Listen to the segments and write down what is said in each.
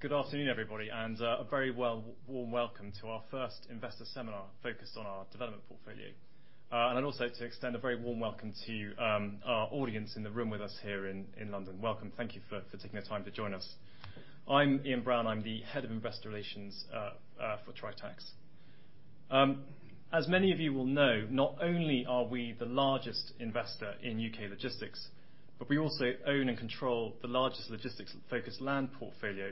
Good afternoon, everybody, and a very warm welcome to our first investor seminar focused on our development portfolio. I'd also like to extend a very warm welcome to our audience in the room with us here in London. Welcome. Thank you for taking the time to join us. I'm Ian Brown. I'm the Head of Investor Relations for Tritax. As many of you will know, not only are we the largest investor in U.K. logistics, but we also own and control the largest logistics-focused land portfolio,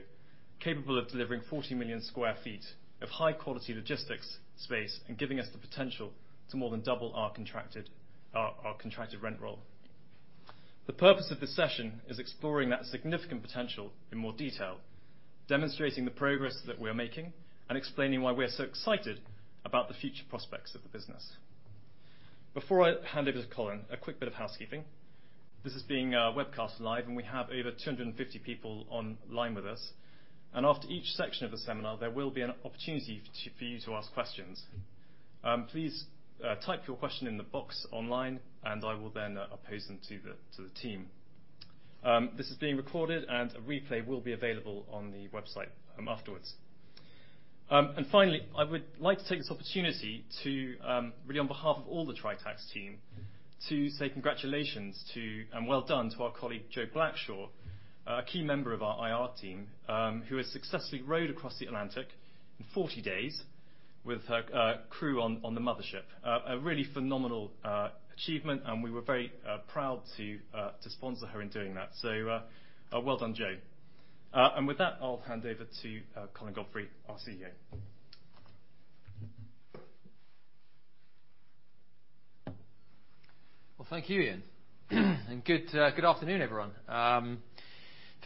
capable of delivering 40 million sq ft of high-quality logistics space and giving us the potential to more than double our contracted rent roll. The purpose of this session is exploring that significant potential in more detail, demonstrating the progress that we're making and explaining why we're so excited about the future prospects of the business. Before I hand over to Colin, a quick bit of housekeeping. This is being webcast live, and we have over 250 people online with us, and after each section of the seminar, there will be an opportunity for you to ask questions. Please type your question in the box online, and I will then pose them to the team. This is being recorded and a replay will be available on the website afterwards. Finally, I would like to take this opportunity to really on behalf of all the Tritax team, to say congratulations to and well done to our colleague, Jo Blackshaw, a key member of our IR team, who has successfully rowed across the Atlantic in 40 days with her crew on the mothership. A really phenomenal achievement, and we were very proud to sponsor her in doing that. Well done, Jo. With that, I'll hand over to Colin Godfrey, our CEO. Thank you, Ian. Good afternoon, everyone.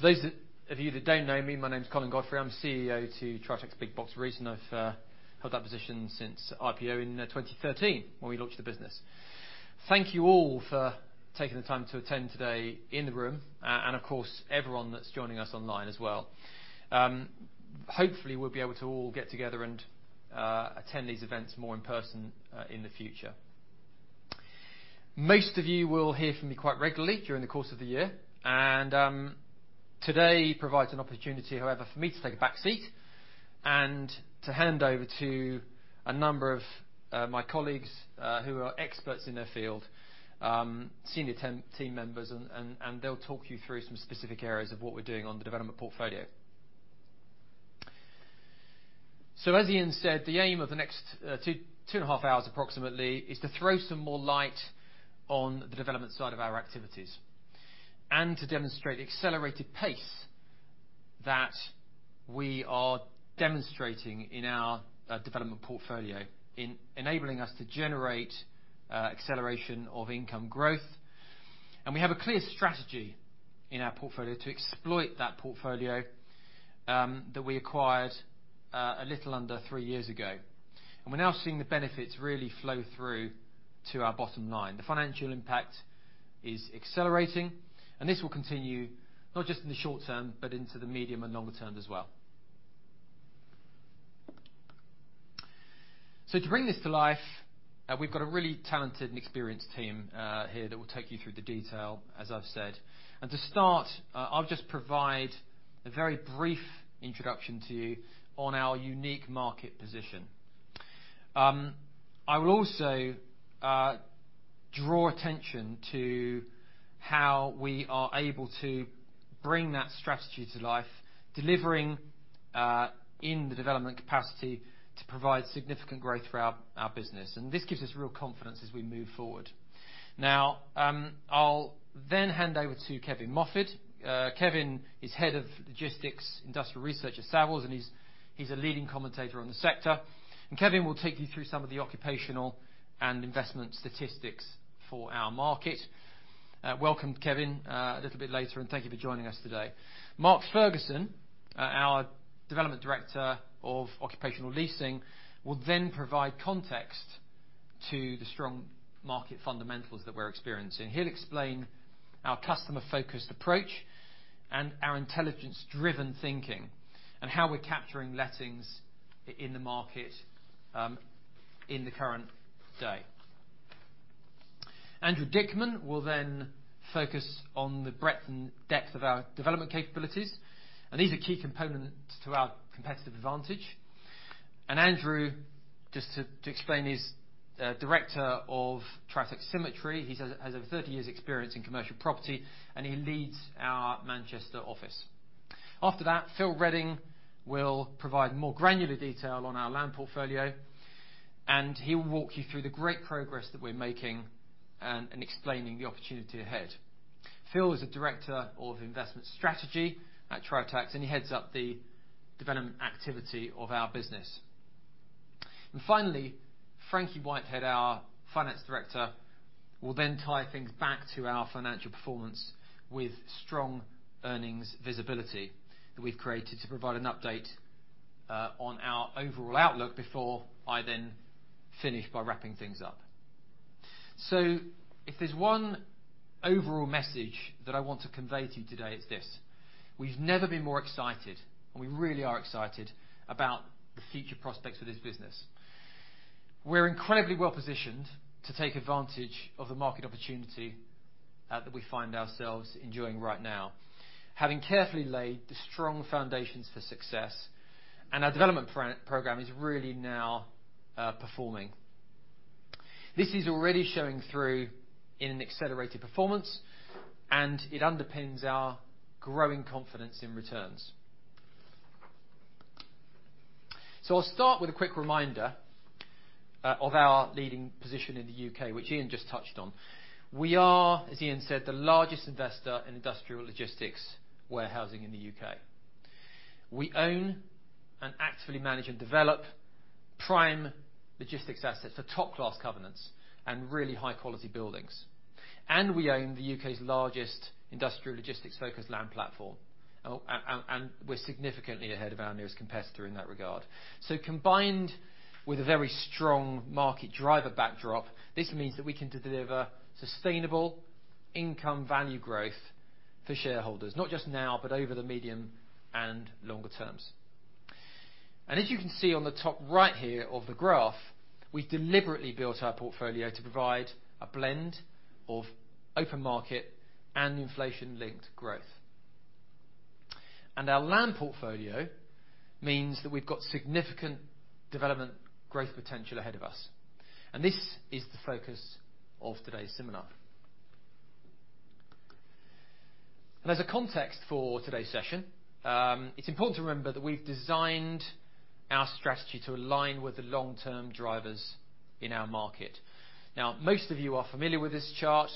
For those of you that don't know me, my name's Colin Godfrey. I'm CEO of Tritax Big Box REIT, and I've held that position since IPO in 2013 when we launched the business. Thank you all for taking the time to attend today in the room and of course, everyone that's joining us online as well. Hopefully we'll be able to all get together and attend these events more in person in the future. Most of you will hear from me quite regularly during the course of the year, and today provides an opportunity, however, for me to take a back seat and to hand over to a number of my colleagues who are experts in their field, senior team members, and they'll talk you through some specific areas of what we're doing on the development portfolio. As Ian said, the aim of the next 2.5 hours approximately is to throw some more light on the development side of our activities and to demonstrate accelerated pace that we are demonstrating in our development portfolio in enabling us to generate acceleration of income growth. We have a clear strategy in our portfolio to exploit that portfolio that we acquired a little under three years ago. We're now seeing the benefits really flow through to our bottom line. The financial impact is accelerating, and this will continue not just in the short term, but into the medium and longer term as well. To bring this to life, we've got a really talented and experienced team here that will take you through the detail, as I've said. To start, I'll just provide a very brief introduction to you on our unique market position. I will also draw attention to how we are able to bring that strategy to life, delivering in the development capacity to provide significant growth for our business. This gives us real confidence as we move forward. I'll then hand over to Kevin Mofid. Kevin is Head of Industrial and Logistics Research at Savills, and he's a leading commentator on the sector. Kevin will take you through some of the occupational and investment statistics for our market. Welcome, Kevin, a little bit later, and thank you for joining us today. Mark Fergusson, our Development Director of Occupational Leasing, will then provide context to the strong market fundamentals that we're experiencing. He'll explain our customer-focused approach and our intelligence-driven thinking and how we're capturing lettings in the market in the current day. Andrew Dickman will then focus on the breadth and depth of our development capabilities, and these are key components to our competitive advantage. Andrew, just to explain, he's Director of Tritax Symmetry. He has over 30 years' experience in commercial property, and he leads our Manchester office. After that, Phil Redding will provide more granular detail on our land portfolio, and he will walk you through the great progress that we're making, and explaining the opportunity ahead. Phil is a Director of Investment Strategy at Tritax, and he heads up the development activity of our business. Finally, Frankie Whitehead, our Finance Director, will then tie things back to our financial performance with strong earnings visibility that we've created to provide an update on our overall outlook before I then finish by wrapping things up. If there's one overall message that I want to convey to you today, it's this: We've never been more excited, and we really are excited about the future prospects of this business. We're incredibly well-positioned to take advantage of the market opportunity that we find ourselves enjoying right now. Having carefully laid the strong foundations for success and our development program is really now performing. This is already showing through in an accelerated performance, and it underpins our growing confidence in returns. I'll start with a quick reminder of our leading position in the U.K., which Ian just touched on. We are, as Ian said, the largest investor in industrial logistics warehousing in the U.K. We own and actively manage and develop prime logistics assets, the top-class covenants and really high-quality buildings. We own the U.K.'s largest industrial logistics-focused land platform, and we're significantly ahead of our nearest competitor in that regard. Combined with a very strong market driver backdrop, this means that we can deliver sustainable income value growth for shareholders, not just now, but over the medium and longer terms. As you can see on the top right here of the graph, we've deliberately built our portfolio to provide a blend of open market and inflation-linked growth. Our land portfolio means that we've got significant development growth potential ahead of us, and this is the focus of today's seminar. As a context for today's session, it's important to remember that we've designed our strategy to align with the long-term drivers in our market. Now, most of you are familiar with this chart,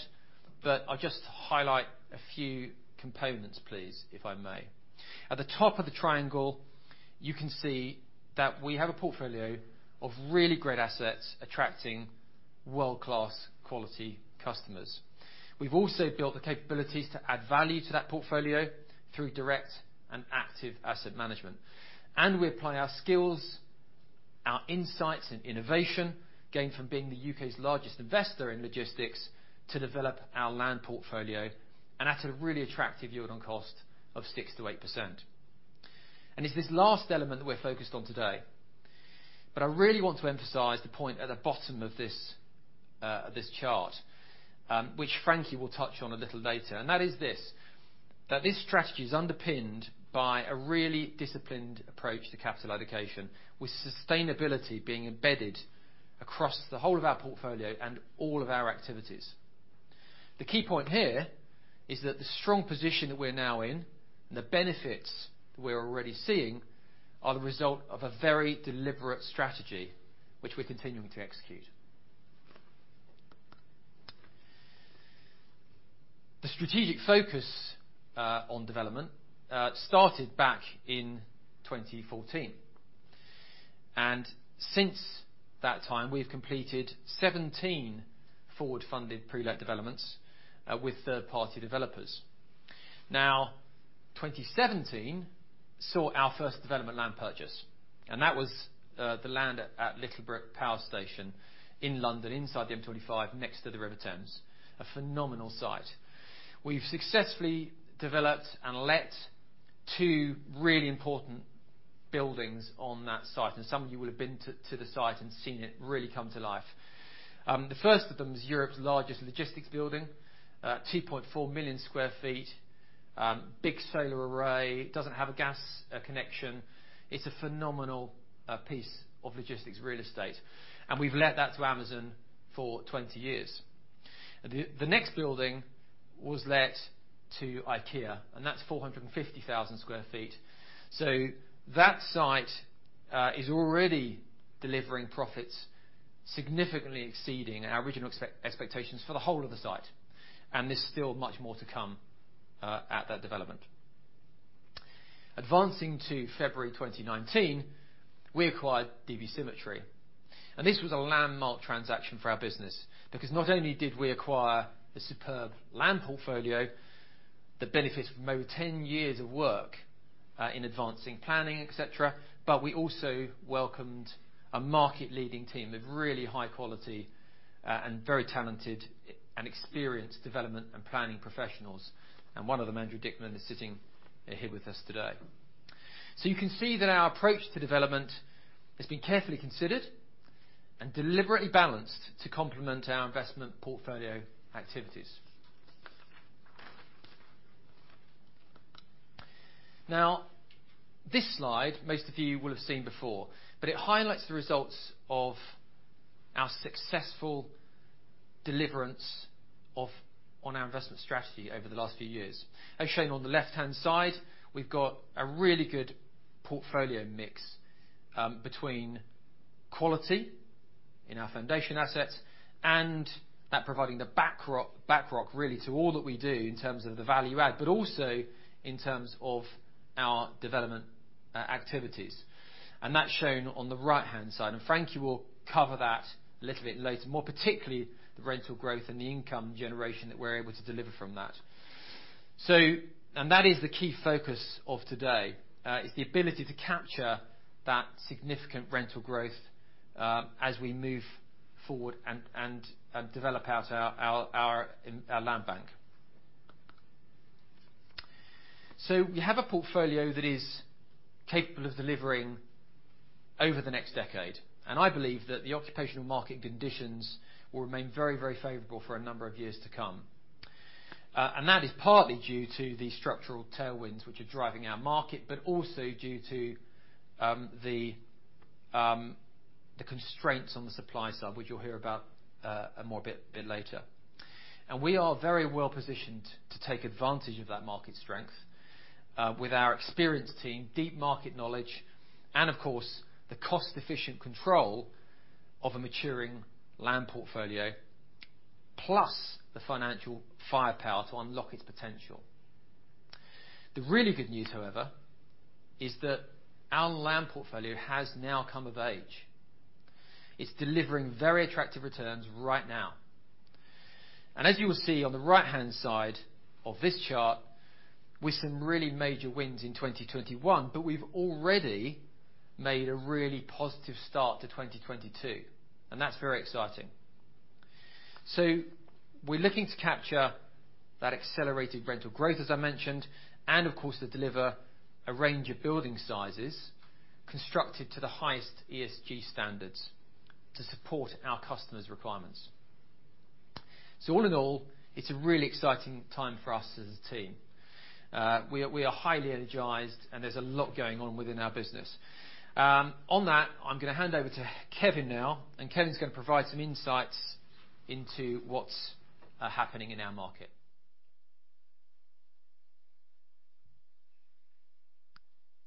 but I'll just highlight a few components, please, if I may. At the top of the triangle, you can see that we have a portfolio of really great assets attracting world-class quality customers. We've also built the capabilities to add value to that portfolio through direct and active asset management. We apply our skills, our insights, and innovation gained from being the U.K.'s largest investor in logistics to develop our land portfolio, and at a really attractive yield on cost of 6%-8%. It's this last element that we're focused on today. I really want to emphasize the point at the bottom of this chart, which Frankie will touch on a little later, and that is this. This strategy is underpinned by a really disciplined approach to capital allocation, with sustainability being embedded across the whole of our portfolio and all of our activities. The key point here is that the strong position that we're now in, and the benefits we're already seeing, are the result of a very deliberate strategy which we're continuing to execute. The strategic focus on development started back in 2014. Since that time, we've completed 17 forward-funded pre-let developments with third-party developers. Now, 2017 saw our first development land purchase, and that was the land at Littlebrook Power Station in London, inside the M25, next to the River Thames, a phenomenal site. We've successfully developed and let two really important buildings on that site, and some of you will have been to the site and seen it really come to life. The first of them is Europe's largest logistics building, 2.4 million sq ft, big solar array, doesn't have a gas connection. It's a phenomenal piece of logistics real estate, and we've let that to Amazon for 20 years. The next building was let to IKEA, and that's 450,000 sq ft. That site is already delivering profits significantly exceeding our original expectations for the whole of the site, and there's still much more to come at that development. Advancing to February 2019, we acquired db Symmetry, and this was a landmark transaction for our business because not only did we acquire the superb land portfolio that benefits from over 10 years of work in advancing planning, etc, but we also welcomed a market-leading team of really high quality and very talented and experienced development and planning professionals. One of them, Andrew Dickman, is sitting here with us today. You can see that our approach to development has been carefully considered and deliberately balanced to complement our investment portfolio activities. Now, this slide, most of you will have seen before, but it highlights the results of our successful delivery on our investment strategy over the last few years. As shown on the left-hand side, we've got a really good portfolio mix between quality in our foundation assets and that providing the bedrock really to all that we do in terms of the value add, but also in terms of our development activities, and that's shown on the right-hand side. Frankie will cover that a little bit later, more particularly the rental growth and the income generation that we're able to deliver from that. That is the key focus of today is the ability to capture that significant rental growth, as we move forward and develop out our land bank. We have a portfolio that is capable of delivering over the next decade, and I believe that the occupational market conditions will remain very, very favorable for a number of years to come. That is partly due to the structural tailwinds which are driving our market, but also due to the constraints on the supply side, which you'll hear more about a bit later. We are very well-positioned to take advantage of that market strength with our experienced team, deep market knowledge, and of course, the cost-efficient control of a maturing land portfolio, plus the financial firepower to unlock its potential. The really good news, however, is that our land portfolio has now come of age. It's delivering very attractive returns right now. As you will see on the right-hand side of this chart, with some really major wins in 2021, but we've already made a really positive start to 2022, and that's very exciting. We're looking to capture that accelerated rental growth, as I mentioned, and of course to deliver a range of building sizes constructed to the highest ESG standards to support our customers' requirements. All in all, it's a really exciting time for us as a team. We are highly energized, and there's a lot going on within our business. On that, I'm gonna hand over to Kevin now, and Kevin's gonna provide some insights into what's happening in our market.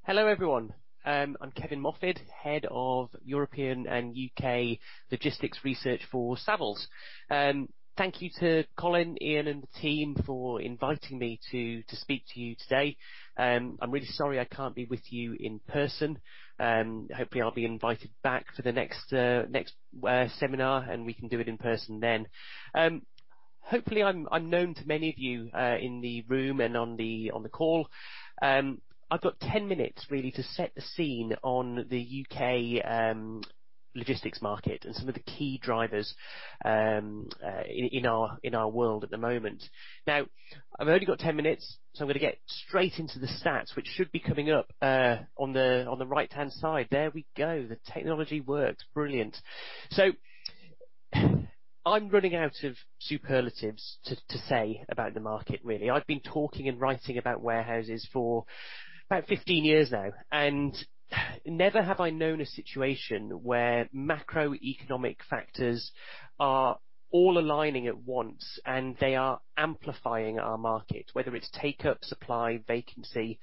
Hello, everyone. I'm Kevin Mofid, Head of European and U.K. Logistics Research for Savills. Thank you to Colin, Ian, and the team for inviting me to speak to you today. I'm really sorry I can't be with you in person. Hopefully I'll be invited back to the next seminar, and we can do it in person then. Hopefully I'm known to many of you in the room and on the call. I've got 10 minutes really to set the scene on the U.K. logistics market and some of the key drivers in our world at the moment. Now, I've only got 10 minutes, so I'm gonna get straight into the stats, which should be coming up on the right-hand side. There we go. The technology works, brilliant. I'm running out of superlatives to say about the market, really. I've been talking and writing about warehouses for about 15 years now, and never have I known a situation where macroeconomic factors are all aligning at once, and they are amplifying our market, whether it's take-up, supply, vacancy,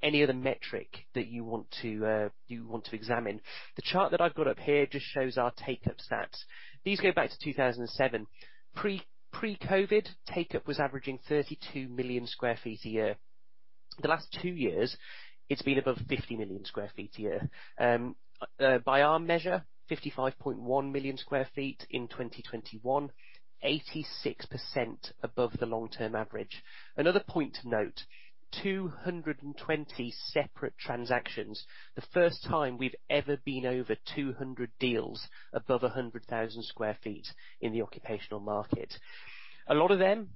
any other metric that you want to examine. The chart that I've got up here just shows our take-up stats. These go back to 2007. Pre-COVID, take-up was averaging 32 million sq ft a year. The last two years, it's been above 50 million sq ft a year. By our measure, 55.1 million sq ft in 2021, 86% above the long-term average. Another point to note, 220 separate transactions. The first time we've ever been over 200 deals above 100,000 sq ft in the occupational market. A lot of them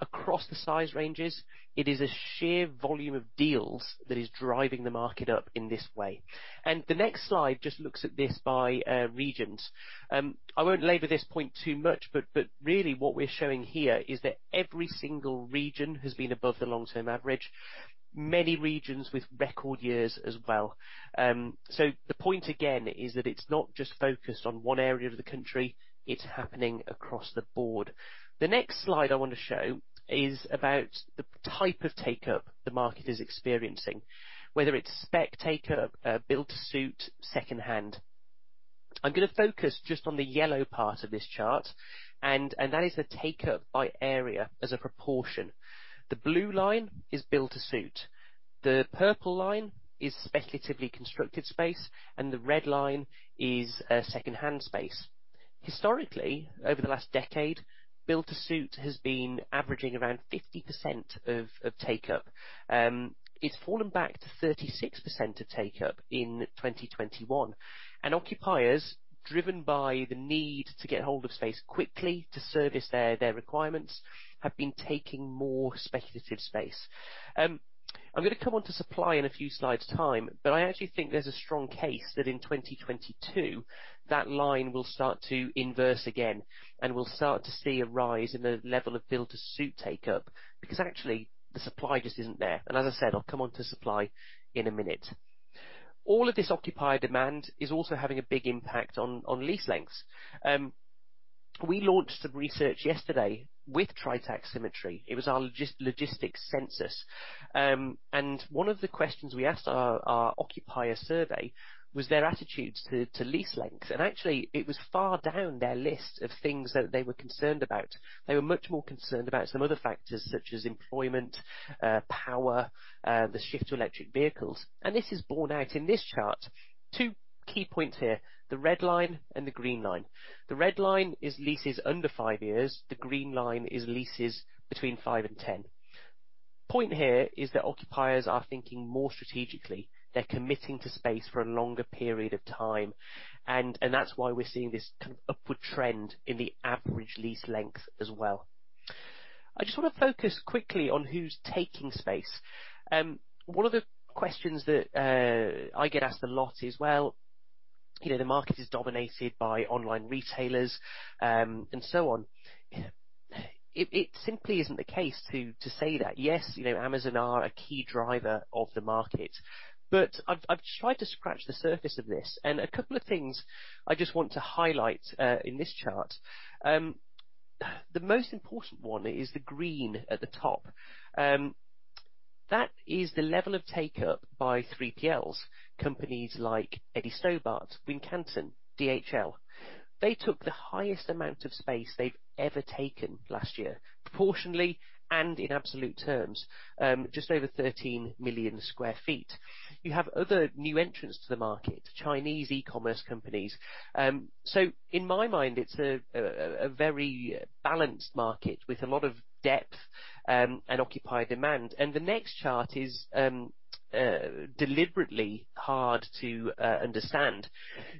across the size ranges, it is a sheer volume of deals that is driving the market up in this way. The next slide just looks at this by regions. I won't labor this point too much, but really what we're showing here is that every single region has been above the long-term average. Many regions with record years as well. The point again is that it's not just focused on one area of the country, it's happening across the board. The next slide I wanna show is about the type of take up the market is experiencing, whether it's spec take up, built to suit, second-hand. I'm gonna focus just on the yellow part of this chart, and that is the take up by area as a proportion. The blue line is build to suit. The purple line is speculatively constructed space, and the red line is second-hand space. Historically, over the last decade, build to suit has been averaging around 50% of take up. It's fallen back to 36% of take up in 2021. Occupiers, driven by the need to get hold of space quickly to service their requirements, have been taking more speculative space. I'm gonna come on to supply in a few slides time, but I actually think there's a strong case that in 2022, that line will start to inverse again, and we'll start to see a rise in the level of build to suit take up, because actually, the supply just isn't there. As I said, I'll come on to supply in a minute. All of this occupier demand is also having a big impact on lease lengths. We launched some research yesterday with Tritax Symmetry. It was our logistics census. One of the questions we asked our occupier survey was their attitudes to lease lengths. Actually, it was far down their list of things that they were concerned about. They were much more concerned about some other factors such as employment, power, the shift to electric vehicles. This is borne out in this chart. Two key points here, the red line and the green line. The red line is leases under five years. The green line is leases between five and 10 years. Point here is that occupiers are thinking more strategically. They're committing to space for a longer period of time. And that's why we're seeing this kind of upward trend in the average lease length as well. I just wanna focus quickly on who's taking space. One of the questions that I get asked a lot is, "Well, you know, the market is dominated by online retailers, and so on." It simply isn't the case to say that. Yes, you know, Amazon are a key driver of the market, but I've tried to scratch the surface of this, and a couple of things I just want to highlight in this chart. The most important one is the green at the top. That is the level of take up by 3PLs, companies like Eddie Stobart, Wincanton, DHL. They took the highest amount of space they've ever taken last year, proportionally and in absolute terms, just over 13 million sq ft. You have other new entrants to the market, Chinese e-commerce companies. So in my mind, it's a very balanced market with a lot of depth and occupier demand. The next chart is deliberately hard to understand.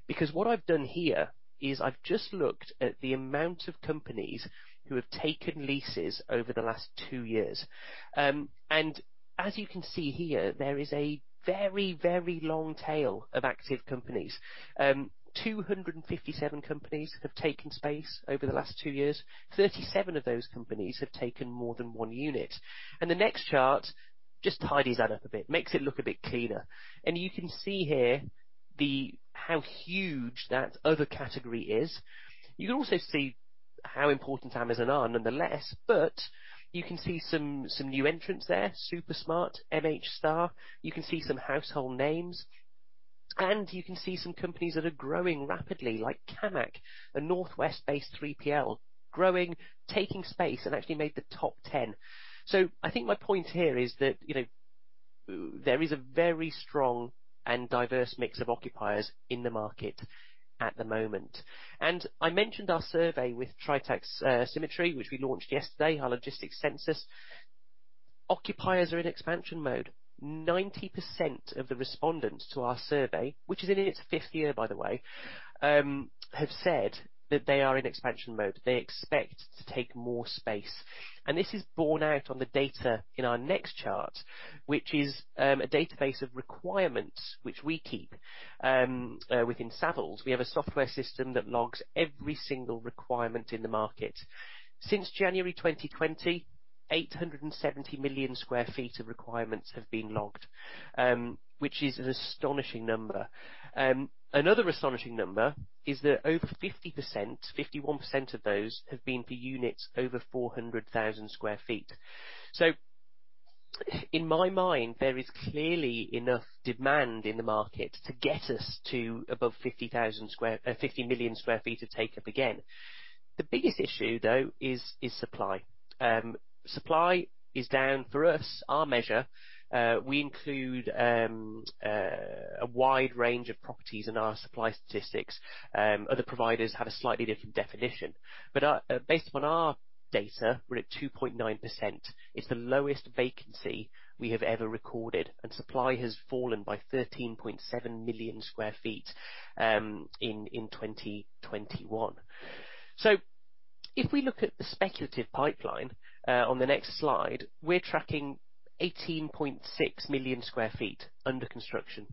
Because what I've done here is I've just looked at the amount of companies who have taken leases over the last two years. As you can see here, there is a very, very long tail of active companies. 257 companies have taken space over the last two years. 37 of those companies have taken more than one unit. The next chart just tidies that up a bit, makes it look a bit cleaner. You can see here how huge that other category is. You can also see how important Amazon are, nonetheless, but you can see some new entrants there, Super Smart, MH Star. You can see some household names, and you can see some companies that are growing rapidly, like Kammac, a northwest-based 3PL, growing, taking space and actually made the top 10. I think my point here is that, you know, there is a very strong and diverse mix of occupiers in the market at the moment. I mentioned our survey with Tritax Symmetry, which we launched yesterday, our logistics census. Occupiers are in expansion mode. 90% of the respondents to our survey, which is in its fifth year, by the way, have said that they are in expansion mode. They expect to take more space. This is borne out on the data in our next chart, which is a database of requirements which we keep within Savills. We have a software system that logs every single requirement in the market. Since January 2020, 870 million sq ft of requirements have been logged, which is an astonishing number. Another astonishing number is that over 50%, 51% of those have been for units over 400,000 sq ft. In my mind, there is clearly enough demand in the market to get us to above 50 million sq ft of take-up again. The biggest issue, though, is supply. Supply is down. For us, our measure, we include a wide range of properties in our supply statistics. Other providers have a slightly different definition. Based upon our data, we're at 2.9%. It's the lowest vacancy we have ever recorded, and supply has fallen by 13.7 million sq ft in 2021. If we look at the speculative pipeline on the next slide, we're tracking 18.6 million sq ft under construction.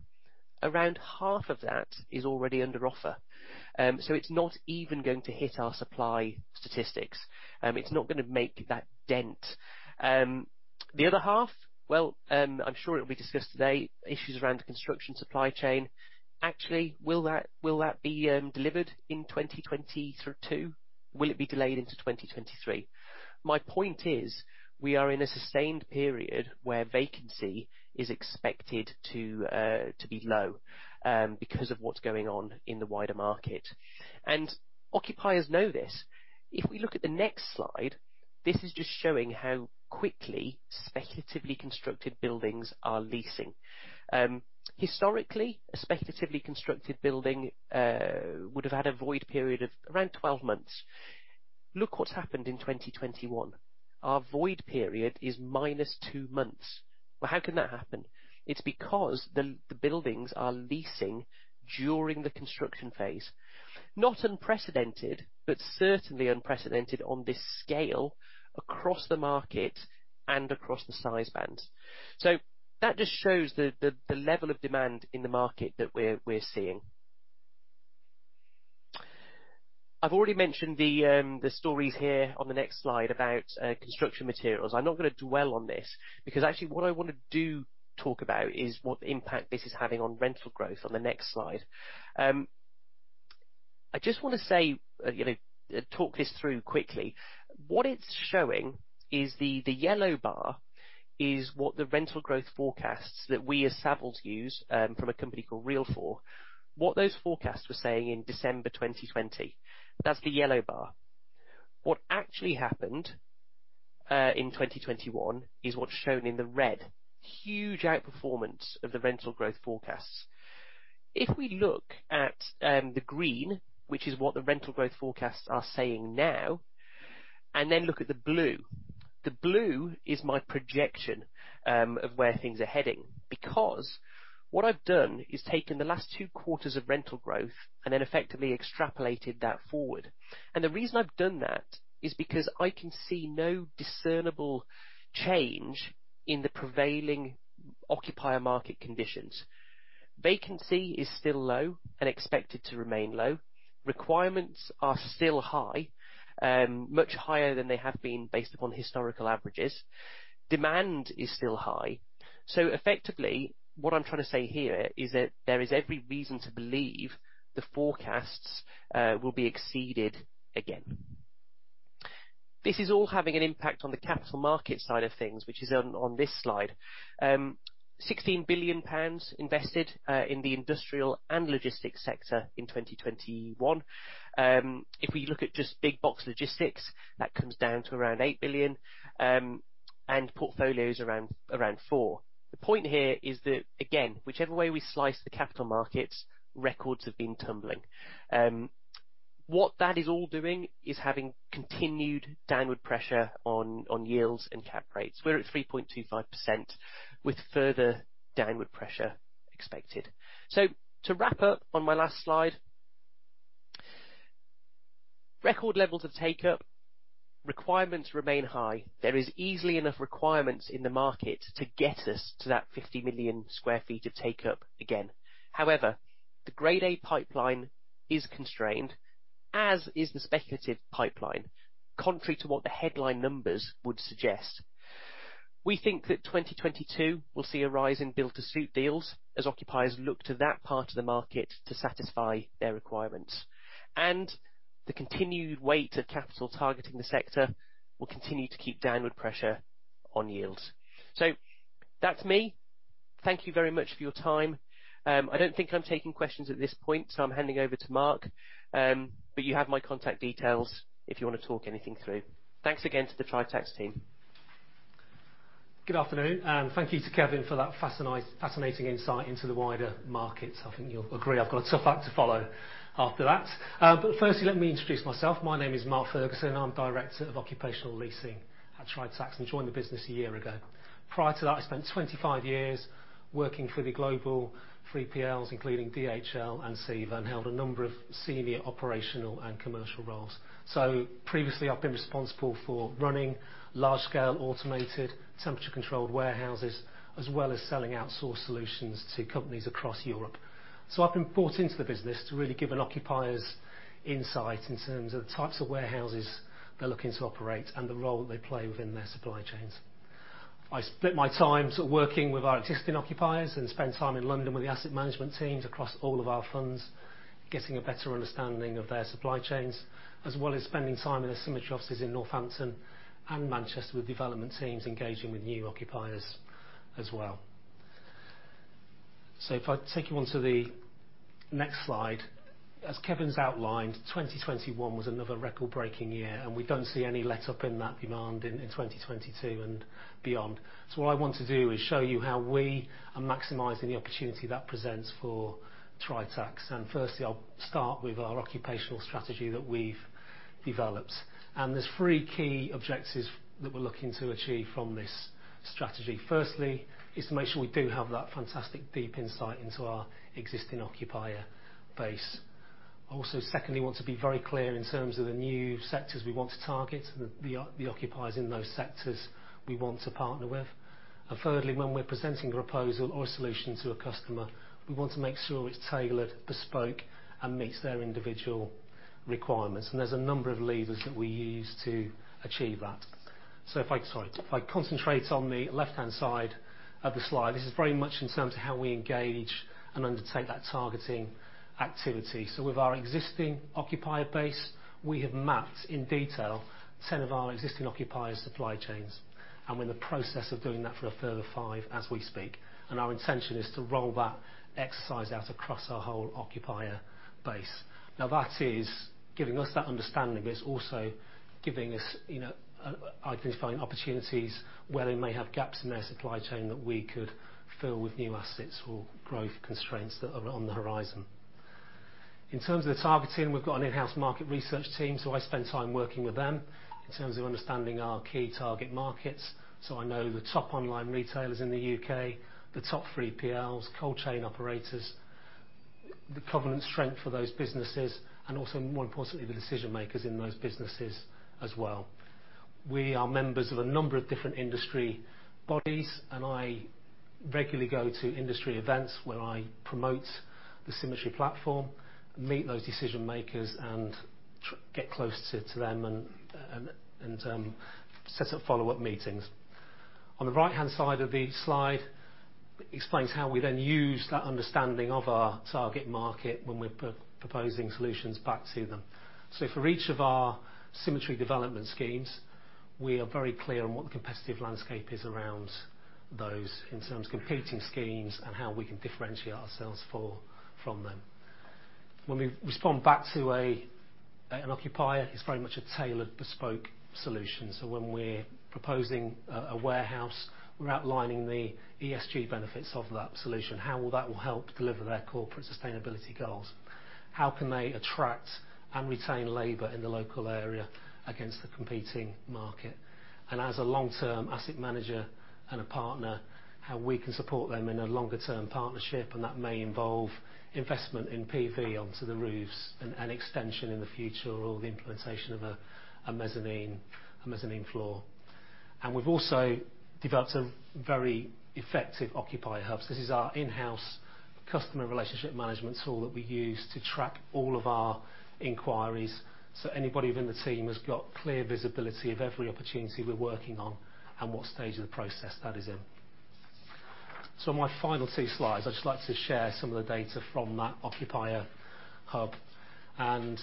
Around half of that is already under offer. So it's not even going to hit our supply statistics. It's not gonna make that dent. The other half, well, I'm sure it'll be discussed today, issues around the construction supply chain. Actually, will that be delivered in 2022? Will it be delayed into 2023? My point is, we are in a sustained period where vacancy is expected to be low because of what's going on in the wider market. Occupiers know this. If we look at the next slide, this is just showing how quickly speculatively constructed buildings are leasing. Historically, a speculatively constructed building would have had a void period of around 12 months. Look what's happened in 2021. Our void period is -2 months. Well, how can that happen? It's because the buildings are leasing during the construction phase. Not unprecedented, but certainly unprecedented on this scale across the market and across the size bands. That just shows the level of demand in the market that we're seeing. I've already mentioned the stories here on the next slide about construction materials. I'm not gonna dwell on this because actually what I wanna do talk about is what impact this is having on rental growth on the next slide. I just wanna say, you know, talk this through quickly. What it's showing is the yellow bar is what the rental growth forecasts that we as Savills use from a company called Real Estate Forecasting, what those forecasts were saying in December 2020. That's the yellow bar. What actually happened in 2021 is what's shown in the red. Huge outperformance of the rental growth forecasts. If we look at the green, which is what the rental growth forecasts are saying now, and then look at the blue. The blue is my projection of where things are heading, because what I've done is taken the last two quarters of rental growth and then effectively extrapolated that forward. The reason I've done that is because I can see no discernible change in the prevailing occupier market conditions. Vacancy is still low and expected to remain low. Requirements are still high, much higher than they have been based upon historical averages. Demand is still high. Effectively, what I'm trying to say here is that there is every reason to believe the forecasts will be exceeded again. This is all having an impact on the capital market side of things, which is on this slide. 16 billion pounds invested in the industrial and logistics sector in 2021. If we look at just big box logistics, that comes down to around 8 billion, and portfolios around 4 billion. The point here is that, again, whichever way we slice the capital markets, records have been tumbling. What that is all doing is having continued downward pressure on yields and cap rates. We're at 3.25% with further downward pressure expected. To wrap up on my last slide, record levels of take-up, requirements remain high. There is easily enough requirements in the market to get us to that 50 million sq ft of take-up again. However, the grade A pipeline is constrained, as is the speculative pipeline, contrary to what the headline numbers would suggest. We think that 2022 will see a rise in build-to-suit deals as occupiers look to that part of the market to satisfy their requirements, and the continued weight of capital targeting the sector will continue to keep downward pressure on yields. That's me. Thank you very much for your time. I don't think I'm taking questions at this point, so I'm handing over to Mark. You have my contact details if you wanna talk anything through. Thanks again to the Tritax team. Good afternoon, and thank you to Kevin for that fascinating insight into the wider markets. I think you'll agree I've got a tough act to follow after that. Firstly, let me introduce myself. My name is Mark Fergusson. I'm Director of Occupational Leasing at Tritax, and joined the business a year ago. Prior to that, I spent 25 years working for the global 3PLs, including DHL and CEVA, and held a number of senior operational and commercial roles. Previously I've been responsible for running large scale automated temperature controlled warehouses, as well as selling outsourced solutions to companies across Europe. I've been brought into the business to really give an occupier's insight in terms of the types of warehouses they're looking to operate and the role they play within their supply chains. I split my time sort of working with our existing occupiers and spend time in London with the asset management teams across all of our funds, getting a better understanding of their supply chains, as well as spending time in the Symmetry offices in Northampton and Manchester with development teams engaging with new occupiers as well. If I take you onto the next slide. As Kevin's outlined, 2021 was another record-breaking year, and we don't see any letup in that demand in 2022 and beyond. What I want to do is show you how we are maximizing the opportunity that presents for Tritax. Firstly, I'll start with our occupier strategy that we've developed. There's three key objectives that we're looking to achieve from this strategy. Firstly, is to make sure we do have that fantastic deep insight into our existing occupier base. Secondly, we want to be very clear in terms of the new sectors we want to target, the occupiers in those sectors we want to partner with. Thirdly, when we're presenting a proposal or a solution to a customer, we want to make sure it's tailored, bespoke, and meets their individual requirements. There's a number of levers that we use to achieve that. If I concentrate on the left-hand side of the slide, this is very much in terms of how we engage and undertake that targeting activity. With our existing occupier base, we have mapped in detail 10 of our existing occupier supply chains, and we're in the process of doing that for a further five as we speak. Our intention is to roll that exercise out across our whole occupier base. Now, that is giving us that understanding, but it's also giving us identifying opportunities where they may have gaps in their supply chain that we could fill with new assets or growth constraints that are on the horizon. In terms of the targeting, we've got an in-house market research team, so I spend time working with them in terms of understanding our key target markets. I know the top online retailers in the U.K., the top 3PLs, cold chain operators, the prevalent strength for those businesses, and also more importantly, the decision makers in those businesses as well. We are members of a number of different industry bodies, and I regularly go to industry events where I promote the Symmetry platform, meet those decision makers, and get close to them and set up follow-up meetings. On the right-hand side of the slide explains how we then use that understanding of our target market when we're proposing solutions back to them. For each of our Symmetry development schemes, we are very clear on what the competitive landscape is around those in terms of competing schemes and how we can differentiate ourselves from them. When we respond back to an occupier, it's very much a tailored, bespoke solution. When we're proposing a warehouse, we're outlining the ESG benefits of that solution, how that will help deliver their corporate sustainability goals. How can they attract and retain labor in the local area against the competing market? As a long-term asset manager and a partner, how we can support them in a longer-term partnership, and that may involve investment in PV onto the roofs, an extension in the future, or the implementation of a mezzanine floor. We've also developed some very effective occupier hubs. This is our in-house customer relationship management tool that we use to track all of our inquiries. Anybody within the team has got clear visibility of every opportunity we're working on and what stage of the process that is in. My final two slides, I'd just like to share some of the data from that occupier hub. I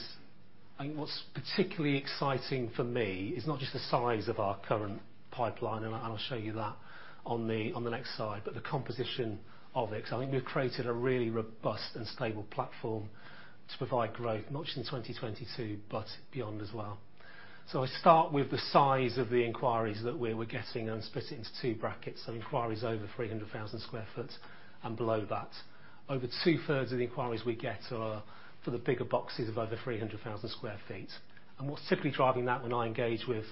think what's particularly exciting for me is not just the size of our current pipeline, and I'll show you that on the next slide, but the composition of it. I think we've created a really robust and stable platform to provide growth, not just in 2022, but beyond as well. I start with the size of the inquiries that we were getting and split it into two brackets, inquiries over 300,000 sq ft and below that. Over 2/3 of the inquiries we get are for the bigger boxes of over 300,000 sq ft. What's typically driving that when I engage with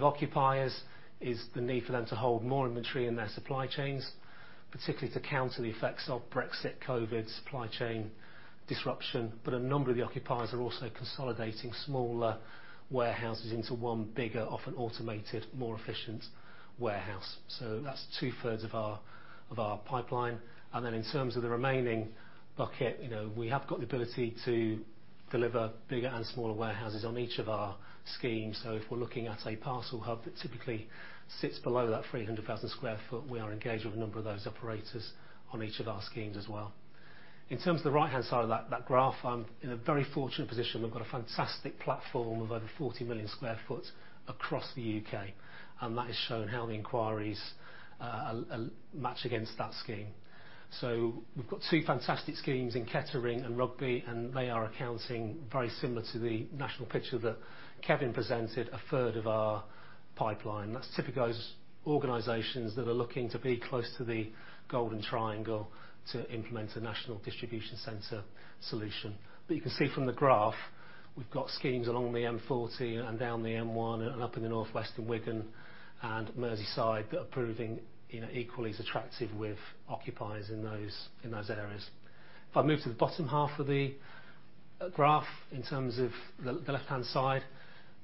occupiers is the need for them to hold more inventory in their supply chains, particularly to counter the effects of Brexit, COVID, supply chain disruption. A number of the occupiers are also consolidating smaller warehouses into one bigger, often automated, more efficient warehouse. That's 2/3 of our pipeline. In terms of the remaining bucket, you know, we have got the ability to deliver bigger and smaller warehouses on each of our schemes. If we're looking at a parcel hub that typically sits below that 300,000 sq ft, we are engaged with a number of those operators on each of our schemes as well. In terms of the right-hand side of that graph, I'm in a very fortunate position. We've got a fantastic platform of over 40 million sq ft across the U.K., and that is showing how the inquiries match against that scheme. We've got two fantastic schemes in Kettering and Rugby, and they are accounting for very similar to the national picture that Kevin presented, 1/3 of our pipeline. That's typical as organizations that are looking to be close to the golden triangle to implement a national distribution center solution. You can see from the graph, we've got schemes along the M40 and down the M1 and up in the northwest in Wigan and Merseyside that are proving, you know, equally as attractive with occupiers in those areas. If I move to the bottom half of the graph, in terms of the left-hand side,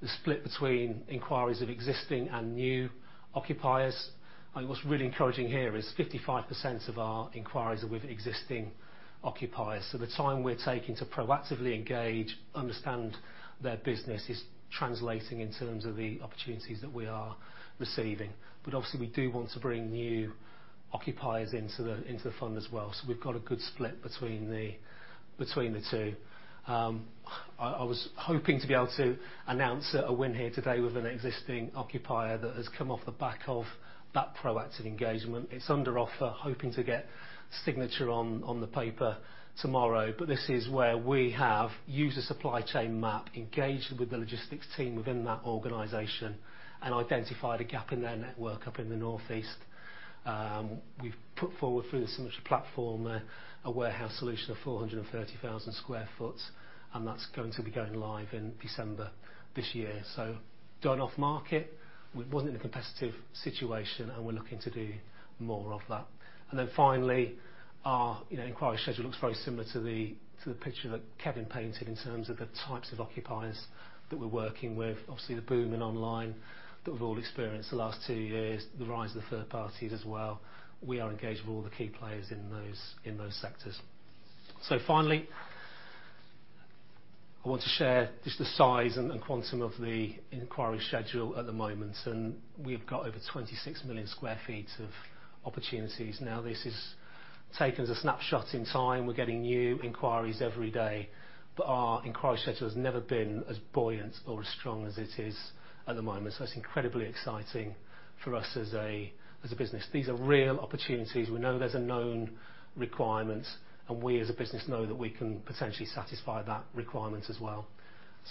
the split between inquiries of existing and new occupiers, and what's really encouraging here is 55% of our inquiries are with existing occupiers. The time we're taking to proactively engage, understand their business is translating in terms of the opportunities that we are receiving. Obviously, we do want to bring new occupiers into the fund as well. We've got a good split between the two. I was hoping to be able to announce a win here today with an existing occupier that has come off the back of that proactive engagement. It's under offer. Hoping to get signature on the paper tomorrow. This is where we have used a supply chain map, engaged with the logistics team within that organization and identified a gap in their network up in the Northeast. We've put forward through the Symmetry platform a warehouse solution of 430,000 sq ft, and that's going to be going live in December this year. Done off market. We wasn't in a competitive situation, and we're looking to do more of that. Then finally, our, you know, inquiry schedule looks very similar to the picture that Kevin painted in terms of the types of occupiers that we're working with. Obviously, the boom in online that we've all experienced the last two years, the rise of the third parties as well. We are engaged with all the key players in those sectors. Finally, I want to share just the size and quantum of the inquiry schedule at the moment, and we've got over 26 million sq ft of opportunities. Now, this is taken as a snapshot in time. We're getting new inquiries every day, but our inquiry schedule has never been as buoyant or as strong as it is at the moment. It's incredibly exciting for us as a business. These are real opportunities. We know there's a known requirement, and we as a business know that we can potentially satisfy that requirement as well.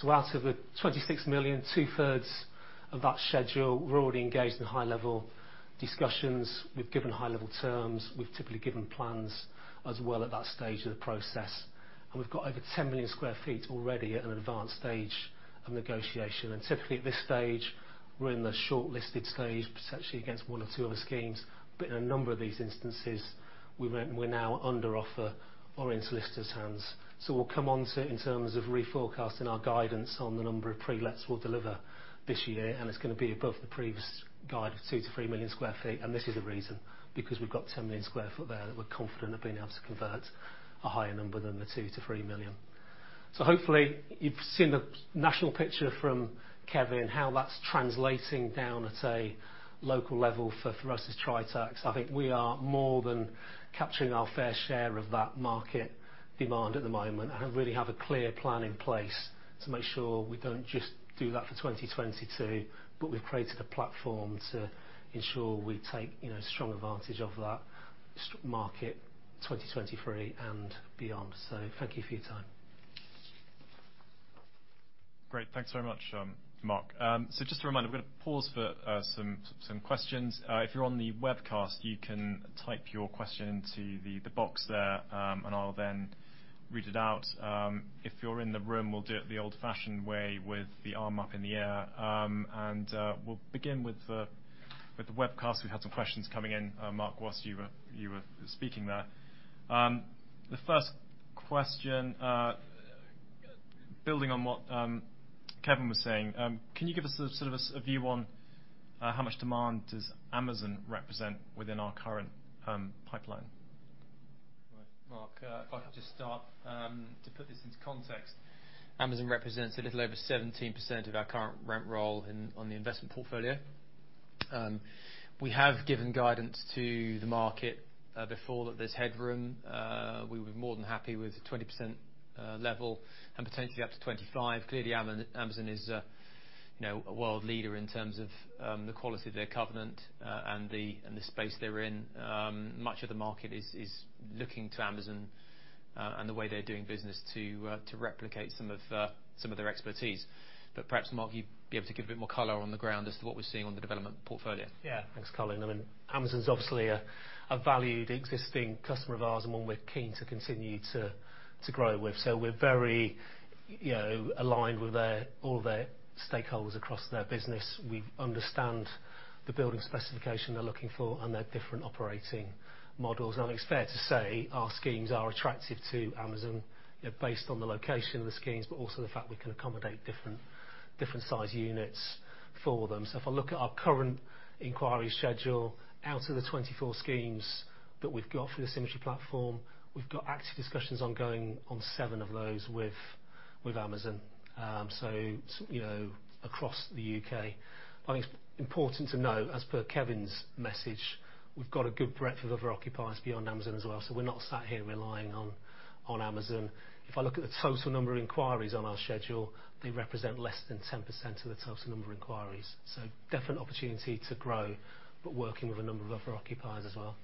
Out of the 26 million, 2/3 of that schedule, we're already engaged in high-level discussions. We've given high-level terms. We've typically given plans as well at that stage of the process. We've got over 10 million sq ft already at an advanced stage of negotiation. Typically at this stage, we're in the shortlisted stage, potentially against one or two other schemes. In a number of these instances, we went, and we're now under offer or in solicitor's hands. We'll come on to in terms of reforecasting our guidance on the number of pre-lets we'll deliver this year, and it's gonna be above the previous guide of 2 million sq ft-3 million sq ft. This is the reason, because we've got 10 million sq ft there that we're confident of being able to convert a higher number than the 2 million-3 million. Hopefully you've seen the national picture from Kevin, how that's translating down at a local level for us as Tritax. I think we are more than capturing our fair share of that market demand at the moment and really have a clear plan in place to make sure we don't just do that for 2022, but we've created a platform to ensure we take, you know, strong advantage of that market 2023 and beyond. Thank you for your time. Thanks very much, Mark. Just a reminder, we're gonna pause for some questions. If you're on the webcast, you can type your question into the box there, and I'll then read it out. If you're in the room, we'll do it the old-fashioned way with the arm up in the air. We'll begin with the webcast. We had some questions coming in, Mark, while you were speaking there. The first question, building on what Kevin was saying, can you give us sort of a view on how much demand does Amazon represent within our current pipeline? Mark, if I could just start, to put this into context, Amazon represents a little over 17% of our current rent roll in on the investment portfolio. We have given guidance to the market before that there's headroom. We were more than happy with a 20% level and potentially up to 25%. Clearly Amazon is, you know, a world leader in terms of the quality of their covenant and the space they're in. Much of the market is looking to Amazon and the way they're doing business to replicate some of their expertise. Perhaps, Mark, you'd be able to give a bit more color on the ground as to what we're seeing on the development portfolio. Yeah. Thanks, Colin. I mean, Amazon's obviously a valued existing customer of ours and one we're keen to continue to grow with. We're very, you know, aligned with all their stakeholders across their business. We understand the building specification they're looking for and their different operating models. It's fair to say our schemes are attractive to Amazon, you know, based on the location of the schemes, but also the fact we can accommodate different size units for them. If I look at our current inquiry schedule, out of the 24 schemes that we've got for the Symmetry platform, we've got active discussions ongoing on seven of those with Amazon, you know, across the U.K. It's important to know, as per Kevin's message, we've got a good breadth of other occupiers beyond Amazon as well. We're not sat here relying on Amazon. If I look at the total number of inquiries on our schedule, they represent less than 10% of the total number of inquiries. Definite opportunity to grow, but working with a number of other occupiers as well.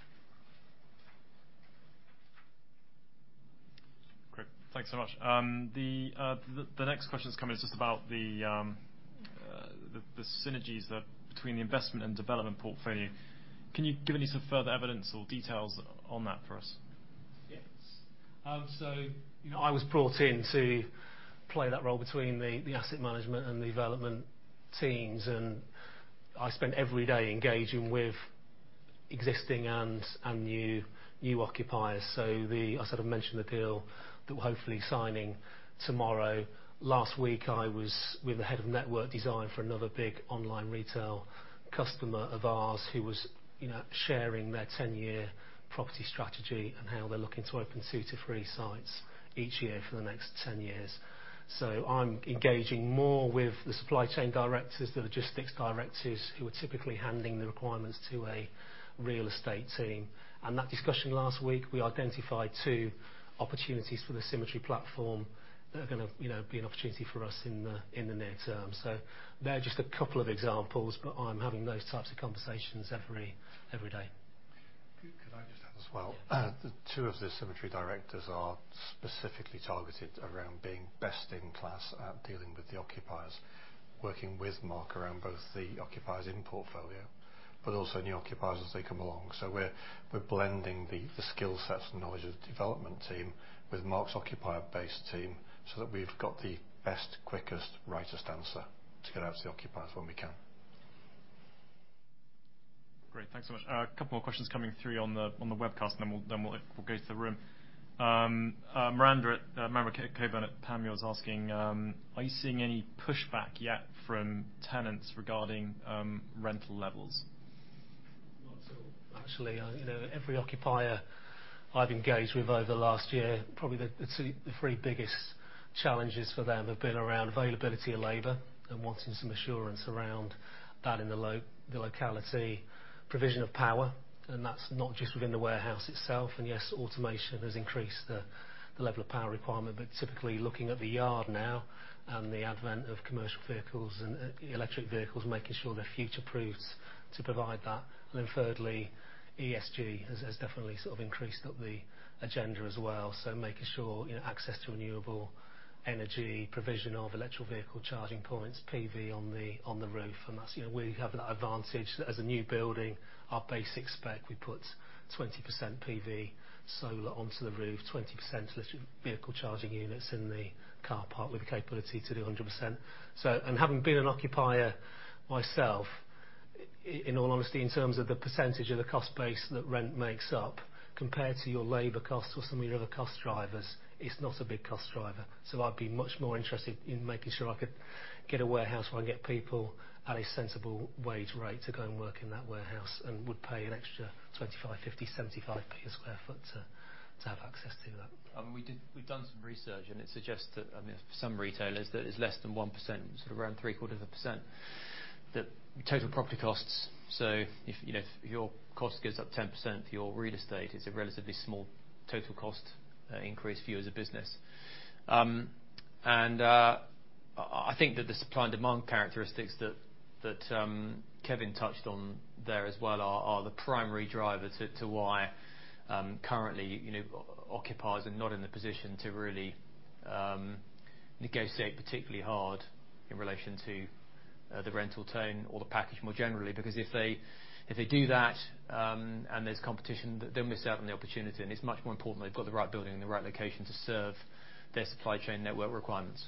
Great. Thanks so much. The next question that's come in is just about the synergies between the investment and development portfolio. Can you give any sort of further evidence or details on that for us? Yes, you know, I was brought in to play that role between the asset management and the development teams, and I spend every day engaging with existing and new occupiers. I sort of mentioned the deal that we're hopefully signing tomorrow. Last week, I was with the head of network design for another big online retail customer of ours who was, you know, sharing their 10-year property strategy and how they're looking to open 2-3 sites each year for the next 10 years. I'm engaging more with the supply chain directors, the logistics directors who are typically handing the requirements to a real estate team. That discussion last week, we identified two opportunities for the Symmetry platform that are gonna, you know, be an opportunity for us in the near term. They're just a couple of examples, but I'm having those types of conversations every day. Could I just add as well? Yeah. Two of the Symmetry directors are specifically targeted around being best in class at dealing with the occupiers, working with Mark around both the occupiers in portfolio, but also new occupiers as they come along. We're blending the skillsets and knowledge of the development team with Mark's occupier-based team, so that we've got the best, quickest, rightest answer to get out to the occupiers when we can. Great. Thanks so much. A couple more questions coming through on the webcast, and then we'll go to the room. Miranda Cockburn at Panmure Gordon was asking, "Are you seeing any pushback yet from tenants regarding rental levels?" Not at all. Actually, you know, every occupier I've engaged with over the last year, probably the three biggest challenges for them have been around availability of labor and wanting some assurance around that in the locality, provision of power, and that's not just within the warehouse itself. Yes, automation has increased the level of power requirement. Typically looking at the yard now and the advent of commercial vehicles and electric vehicles, making sure they're future-proofed to provide that. Thirdly, ESG has definitely sort of increased up the agenda as well. Making sure, you know, access to renewable energy, provision of electric vehicle charging points, PV on the roof, and that's, you know, we have that advantage. As a new building, our basic spec, we put 20% PV solar onto the roof, 20% electric vehicle charging units in the car park with the capability to do 100%. Having been an occupier myself, in all honesty, in terms of the percentage of the cost base that rent makes up compared to your labor costs or some of your other cost drivers, it's not a big cost driver. I'd be much more interested in making sure I could get a warehouse where I can get people at a sensible wage rate to go and work in that warehouse and would pay an extra 25, 50, 75 per sq ft to have access to that. We've done some research, and it suggests that, I mean, for some retailers, that it's less than 1%, sort of around 0.75%, the total property costs. If you know, if your cost goes up 10%, your real estate is a relatively small total cost increase for you as a business. I think that the supply and demand characteristics that Kevin touched on there as well are the primary driver to why currently, you know, occupiers are not in the position to really negotiate particularly hard in relation to the rental tone or the package more generally, because if they do that and there's competition, they'll miss out on the opportunity, and it's much more important they've got the right building in the right location to serve their supply chain network requirements.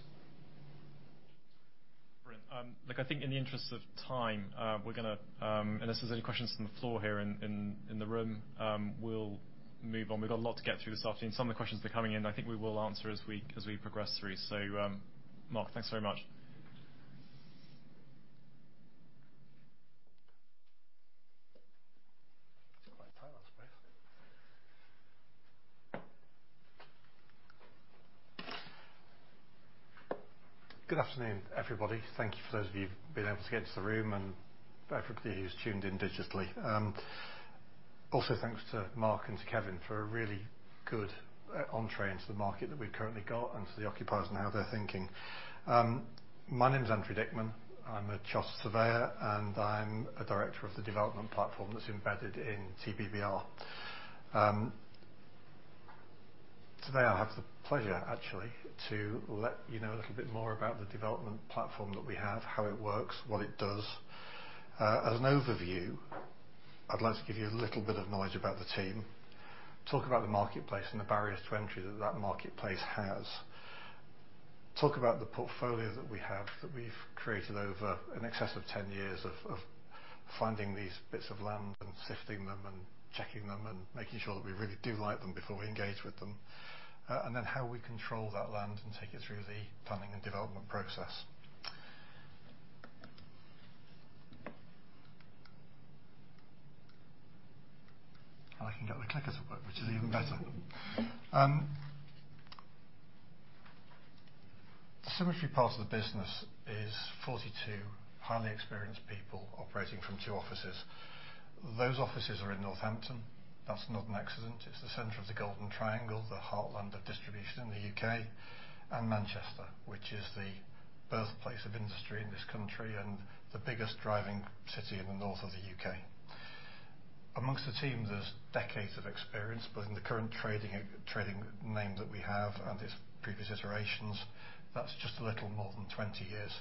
Brilliant. Look, I think in the interest of time, we're gonna unless there's any questions from the floor here in the room, we'll move on. We've got a lot to get through this afternoon. Some of the questions that are coming in, I think we will answer as we progress through. Mark, thanks very much. It's about time, I suppose. Good afternoon, everybody. Thank you for those of you who've been able to get into the room and for everybody who's tuned in digitally. Also thanks to Mark and to Kevin for a really good entrée into the market that we've currently got and to the occupiers and how they're thinking. My name's Andrew Dickman. I'm a chartered surveyor, and I'm a Director of the Development Platform that's embedded in BBOX. Today I'll have the pleasure actually to let you know a little bit more about the development platform that we have, how it works, what it does. As an overview, I'd like to give you a little bit of knowledge about the team, talk about the marketplace and the barriers to entry that that marketplace has. Talk about the portfolio that we have, that we've created over in excess of 10 years of finding these bits of land and sifting them and checking them and making sure that we really do like them before we engage with them. How we control that land and take it through the planning and development process. I can get the clickers to work, which is even better. Much of your part of the business is 42 highly experienced people operating from two offices. Those offices are in Northampton. That's not an accident. It's the center of the Golden Triangle, the heartland of distribution in the U.K. and Manchester, which is the birthplace of industry in this country and the biggest driving city in the north of the U.K. Among the team, there's decades of experience, both in the current trading name that we have and its previous iterations. That's just a little more than 20 years.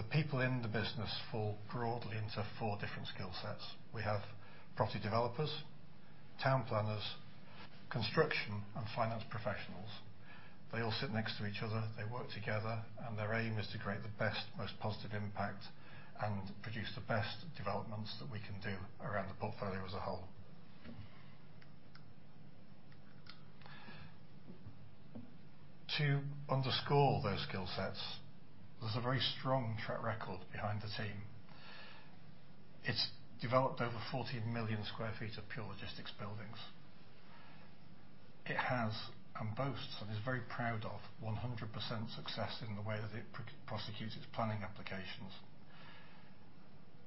The people in the business fall broadly into four different skill sets. We have property developers, town planners, construction, and finance professionals. They all sit next to each other. They work together, and their aim is to create the best, most positive impact and produce the best developments that we can do around the portfolio as a whole. To underscore those skill sets, there's a very strong track record behind the team. It's developed over 40 million sq ft of pure logistics buildings. It has and boasts and is very proud of 100% success in the way that it prosecutes its planning applications.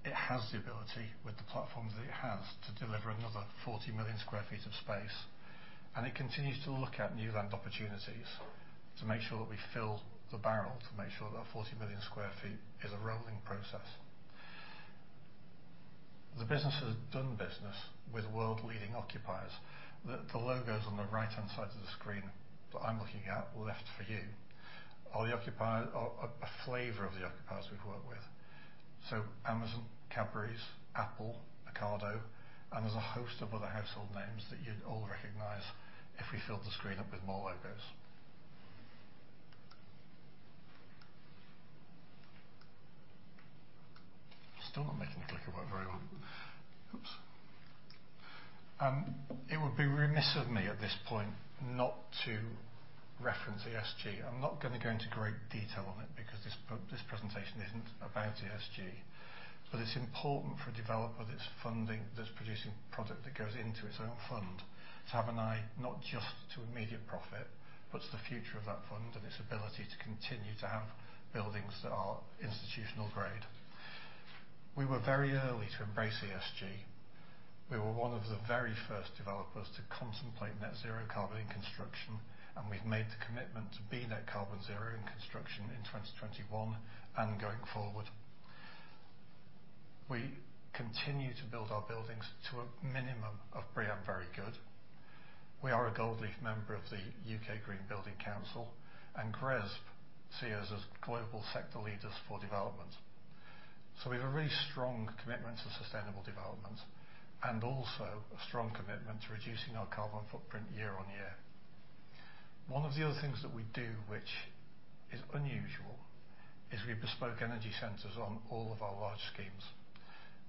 It has the ability with the platforms that it has to deliver another 40 million sq ft of space, and it continues to look at new land opportunities to make sure that we fill the barrel, to make sure that 40 million sq ft is a rolling process. The business has done business with world-leading occupiers. The logos on the right-hand side of the screen that I'm looking at, left for you, are a flavor of the occupiers we've worked with. Amazon, Cadbury, Apple, Ocado, and there's a host of other household names that you'd all recognize if we filled the screen up with more logos. Still not making the clicker work very well. It would be remiss of me at this point not to reference ESG. I'm not gonna go into great detail on it because this presentation isn't about ESG, but it's important for a developer that's funding, that's producing product that goes into its own fund to have an eye not just to immediate profit, but to the future of that fund and its ability to continue to have buildings that are institutional grade. We were very early to embrace ESG. We were one of the very first developers to contemplate net zero carbon in construction, and we've made the commitment to be net carbon zero in construction in 2021 and going forward. We continue to build our buildings to a minimum of BREEAM very good. We are a gold leaf member of the U.K. Green Building Council, and GRESB see us as global sector leaders for development. We have a really strong commitment to sustainable development and also a strong commitment to reducing our carbon footprint year-on-year. One of the other things that we do, which is unusual, is we bespoke energy centers on all of our large schemes.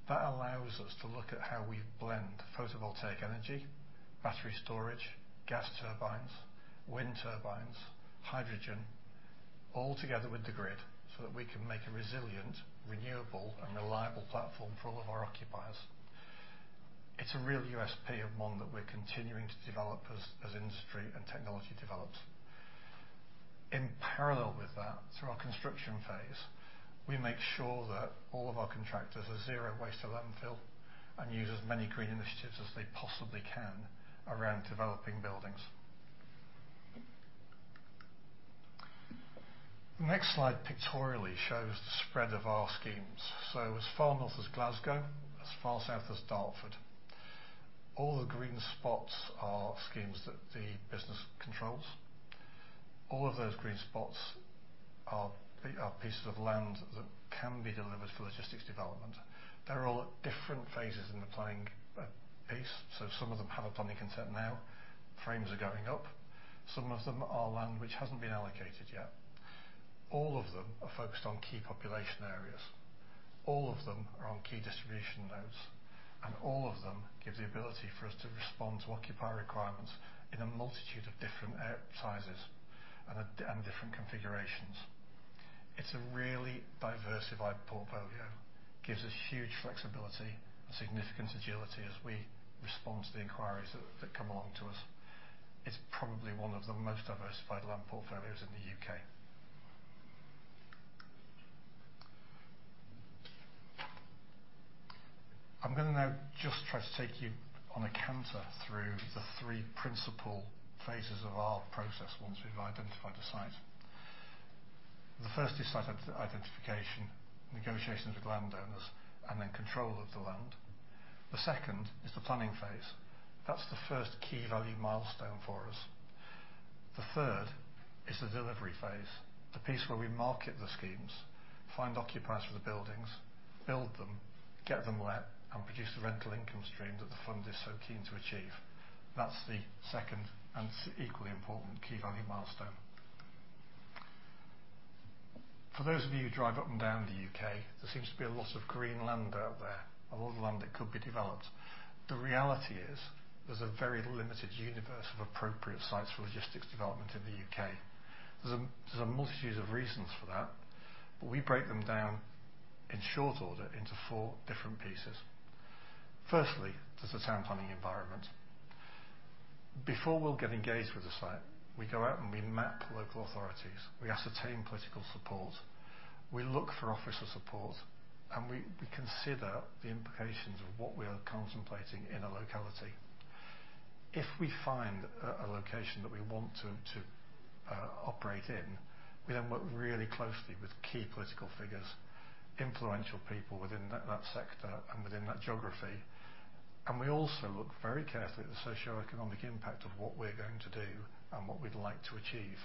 That allows us to look at how we blend photovoltaic energy, battery storage, gas turbines, wind turbines, hydrogen, all together with the grid so that we can make a resilient, renewable, and reliable platform for all of our occupiers. It's a real USP and one that we're continuing to develop as industry and technology develops. In parallel with that, through our construction phase, we make sure that all of our contractors are zero waste to landfill and use as many green initiatives as they possibly can around developing buildings. The next slide pictorially shows the spread of our schemes. As far North as Glasgow, as far South as Dartford. All the green spots are schemes that the business controls. All of those green spots are pieces of land that can be delivered for logistics development. They're all at different phases in the planning process, so some of them have a planning consent now, frames are going up. Some of them are land which hasn't been allocated yet. All of them are focused on key population areas. All of them are on key distribution nodes. All of them give the ability for us to respond to occupier requirements in a multitude of different sizes and different configurations. It's a really diversified portfolio. Gives us huge flexibility, significant agility as we respond to the inquiries that come along to us. It's probably one of the most diversified land portfolios in the U.K. I'm gonna now just try to take you on a canter through the three principal phases of our process once we've identified a site. The first is site identification, negotiations with landowners, and then control of the land. The second is the planning phase. That's the first key value milestone for us. The third is the delivery phase, the piece where we market the schemes, find occupiers for the buildings, build them, get them let, and produce the rental income stream that the fund is so keen to achieve. That's the second and equally important key value milestone. For those of you who drive up and down the U.K., there seems to be a lot of green land out there, a lot of land that could be developed. The reality is, there's a very limited universe of appropriate sites for logistics development in the U.K. There's a multitude of reasons for that, but we break them down in short order into four different pieces. Firstly, there's the town planning environment. Before we'll get engaged with a site, we go out and we map local authorities. We ascertain political support. We look for officer support, and we consider the implications of what we are contemplating in a locality. If we find a location that we want to operate in, we then work really closely with key political figures, influential people within that sector and within that geography. We also look very carefully at the socioeconomic impact of what we're going to do and what we'd like to achieve.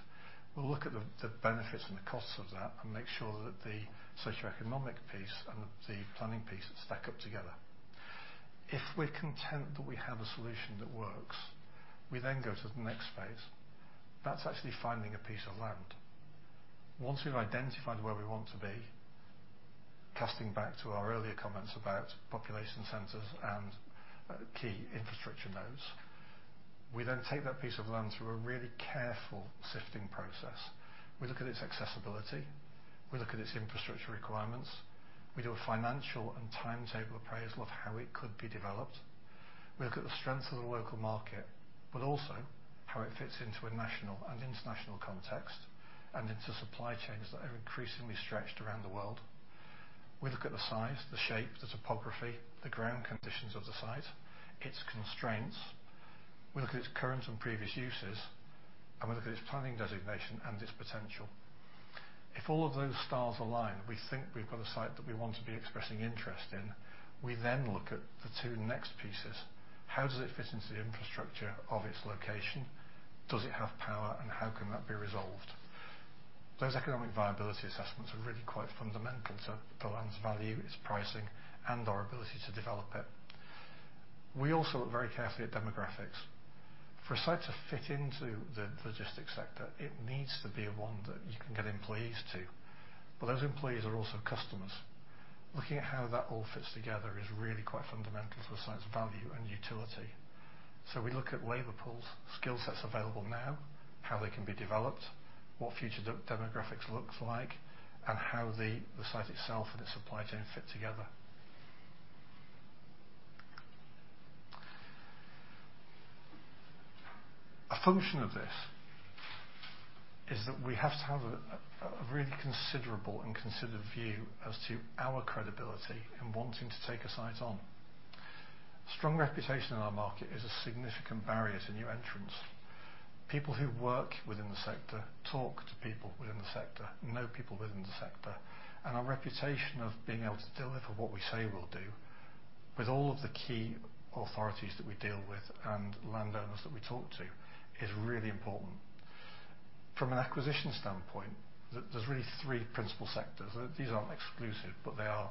We'll look at the benefits and the costs of that and make sure that the socioeconomic piece and the planning piece stack up together. If we're content that we have a solution that works, we then go to the next phase. That's actually finding a piece of land. Once we've identified where we want to be, casting back to our earlier comments about population centers and key infrastructure nodes, we then take that piece of land through a really careful sifting process. We look at its accessibility, we look at its infrastructure requirements, we do a financial and timetable appraisal of how it could be developed. We look at the strength of the local market, but also how it fits into a national and international context and into supply chains that are increasingly stretched around the world. We look at the size, the shape, the topography, the ground conditions of the site, its constraints. We look at its current and previous uses, and we look at its planning designation and its potential. If all of those stars align, we think we've got a site that we want to be expressing interest in, we then look at the two next pieces. How does it fit into the infrastructure of its location? Does it have power, and how can that be resolved? Those economic viability assessments are really quite fundamental to the land's value, its pricing, and our ability to develop it. We also look very carefully at demographics. For a site to fit into the logistics sector, it needs to be one that you can get employees to, but those employees are also customers. Looking at how that all fits together is really quite fundamental to a site's value and utility. We look at labor pools, skill sets available now, how they can be developed, what future demographics looks like, and how the the site itself and its supply chain fit together. A function of this is that we have to have a really considerable and considered view as to our credibility in wanting to take a site on. Strong reputation in our market is a significant barrier to new entrants. People who work within the sector talk to people within the sector, know people within the sector, and our reputation of being able to deliver what we say we'll do with all of the key authorities that we deal with and landowners that we talk to is really important. From an acquisition standpoint, there's really three principal sectors. These aren't exclusive, but they are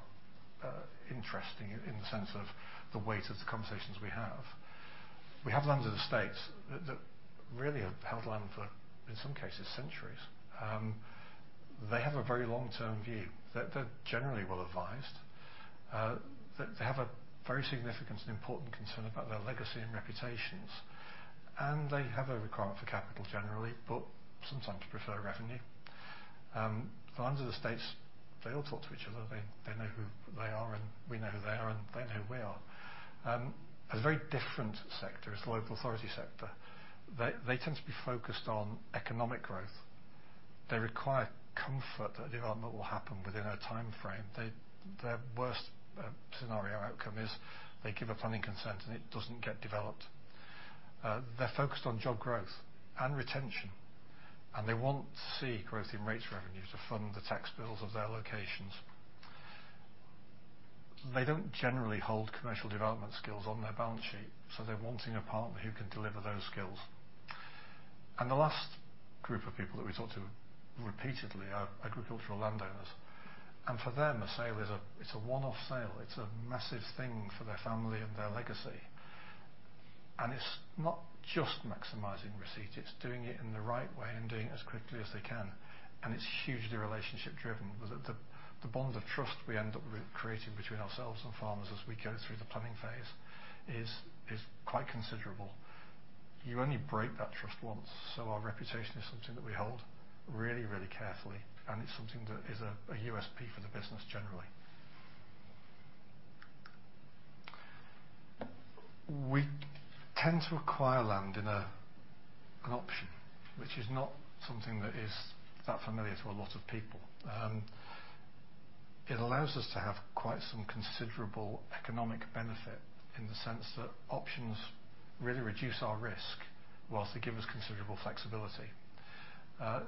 interesting in the sense of the weight of the conversations we have. We have landowners' estates that really have held land for, in some cases, centuries. They have a very long-term view. They're generally well-advised. They have a very significant and important concern about their legacy and reputations, and they have a requirement for capital generally, but sometimes prefer revenue. The landowners' estates, they all talk to each other. They know who they are, and we know who they are, and they know who we are. A very different sector is the local authority sector. They tend to be focused on economic growth. They require comfort that development will happen within a timeframe. Their worst scenario outcome is they give a planning consent, and it doesn't get developed. They're focused on job growth and retention, and they want to see growth in rates revenue to fund the tax bills of their locations. They don't generally hold commercial development skills on their balance sheet, so they're wanting a partner who can deliver those skills. The last group of people that we talk to repeatedly are agricultural landowners. For them, a sale is a, it's a one-off sale. It's a massive thing for their family and their legacy. It's not just maximizing receipt, it's doing it in the right way and doing it as quickly as they can. It's hugely relationship-driven. The bond of trust we end up re-creating between ourselves and farmers as we go through the planning phase is quite considerable. You only break that trust once, so our reputation is something that we hold really, really carefully, and it's something that is a USP for the business generally. We tend to acquire land in an option, which is not something that is that familiar to a lot of people. It allows us to have quite some considerable economic benefit in the sense that options really reduce our risk whilst they give us considerable flexibility. 90%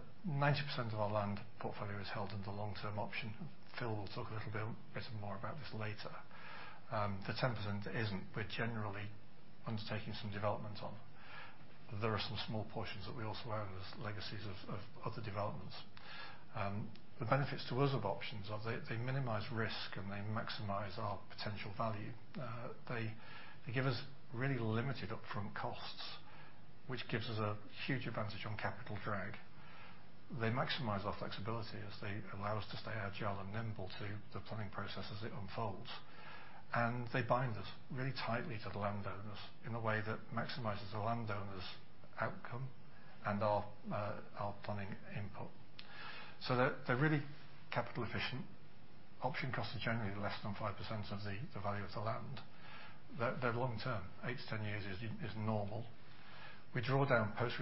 of our land portfolio is held under long-term option. Phil will talk a little bit more about this later. The 10% that isn't, we're generally undertaking some developments on. There are some small portions that we also own as legacies of other developments. The benefits to us of options are they minimize risk, and they maximize our potential value. They give us really limited upfront costs, which gives us a huge advantage on capital drag. They maximize our flexibility as they allow us to stay agile and nimble to the planning process as it unfolds. They bind us really tightly to the landowners in a way that maximizes the landowner's outcome and our planning input. They're really capital efficient. Option costs are generally less than 5% of the value of the land. They're long-term. 8-10 years is normal. We draw down post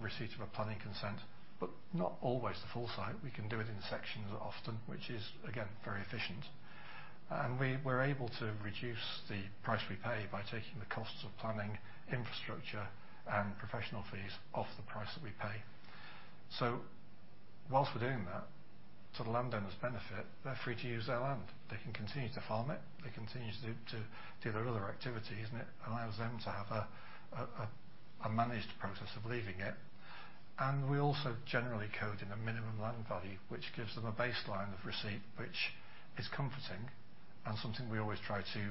receipt of a planning consent, but not always the full site. We can do it in sections often, which is, again, very efficient. We're able to reduce the price we pay by taking the costs of planning, infrastructure, and professional fees off the price that we pay. While we're doing that, to the landowner's benefit, they're free to use their land. They can continue to farm it. They can continue to do their other activities, and it allows them to have a managed process of leaving it. We also generally code in a minimum land value, which gives them a baseline of receipt, which is comforting and something we always try to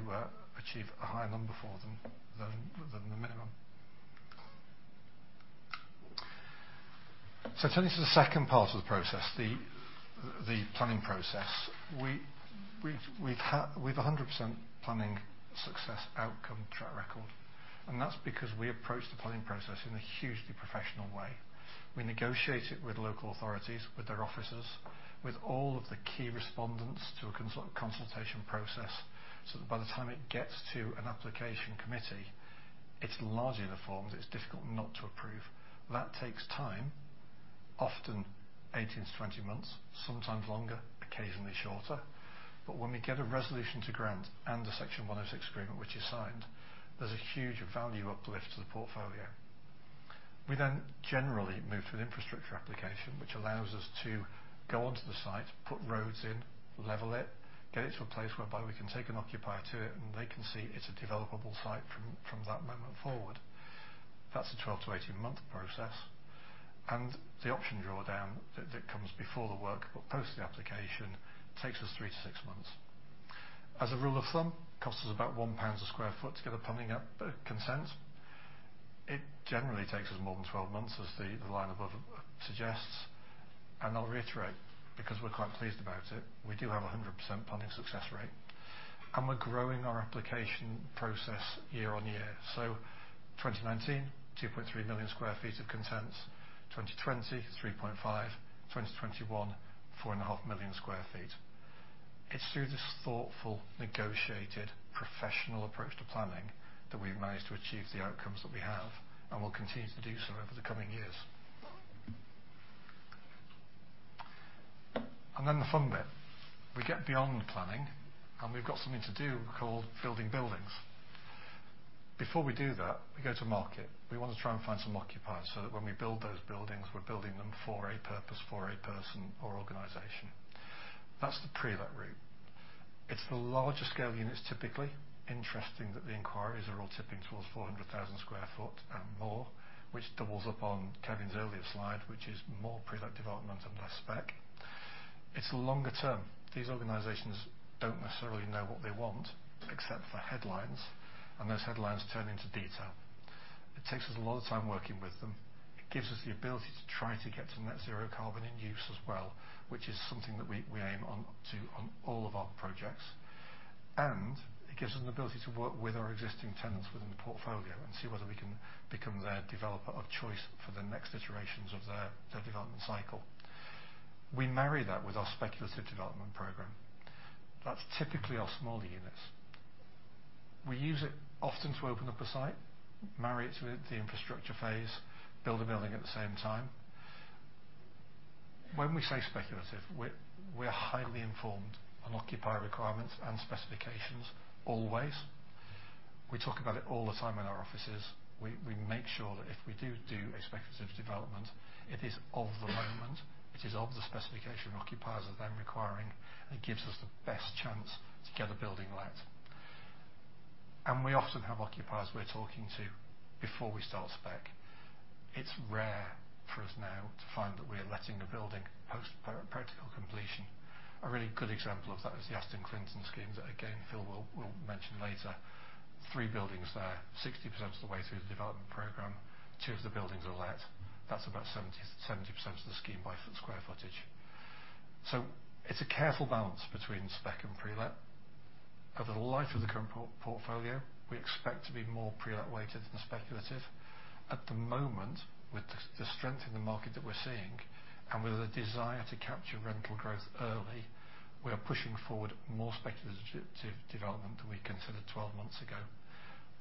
achieve a higher number for them than the minimum. Turning to the second part of the process, the planning process. We've 100% planning success outcome track record, and that's because we approach the planning process in a hugely professional way. We negotiate it with local authorities, with their officers, with all of the key respondents to a consultation process, so that by the time it gets to an application committee, it's largely informed. It's difficult not to approve. That takes time, often 18-20 months, sometimes longer, occasionally shorter. When we get a resolution to grant and a Section 106 agreement which is signed, there's a huge value uplift to the portfolio. We then generally move to an infrastructure application, which allows us to go onto the site, put roads in, level it, get it to a place whereby we can take an occupier to it, and they can see it's a developable site from that moment forward. That's a 12-18 months process. The option drawdown that comes before the work but post the application takes us 3-6 months. As a rule of thumb, costs us about 1 pound a sq ft to get a planning consent. It generally takes us more than 12 months, as the line above suggests. I'll reiterate, because we're quite pleased about it, we do have a 100% planning success rate, and we're growing our application process year-on-year. 2019, 2.3 million sq ft of consent. 2020, 3.5 million sq ft. 2021, 4.5 million sq ft. It's through this thoughtful, negotiated, professional approach to planning that we've managed to achieve the outcomes that we have and will continue to do so over the coming years. The fun bit. We get beyond planning, and we've got something to do called building buildings. Before we do that, we go to market. We want to try and find some occupiers so that when we build those buildings, we're building them for a purpose, for a person or organization. That's the pre-let route. It's the larger scale units, typically. Interesting that the inquiries are all tipping towards 400,000 sq ft and more, which doubles up on Kevin's earlier slide, which is more pre-let development and less spec. It's longer term. These organizations don't necessarily know what they want, except for headlines, and those headlines turn into detail. It takes us a lot of time working with them. It gives us the ability to try to get to net zero carbon in use as well, which is something that we aim on to all of our projects. It gives them the ability to work with our existing tenants within the portfolio and see whether we can become their developer of choice for the next iterations of their development cycle. We marry that with our speculative development program. That's typically our smaller units. We use it often to open up a site, marry it with the infrastructure phase, build a building at the same time. When we say speculative, we're highly informed on occupier requirements and specifications always. We talk about it all the time in our offices. We make sure that if we do a speculative development, it is of the moment, it is of the specification occupiers are then requiring, and gives us the best chance to get a building let. We often have occupiers we're talking to before we start spec. It's rare for us now to find that we're letting a building post practical completion. A really good example of that is the Aston Clinton scheme that, again, Phil will mention later. Three buildings there, 60% of the way through the development program, two of the buildings are let. That's about 70% of the scheme by sq ft. It's a careful balance between spec and pre-let. Over the life of the current portfolio, we expect to be more pre-let weighted than speculative. At the moment, with the strength in the market that we're seeing, and with the desire to capture rental growth early, we are pushing forward more speculative development than we considered 12 months ago.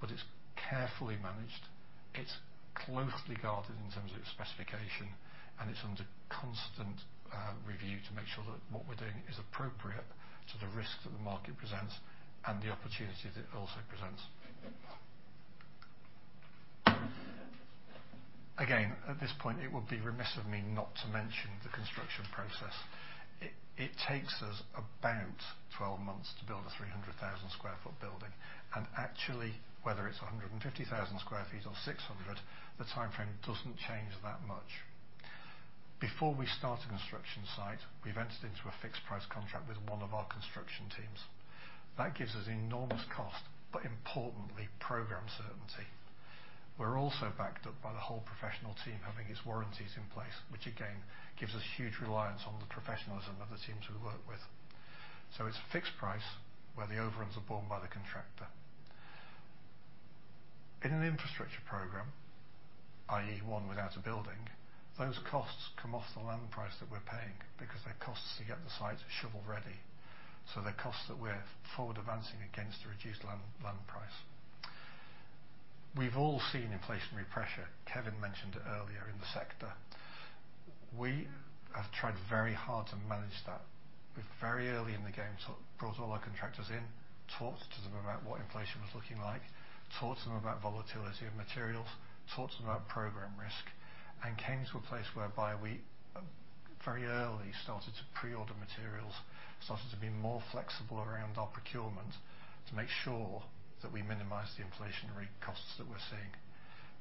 It's carefully managed, it's closely guarded in terms of its specification, and it's under constant review to make sure that what we're doing is appropriate to the risk that the market presents and the opportunities it also presents. Again, at this point, it would be remiss of me not to mention the construction process. It takes us about 12 months to build a 300,000 sq ft building, and actually, whether it's a 150,000 sq ft or 600, the timeframe doesn't change that much. Before we start a construction site, we've entered into a fixed price contract with one of our construction teams. That gives us enormous cost, but importantly, program certainty. We're also backed up by the whole professional team having its warranties in place, which again, gives us huge reliance on the professionalism of the teams we work with. It's a fixed price where the overruns are borne by the contractor. In an infrastructure program, i.e., one without a building, those costs come off the land price that we're paying because they're costs to get the site shovel-ready. They're costs that we're forward advancing against the reduced land price. We've all seen inflationary pressure, Kevin mentioned it earlier in the sector. We have tried very hard to manage that. We very early in the game brought all our contractors in, talked to them about what inflation was looking like, talked to them about volatility of materials, talked to them about program risk, and came to a place whereby we very early started to pre-order materials, started to be more flexible around our procurement to make sure that we minimize the inflationary costs that we're seeing.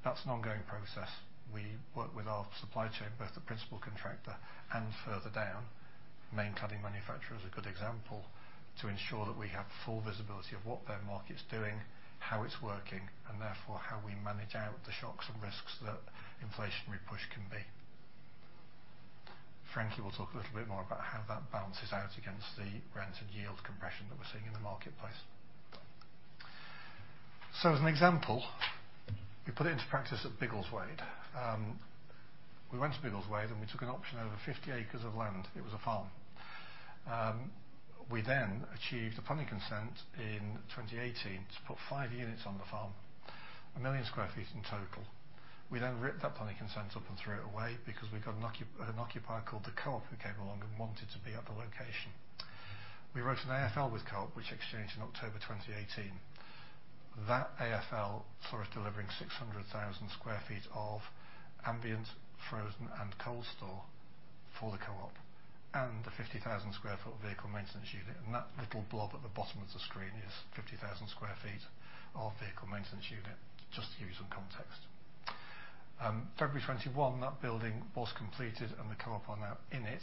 That's an ongoing process. We work with our supply chain, both the principal contractor and further down, main cladding manufacturer is a good example, to ensure that we have full visibility of what their market's doing, how it's working, and therefore, how we manage out the shocks and risks that inflationary push can be. Frankie will talk a little bit more about how that balances out against the rent and yield compression that we're seeing in the marketplace. As an example, we put it into practice at Biggleswade. We went to Biggleswade, and we took an option over 50 acres of land. It was a farm. We then achieved a planning consent in 2018 to put five units on the farm, 1 million sq ft in total. We ripped that planning consent up and threw it away because we had an occupier called the Co-op who came along and wanted to be at the location. We wrote an AFL with Co-op, which exchanged in October 2018. That AFL saw us delivering 600,000 sq ft of ambient, frozen, and cold store for the Co-op, and a 50,000 sq ft vehicle maintenance unit. That little blob at the bottom of the screen is 50,000 sq ft vehicle maintenance unit, just to give you some context. February 2021, that building was completed and the Co-op are now in it.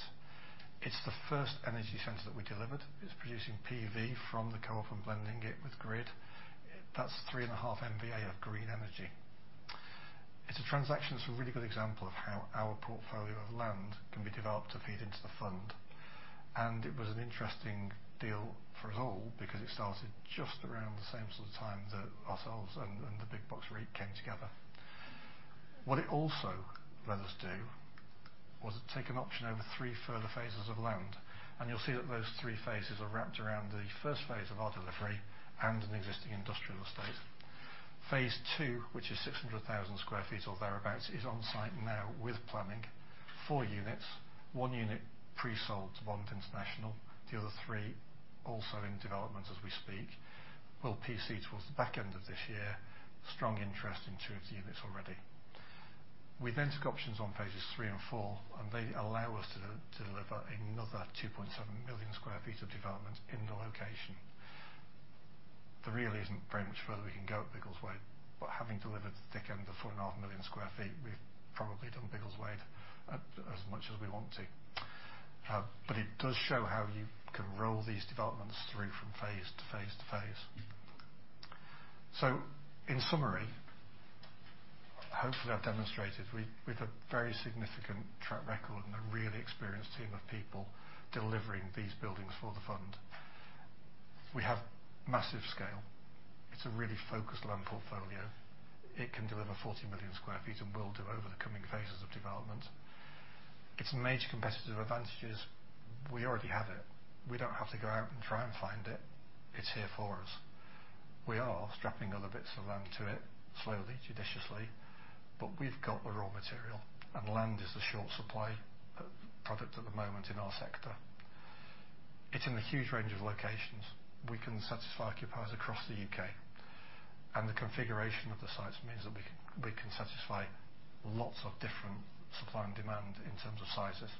It's the first energy center that we delivered. It's producing PV from the Co-op and blending it with grid. That's 3.5 MVA of green energy. It's a transaction that's a really good example of how our portfolio of land can be developed to feed into the fund. It was an interesting deal for us all because it started just around the same sort of time that ourselves and the Big Box REIT came together. What it also let us do was take an option over three further phases of land, and you'll see that those three phases are wrapped around the first phase of our delivery and an existing industrial estate. Phase II, which is 600,000 sq ft or thereabout, is on-site now with planning. Four units, one unit pre-sold to Bond International, the other three also in development as we speak, will PC towards the back end of this year. Strong interest in two of the units already. We then took options on phases III and IV, and they allow us to deliver another 2.7 million sq ft of development in the location. There really isn't very much further we can go at Biggleswade, but having delivered the thick end of 4.5 million sq ft, we've probably done Biggleswade as much as we want to. It does show how you can roll these developments through from phase to phase to phase. In summary, hopefully, I've demonstrated we've a very significant track record and a really experienced team of people delivering these buildings for the fund. We have massive scale. It's a really focused land portfolio. It can deliver 40 million sq ft and will do over the coming phases of development. Its major competitive advantage is we already have it. We don't have to go out and try and find it. It's here for us. We are strapping other bits of land to it slowly, judiciously, but we've got the raw material, and land is a short supply product at the moment in our sector. It's in a huge range of locations. We can satisfy occupiers across the U.K., and the configuration of the sites means that we can satisfy lots of different supply and demand in terms of sizes.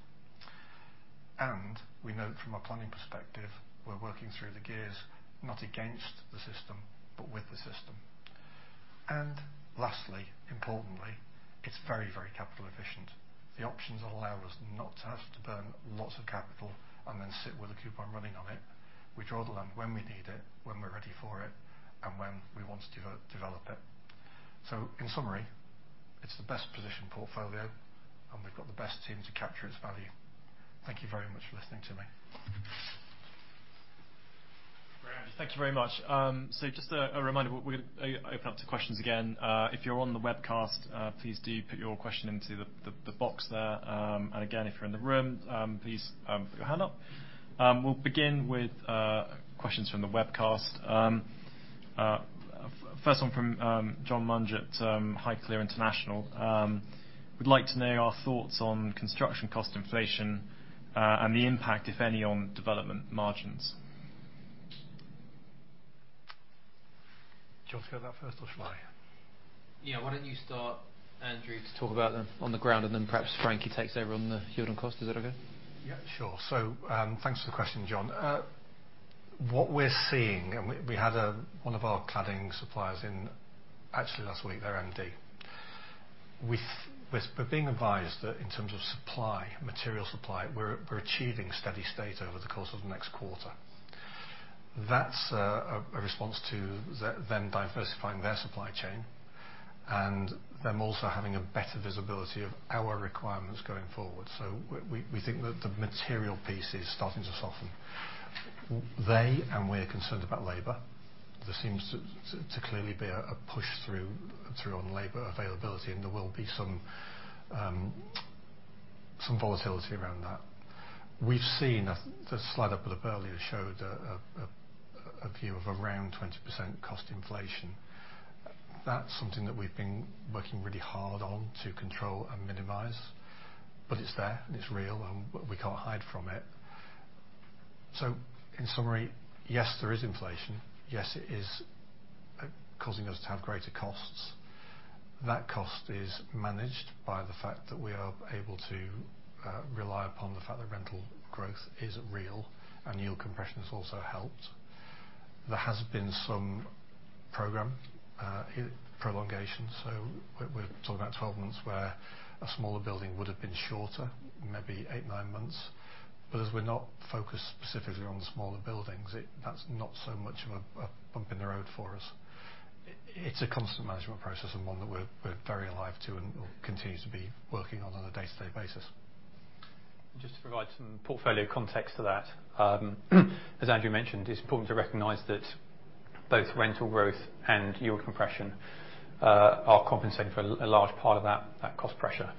We know from a planning perspective, we're working through the gears, not against the system, but with the system. Lastly, importantly, it's very, very capital efficient. The options allow us not to have to burn lots of capital and then sit with a coupon running on it. We draw the land when we need it, when we're ready for it, and when we want to develop it. In summary, it's the best-positioned portfolio, and we've got the best team to capture its value. Thank you very much for listening to me. Great. Thank you very much. Just a reminder, we're gonna open up to questions again. If you're on the webcast, please do put your question into the box there. Again, if you're in the room, please put your hand up. We'll begin with questions from the webcast. First one from John Munge at Highclere International would like to know our thoughts on construction cost inflation and the impact, if any, on development margins. Do you want to go that first, or shall I? Yeah. Why don't you start, Andrew, to talk about them on the ground, and then perhaps Frankie takes over on the yield and cost. Is that okay? Yeah, sure. Thanks for the question, John. What we're seeing, and we had one of our cladding suppliers in, actually last week, their MD. We're being advised that in terms of supply, material supply, we're achieving steady state over the course of the next quarter. That's a response to them diversifying their supply chain and them also having a better visibility of our requirements going forward. We think that the material piece is starting to soften. They and we are concerned about labor. There seems to clearly be a push through on labor availability, and there will be some volatility around that. We've seen the slide I put up earlier showed a view of around 20% cost inflation. That's something that we've been working really hard on to control and minimize, but it's there, and it's real, and we can't hide from it. In summary, yes, there is inflation. Yes, it is causing us to have greater costs. That cost is managed by the fact that we are able to rely upon the fact that rental growth is real and yield compression has also helped. There has been some program prolongation. We're talking about 12 months where a smaller building would have been shorter, maybe 8-9 months. But as we're not focused specifically on the smaller buildings, that's not so much of a bump in the road for us. It's a constant management process and one that we're very alive to and will continue to be working on a day-to-day basis. Just to provide some portfolio context to that, as Andrew mentioned, it's important to recognize that both rental growth and yield compression are compensating for a large part of that cost pressure.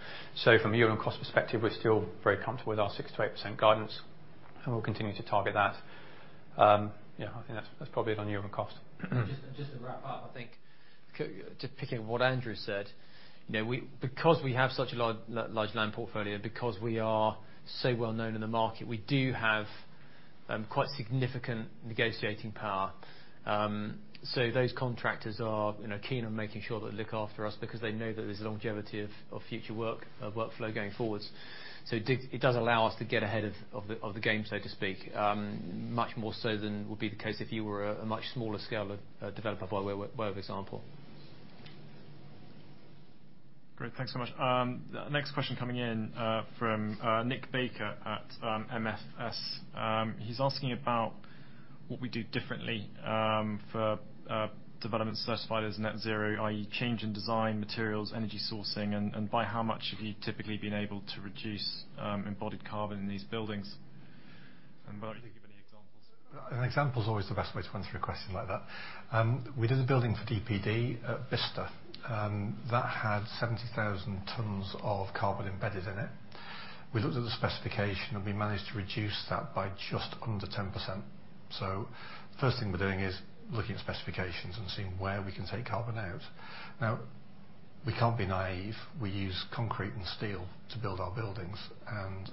From a yield and cost perspective, we're still very comfortable with our 6%-8% guidance, and we'll continue to target that. I think that's probably it on yield and cost. Just to wrap up, I think to pick up what Andrew said, you know, because we have such a large land portfolio, because we are so well-known in the market, we do have quite significant negotiating power. Those contractors are, you know, keen on making sure they look after us because they know that there's a longevity of future work, workflow going forwards. It does allow us to get ahead of the game, so to speak, much more so than would be the case if you were a much smaller scale developer, by way of example. Great. Thanks so much. Next question coming in from Nick Baker at MFS. He's asking about what we do differently for developments specified as net zero, i.e., change in design, materials, energy sourcing, and by how much have you typically been able to reduce embodied carbon in these buildings? And why don't you give any examples? An example is always the best way to answer a question like that. We did a building for DPD at Bicester, and that had 70,000 tons of carbon embedded in it. We looked at the specification, and we managed to reduce that by just under 10%. First thing we're doing is looking at specifications and seeing where we can take carbon out. Now, we can't be naive. We use concrete and steel to build our buildings, and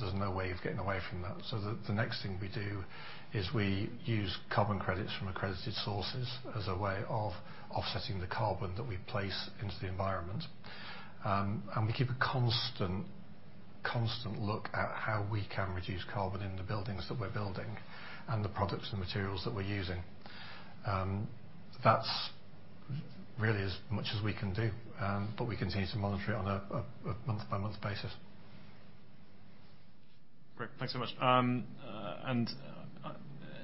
there's no way of getting away from that. The next thing we do is we use carbon credits from accredited sources as a way of offsetting the carbon that we place into the environment. We keep a constant look at how we can reduce carbon in the buildings that we're building and the products and materials that we're using. That's really as much as we can do, but we continue to monitor it on a month-by-month basis. Great, thanks so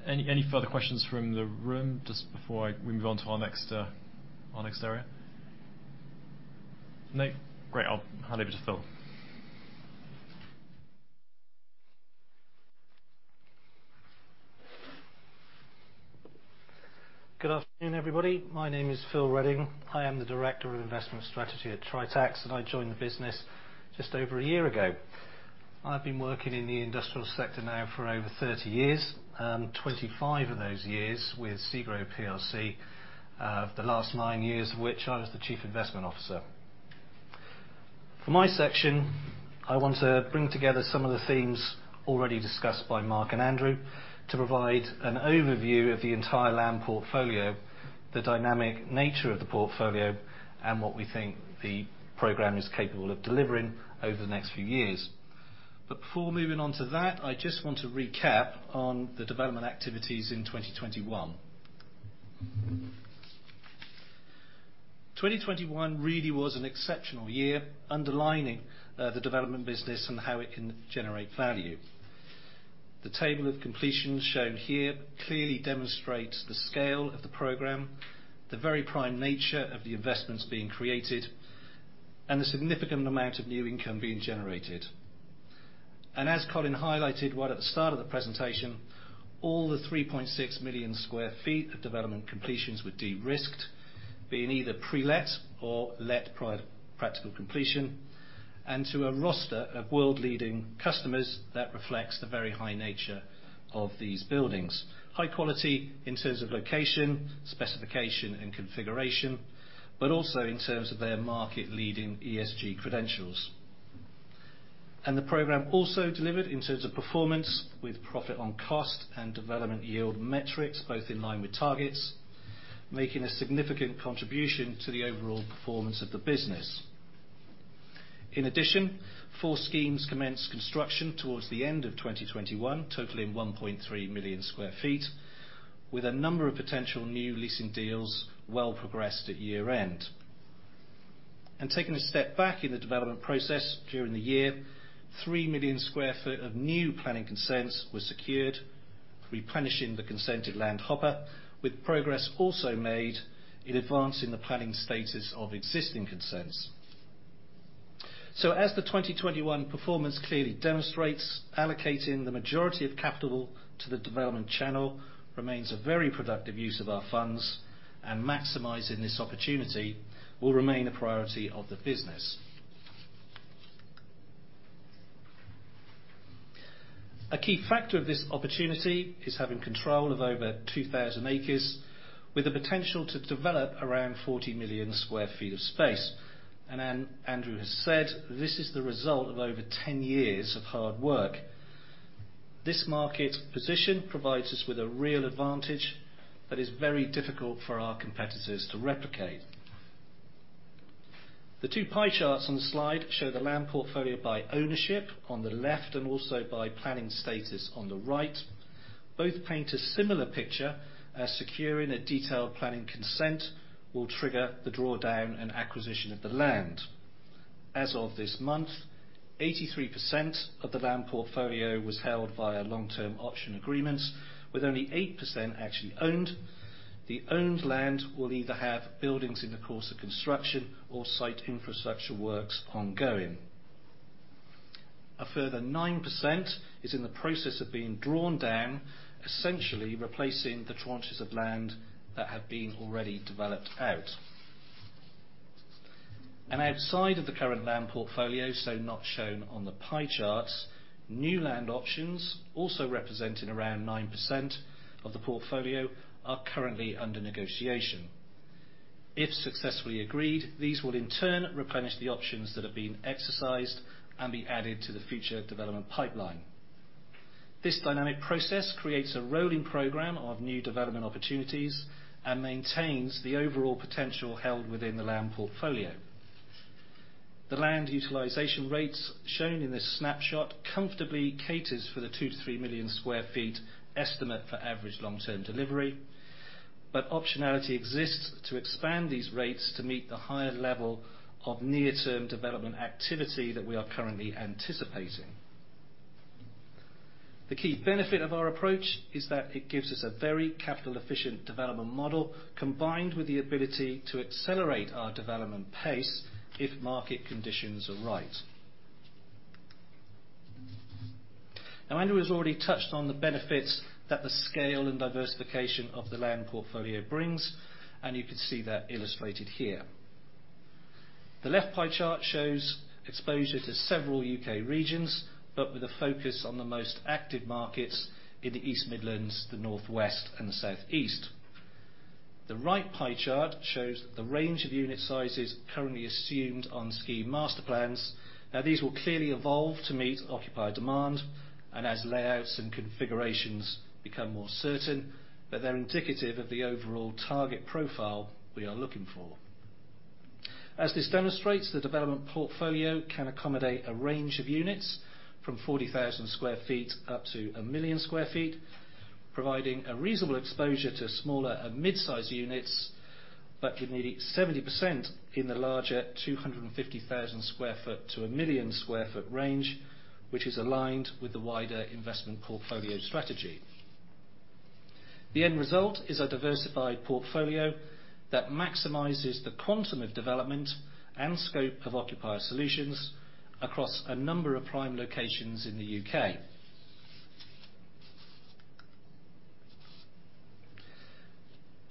much. Any further questions from the room just before we move on to our next area? No? Great. I'll hand over to Phil. Good afternoon, everybody. My name is Phil Redding. I am the Director of Investment Strategy at Tritax, and I joined the business just over a year ago. I've been working in the industrial sector now for over 30 years, 25 of those years with SEGRO plc, the last nine years which I was the Chief Investment Officer. For my section, I want to bring together some of the themes already discussed by Mark and Andrew to provide an overview of the entire land portfolio, the dynamic nature of the portfolio, and what we think the program is capable of delivering over the next few years. Before moving on to that, I just want to recap on the development activities in 2021. 2021 really was an exceptional year underlining the development business and how it can generate value. The table of completions shown here clearly demonstrates the scale of the program, the very prime nature of the investments being created, and the significant amount of new income being generated. As Colin highlighted, right at the start of the presentation, all the 3.6 million sq ft of development completions were de-risked, being either pre-let or let prior to practical completion, and to a roster of world-leading customers that reflects the very high nature of these buildings. High quality in terms of location, specification, and configuration, but also in terms of their market-leading ESG credentials. The program also delivered in terms of performance with profit on cost and development yield metrics, both in line with targets, making a significant contribution to the overall performance of the business. In addition, four schemes commenced construction towards the end of 2021, totaling 1.3 million sq ft, with a number of potential new leasing deals well progressed at year-end. Taking a step back in the development process during the year, 3 million sq ft of new planning consents were secured, replenishing the consented land hopper, with progress also made in advancing the planning status of existing consents. As the 2021 performance clearly demonstrates, allocating the majority of capital to the development channel remains a very productive use of our funds, and maximizing this opportunity will remain a priority of the business. A key factor of this opportunity is having control of over 2,000 acres with the potential to develop around 40 million sq ft of space. Andrew has said, this is the result of over 10 years of hard work. This market position provides us with a real advantage that is very difficult for our competitors to replicate. The two pie charts on the slide show the land portfolio by ownership on the left and also by planning status on the right. Both paint a similar picture, as securing a detailed planning consent will trigger the drawdown and acquisition of the land. As of this month, 83% of the land portfolio was held via long-term option agreements, with only 8% actually owned. The owned land will either have buildings in the course of construction or site infrastructure works ongoing. A further 9% is in the process of being drawn down, essentially replacing the tranches of land that have been already developed out. Outside of the current land portfolio, so not shown on the pie charts, new land options, also representing around 9% of the portfolio, are currently under negotiation. If successfully agreed, these will in turn replenish the options that have been exercised and be added to the future development pipeline. This dynamic process creates a rolling program of new development opportunities and maintains the overall potential held within the land portfolio. The land utilization rates shown in this snapshot comfortably caters for the 2 million sq ft-3 million sq ft estimate for average long-term delivery, but optionality exists to expand these rates to meet the higher level of near-term development activity that we are currently anticipating. The key benefit of our approach is that it gives us a very capital-efficient development model combined with the ability to accelerate our development pace if market conditions are right. Now, Andrew has already touched on the benefits that the scale and diversification of the land portfolio brings, and you can see that illustrated here. The left pie chart shows exposure to several U.K. regions, but with a focus on the most active markets in the East Midlands, the Northwest, and the Southeast. The right pie chart shows the range of unit sizes currently assumed on scheme master plans. Now, these will clearly evolve to meet occupier demand and as layouts and configurations become more certain, but they're indicative of the overall target profile we are looking for. As this demonstrates, the development portfolio can accommodate a range of units from 40,000 sq ft up to 1 million sq ft, providing a reasonable exposure to smaller and mid-size units, but with nearly 70% in the larger 250,000 sq ft-1 million sq ft range, which is aligned with the wider investment portfolio strategy. The end result is a diversified portfolio that maximizes the quantum of development and scope of occupier solutions across a number of prime locations in the U.K.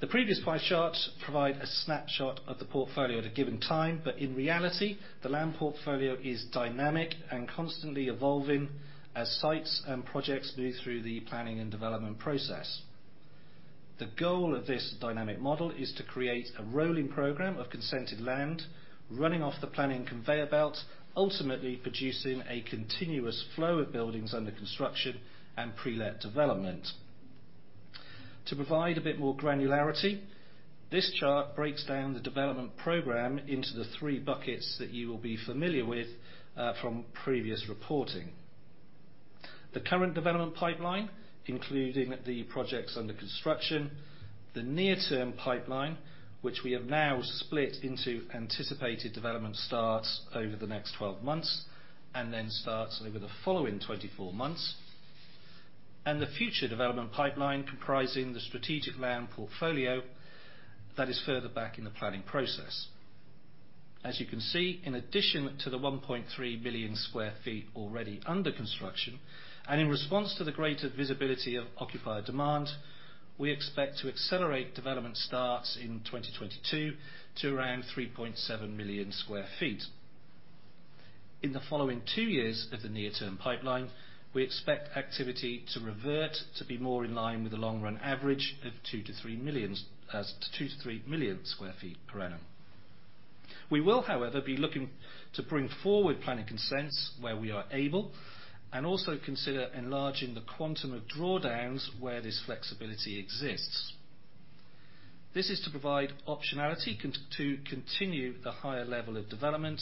The previous pie chart provide a snapshot of the portfolio at a given time, but in reality, the land portfolio is dynamic and constantly evolving as sites and projects move through the planning and development process. The goal of this dynamic model is to create a rolling program of consented land, running off the planning conveyor belt, ultimately producing a continuous flow of buildings under construction and pre-let development. To provide a bit more granularity, this chart breaks down the development program into the three buckets that you will be familiar with from previous reporting. The current development pipeline, including the projects under construction, the near-term pipeline, which we have now split into anticipated development starts over the next 12 months and then starts over the following 24 months, and the future development pipeline comprising the strategic land portfolio that is further back in the planning process. As you can see, in addition to the 1.3 million sq ft already under construction, and in response to the greater visibility of occupier demand, we expect to accelerate development starts in 2022 to around 3.7 million sq ft. In the following two years of the near-term pipeline, we expect activity to revert to be more in line with the long-run average of 2 million sq ft-3 million sq ft per annum. We will, however, be looking to bring forward planning consents where we are able, and also consider enlarging the quantum of drawdowns where this flexibility exists. This is to provide optionality to continue the higher level of development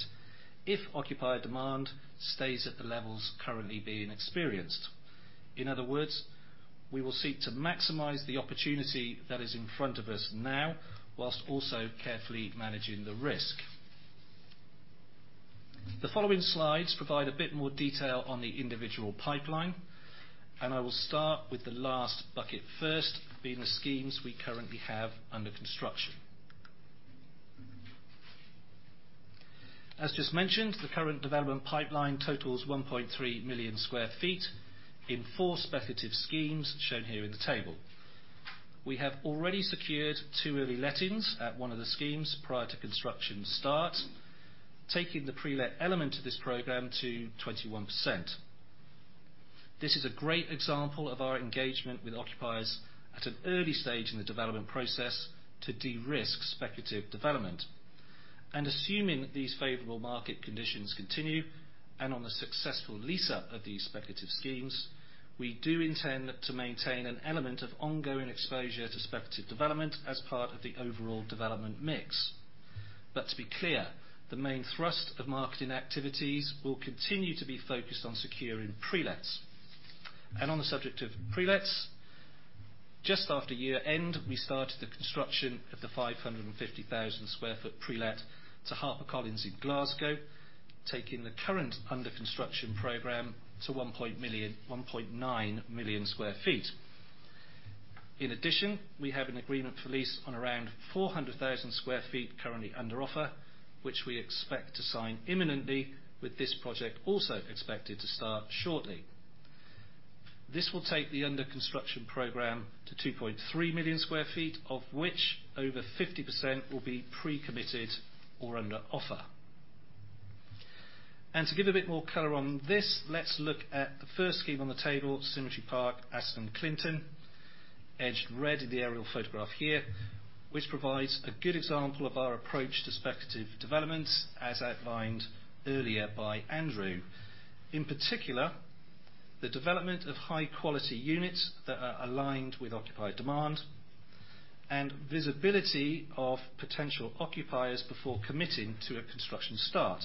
if occupier demand stays at the levels currently being experienced. In other words, we will seek to maximize the opportunity that is in front of us now, whilst also carefully managing the risk. The following slides provide a bit more detail on the individual pipeline, and I will start with the last bucket first, being the schemes we currently have under construction. As just mentioned, the current development pipeline totals 1.3 million sq ft in four speculative schemes shown here in the table. We have already secured two early lettings at one of the schemes prior to construction start, taking the pre-let element of this program to 21%. This is a great example of our engagement with occupiers at an early stage in the development process to de-risk speculative development. Assuming these favorable market conditions continue, and on the successful lease-up of these speculative schemes, we do intend to maintain an element of ongoing exposure to speculative development as part of the overall development mix. To be clear, the main thrust of marketing activities will continue to be focused on securing pre-lets. On the subject of pre-lets, just after year-end, we started the construction of the 550,000 sq ft pre-let to HarperCollins in Glasgow, taking the current under construction program to 1.9 million sq ft. In addition, we have an agreement for lease on around 400,000 sq ft currently under offer, which we expect to sign imminently with this project also expected to start shortly. This will take the under construction program to 2.3 million sq ft, of which over 50% will be pre-committed or under offer. To give a bit more color on this, let's look at the first scheme on the table, Symmetry Park, Aston Clinton, edged red in the aerial photograph here, which provides a good example of our approach to speculative developments as outlined earlier by Andrew. In particular, the development of high-quality units that are aligned with occupier demand and visibility of potential occupiers before committing to a construction start.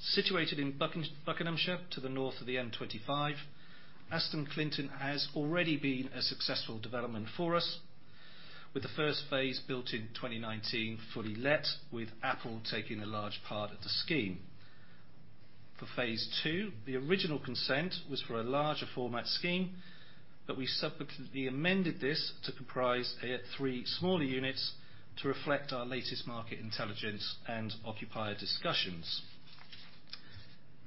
Situated in Buckinghamshire to the north of the M25, Aston Clinton has already been a successful development for us, with the first phase built in 2019 fully let, with Apple taking a large part of the scheme. For phase II, the original consent was for a larger format scheme, but we subsequently amended this to comprise three smaller units to reflect our latest market intelligence and occupier discussions.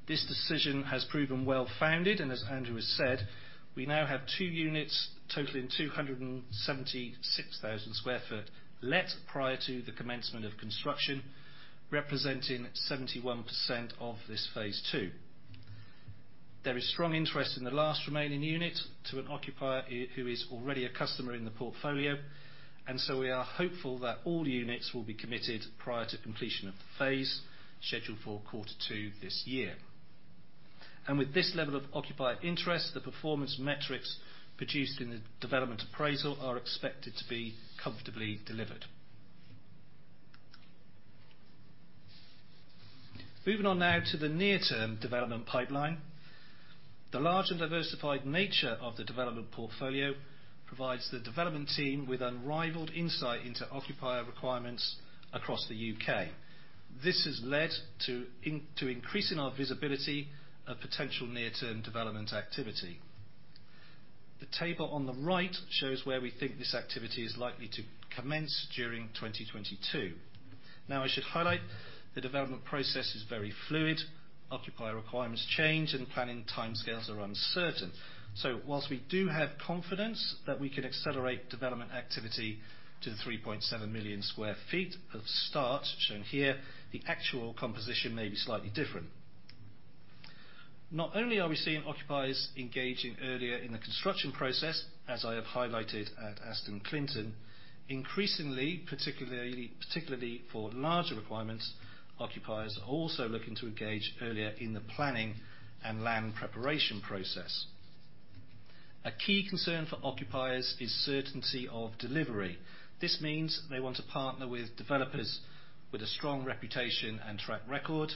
This decision has proven well founded, and as Andrew has said, we now have two units totaling 276,000 sq ft let prior to the commencement of construction, representing 71% of this phase II. There is strong interest in the last remaining unit to an occupier who is already a customer in the portfolio, and so we are hopeful that all units will be committed prior to completion of the phase, scheduled for quarter two this year. With this level of occupier interest, the performance metrics produced in the development appraisal are expected to be comfortably delivered. Moving on now to the near-term development pipeline. The large and diversified nature of the development portfolio provides the development team with unrivaled insight into occupier requirements across the U.K. This has led to increasing our visibility of potential near-term development activity. The table on the right shows where we think this activity is likely to commence during 2022. Now, I should highlight the development process is very fluid. Occupier requirements change and planning timescales are uncertain. While we do have confidence that we can accelerate development activity to the 3.7 million sq ft of start, shown here, the actual composition may be slightly different. Not only are we seeing occupiers engaging earlier in the construction process, as I have highlighted at Aston Clinton, increasingly, particularly for larger requirements, occupiers are also looking to engage earlier in the planning and land preparation process. A key concern for occupiers is certainty of delivery. This means they want to partner with developers with a strong reputation and track record,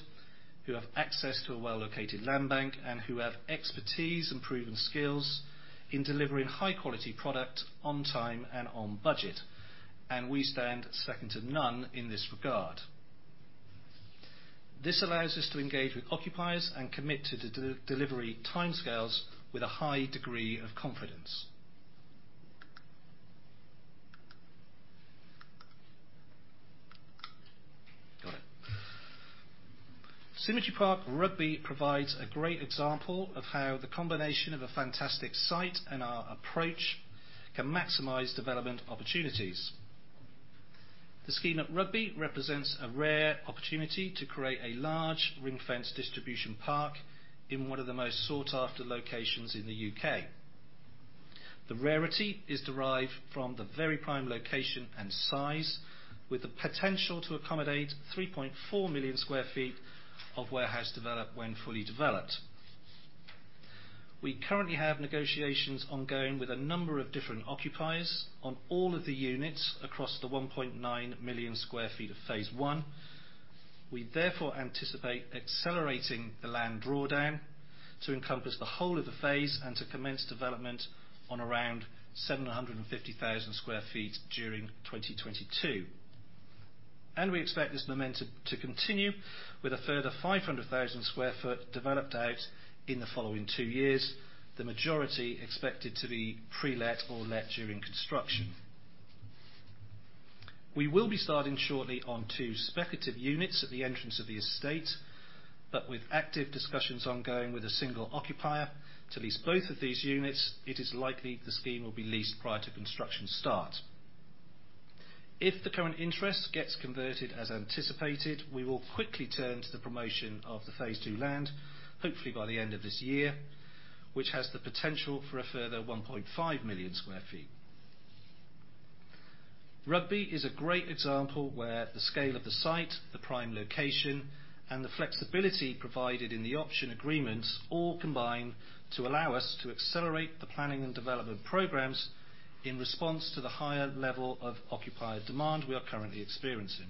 who have access to a well-located land bank and who have expertise and proven skills in delivering high-quality product on time and on budget. We stand second to none in this regard. This allows us to engage with occupiers and commit to delivery timescales with a high degree of confidence. Symmetry Park, Rugby provides a great example of how the combination of a fantastic site and our approach can maximize development opportunities. The scheme at Rugby represents a rare opportunity to create a large ring-fence distribution park in one of the most sought-after locations in the U.K. The rarity is derived from the very prime location and size, with the potential to accommodate 3.4 million sq ft of warehouse development when fully developed. We currently have negotiations ongoing with a number of different occupiers on all of the units across the 1.9 million sq ft of phase I. We therefore anticipate accelerating the land drawdown to encompass the whole of the phase and to commence development on around 750,000 sq ft during 2022. We expect this momentum to continue with a further 500,000 sq ft developed out in the following two years, the majority expected to be pre-let or let during construction. We will be starting shortly on two speculative units at the entrance of the estate, but with active discussions ongoing with a single occupier to lease both of these units, it is likely the scheme will be leased prior to construction start. If the current interest gets converted as anticipated, we will quickly turn to the promotion of the phase II land, hopefully by the end of this year, which has the potential for a further 1.5 million sq ft. Rugby is a great example where the scale of the site, the prime location, and the flexibility provided in the option agreements all combine to allow us to accelerate the planning and development programs in response to the higher level of occupier demand we are currently experiencing.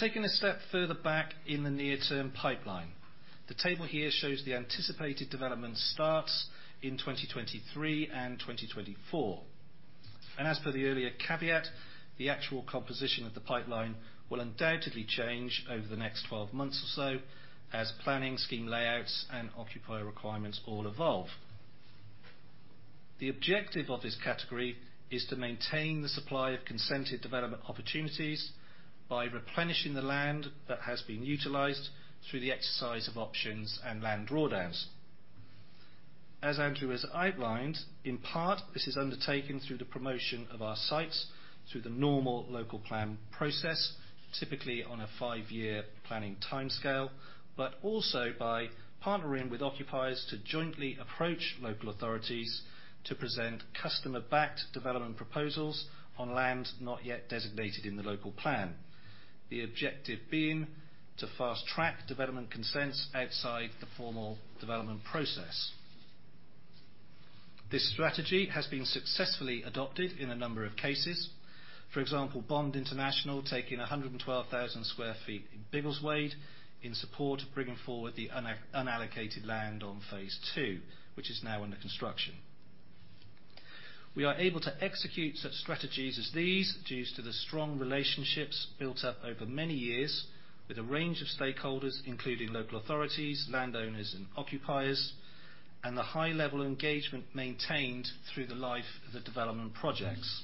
Taking a step further back in the near-term pipeline. The table here shows the anticipated development starts in 2023 and 2024. As for the earlier caveat, the actual composition of the pipeline will undoubtedly change over the next 12 months or so as planning scheme layouts and occupier requirements all evolve. The objective of this category is to maintain the supply of consented development opportunities by replenishing the land that has been utilized through the exercise of options and land drawdowns. As Andrew has outlined, in part, this is undertaken through the promotion of our sites through the normal local plan process, typically on a five-year planning timescale, but also by partnering with occupiers to jointly approach local authorities to present customer-backed development proposals on land not yet designated in the local plan. The objective being to fast-track development consents outside the formal development process. This strategy has been successfully adopted in a number of cases. For example, Bond International taking 112,000 sq ft in Biggleswade in support of bringing forward the unallocated land on phase II, which is now under construction. We are able to execute such strategies as these due to the strong relationships built up over many years with a range of stakeholders, including local authorities, landowners and occupiers, and the high level of engagement maintained through the life of the development projects.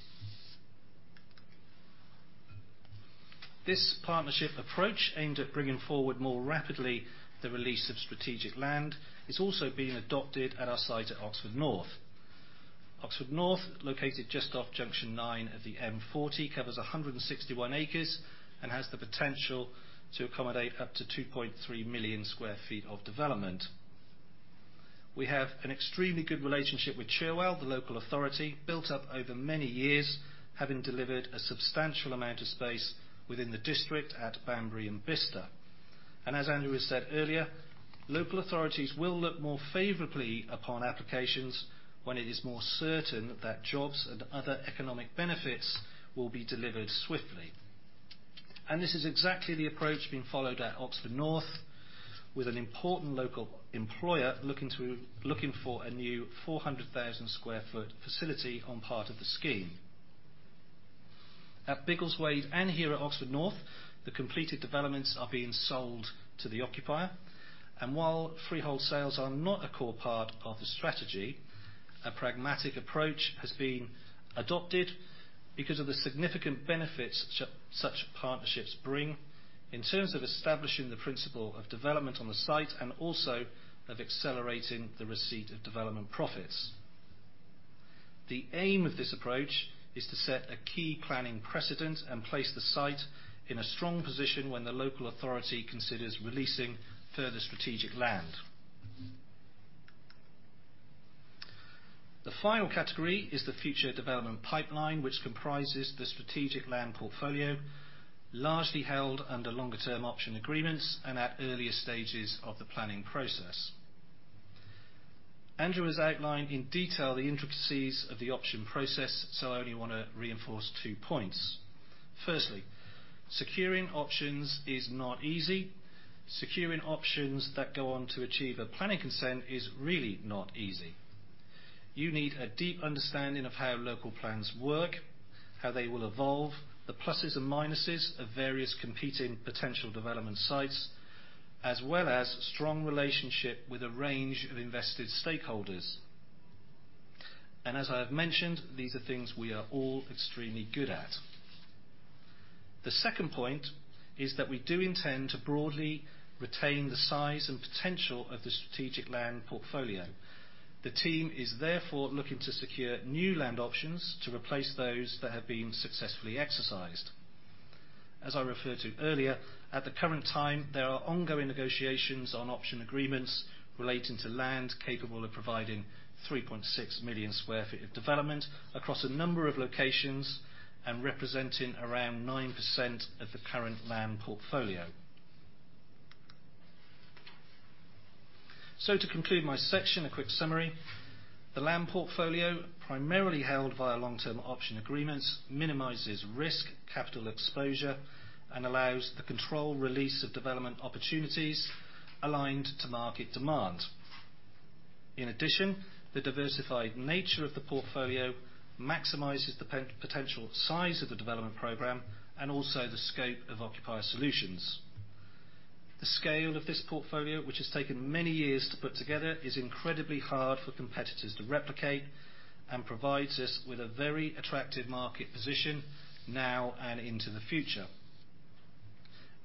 This partnership approach aimed at bringing forward more rapidly the release of strategic land is also being adopted at our site at Oxford North. Oxford North, located just off Junction 9 of the M40, covers 161 acres and has the potential to accommodate up to 2.3 million sq ft of development. We have an extremely good relationship with Cherwell, the local authority, built up over many years, having delivered a substantial amount of space within the district at Banbury and Bicester. As Andrew has said earlier, local authorities will look more favorably upon applications when it is more certain that jobs and other economic benefits will be delivered swiftly. This is exactly the approach being followed at Oxford North with an important local employer looking for a new 400,000 sq ft facility on part of the scheme. At Biggleswade and here at Oxford North, the completed developments are being sold to the occupier. While freehold sales are not a core part of the strategy, a pragmatic approach has been adopted because of the significant benefits such partnerships bring in terms of establishing the principle of development on the site and also of accelerating the receipt of development profits. The aim of this approach is to set a key planning precedent and place the site in a strong position when the local authority considers releasing further strategic land. The final category is the future development pipeline, which comprises the strategic land portfolio, largely held under longer-term option agreements and at earlier stages of the planning process. Andrew has outlined in detail the intricacies of the option process, so I only wanna reinforce two points. Firstly, securing options is not easy. Securing options that go on to achieve a planning consent is really not easy. You need a deep understanding of how local plans work, how they will evolve, the pluses and minuses of various competing potential development sites, as well as strong relationship with a range of invested stakeholders. As I have mentioned, these are things we are all extremely good at. The second point is that we do intend to broadly retain the size and potential of the strategic land portfolio. The team is therefore looking to secure new land options to replace those that have been successfully exercised. As I referred to earlier, at the current time, there are ongoing negotiations on option agreements relating to land capable of providing 3.6 million sq ft of development across a number of locations and representing around 9% of the current land portfolio. To conclude my section, a quick summary. The land portfolio, primarily held via long-term option agreements, minimizes risk, capital exposure, and allows the control release of development opportunities aligned to market demand. In addition, the diversified nature of the portfolio maximizes the potential size of the development program and also the scope of occupier solutions. The scale of this portfolio, which has taken many years to put together, is incredibly hard for competitors to replicate and provides us with a very attractive market position now and into the future.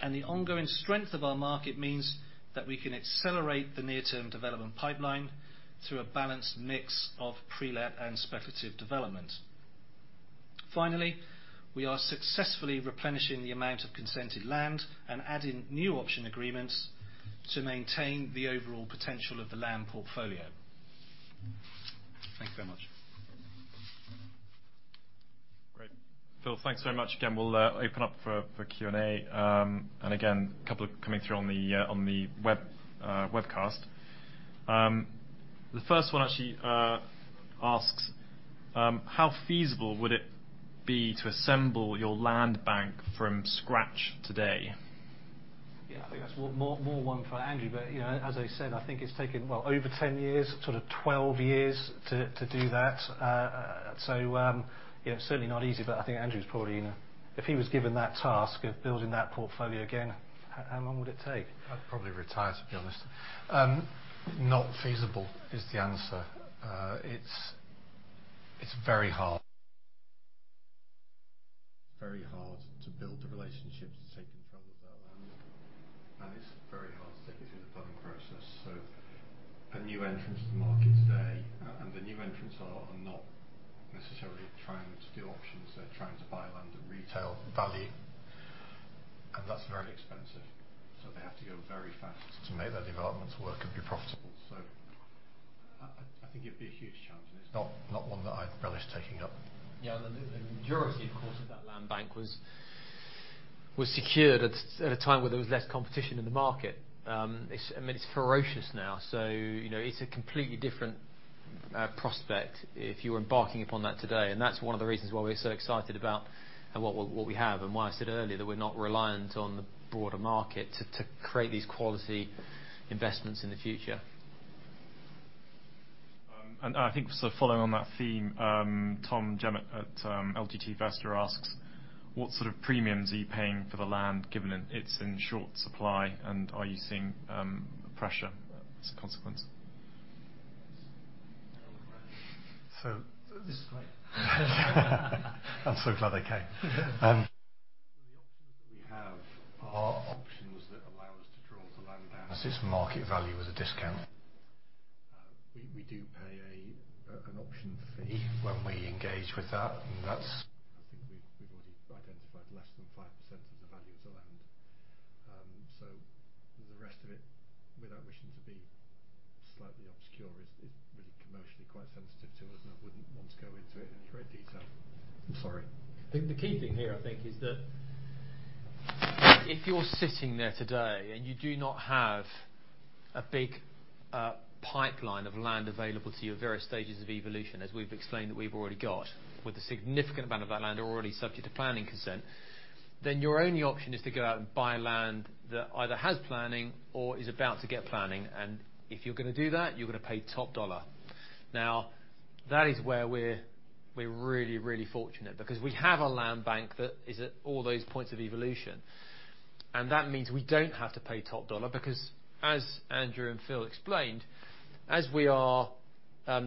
The ongoing strength of our market means that we can accelerate the near-term development pipeline through a balanced mix of pre-let and speculative development. Finally, we are successfully replenishing the amount of consented land and adding new option agreements to maintain the overall potential of the land portfolio. Thank you very much. Great. Phil, thanks very much. Again, we'll open up for Q&A. Again, a couple coming through on the webcast. The first one actually asks, "How feasible would it be to assemble your land bank from scratch today?" Yeah, I think that's more one for Andrew. You know, as I said, I think it's taken, what, over 10 years, sort of 12 years to do that. You know, certainly not easy, but I think Andrew's probably. If he was given that task of building that portfolio again, how long would it take? I'd probably retire, to be honest. Not feasible is the answer. It's very hard. It's very hard to build the relationships to take control of that land, and it's very hard to take it through the planning process. A new entrant to the market today, and the new entrants are not necessarily trying to do options, they're trying to buy land at retail value, and that's very expensive. They have to go very fast to make their developments work and be profitable. I think it'd be a huge challenge, and it's not one that I relish taking up. The majority, of course, of that land bank was secured at a time where there was less competition in the market. It's, I mean, it's ferocious now, so you know it's a completely different prospect if you were embarking upon that today. That's one of the reasons why we're so excited about what we have and why I said earlier that we're not reliant on the broader market to create these quality investments in the future. I think sort of following on that theme, Tom Jemmett at LGT Investor asks, "What sort of premiums are you paying for the land given it's in short supply, and are you seeing pressure as a consequence?" This is mine. I'm so glad I came. The options that we have are options that allow us to draw the land down at its market value with a discount. We do pay an option fee when we engage with that, and that's. I think we've already identified less than 5% of the value of the land. The rest of it, without wishing to be slightly obscure, is really commercially quite sensitive to us, and I wouldn't want to go into it in any great detail. I'm sorry. The key thing here, I think, is that if you're sitting there today, and you do not have a big pipeline of land available to you at various stages of evolution, as we've explained that we've already got, with a significant amount of that land already subject to planning consent. Your only option is to go out and buy land that either has planning or is about to get planning. If you're gonna do that, you're gonna pay top dollar. Now, that is where we're really fortunate because we have a land bank that is at all those points of evolution. That means we don't have to pay top dollar because as Andrew and Phil explained, as we are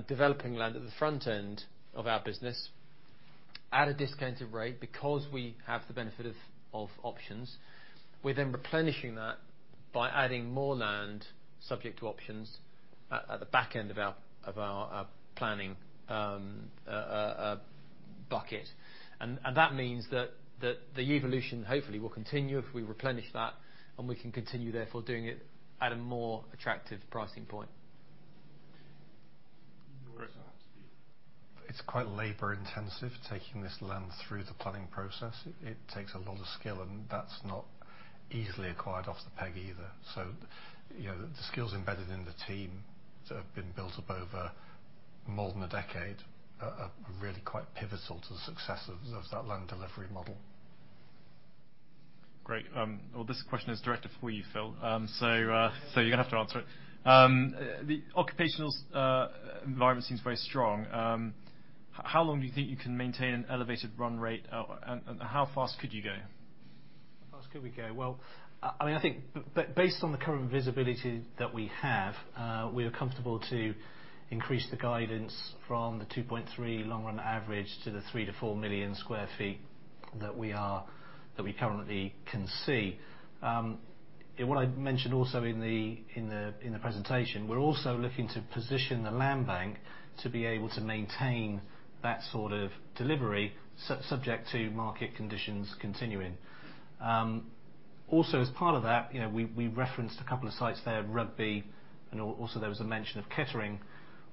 developing land at the front end of our business at a discounted rate because we have the benefit of options, we're then replenishing that by adding more land subject to options at the back end of our planning bucket. That means that the evolution hopefully will continue if we replenish that, and we can continue therefore doing it at a more attractive pricing point. It's quite labor-intensive taking this land through the planning process. It takes a lot of skill, and that's not easily acquired off the peg either. You know, the skills embedded in the team that have been built up over more than a decade are really quite pivotal to the success of that land delivery model. Great. Well, this question is directed for you, Phil. You're gonna have to answer it. "The occupational environment seems very strong. How long do you think you can maintain an elevated run rate and how fast could you go?" How fast could we go? Well, I mean, I think based on the current visibility that we have, we are comfortable to increase the guidance from the 2.3 long-run average to the 3 million sq ft-4 million sq ft that we currently can see. What I'd mentioned also in the presentation, we're also looking to position the land bank to be able to maintain that sort of delivery subject to market conditions continuing. Also as part of that, you know, we referenced a couple of sites there, Rugby, and also there was a mention of Kettering,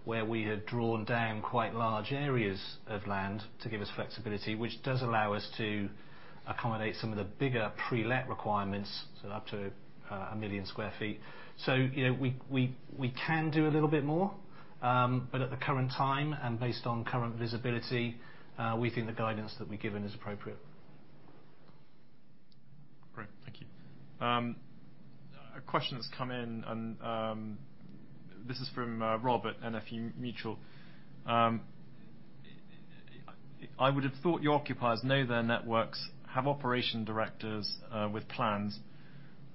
where we had drawn down quite large areas of land to give us flexibility, which does allow us to accommodate some of the bigger pre-let requirements, so up to a 1 million sq ft. You know, we can do a little bit more, but at the current time and based on current visibility, we think the guidance that we've given is appropriate. Great. Thank you. A question has come in, and this is from Robert, NFU Mutual. I would have thought your occupiers know their networks, have operations directors with plans.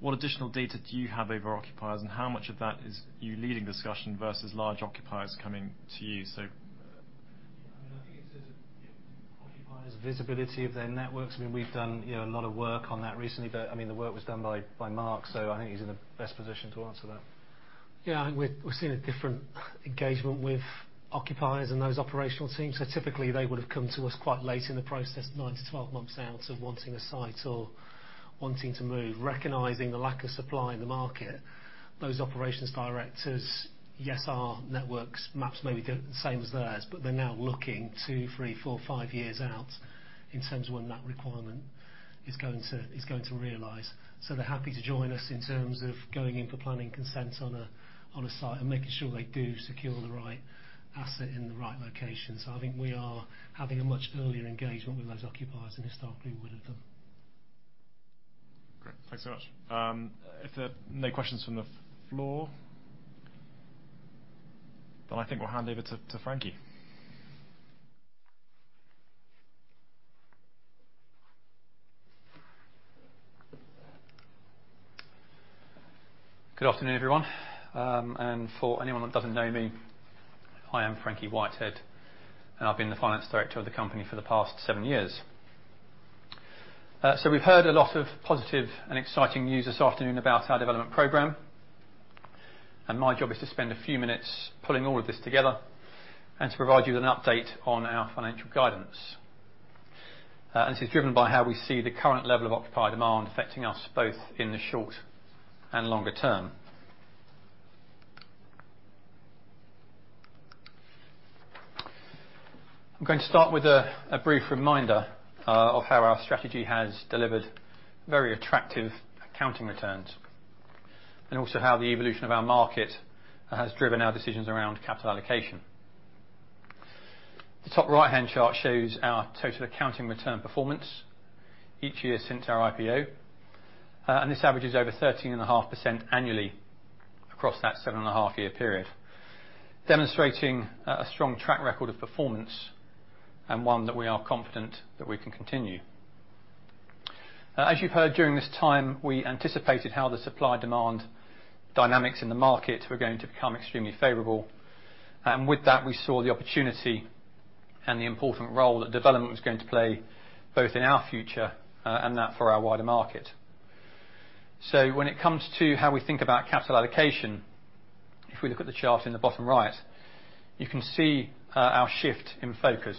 What additional data do you have over occupiers, and how much of that is you leading discussion versus large occupiers coming to you? I think it's the occupiers' visibility of their networks. I mean, we've done, you know, a lot of work on that recently. I mean, the work was done by Mark, so I think he's in the best position to answer that. Yeah. I think we're seeing a different engagement with occupiers and those operational teams. Typically, they would have come to us quite late in the process, 9-12 months out of wanting a site or wanting to move. Recognizing the lack of supply in the market, those operations directors, yes, our networks, maps may be the same as theirs, but they're now looking two, three, four, five years out in terms of when that requirement is going to realize. They're happy to join us in terms of going in for planning consents on a site and making sure they do secure the right asset in the right location. I think we are having a much earlier engagement with those occupiers than historically we would have done. Great. Thanks so much. If there are no questions from the floor, then I think we'll hand over to Frankie. Good afternoon, everyone. For anyone that doesn't know me, hi, I'm Frankie Whitehead, and I've been the Finance Director of the company for the past seven years. We've heard a lot of positive and exciting news this afternoon about our development program, and my job is to spend a few minutes pulling all of this together and to provide you with an update on our financial guidance. This is driven by how we see the current level of occupier demand affecting us both in the short and longer term. I'm going to start with a brief reminder of how our strategy has delivered very attractive accounting returns and also how the evolution of our market has driven our decisions around capital allocation. The top right-hand chart shows our total accounting return performance each year since our IPO, and this averages over 13.5% annually across that 7.5-year period, demonstrating a strong track record of performance and one that we are confident that we can continue. As you've heard during this time, we anticipated how the supply-demand dynamics in the market were going to become extremely favorable. With that, we saw the opportunity and the important role that development was going to play, both in our future, and that for our wider market. When it comes to how we think about capital allocation, if we look at the chart in the bottom right, you can see our shift in focus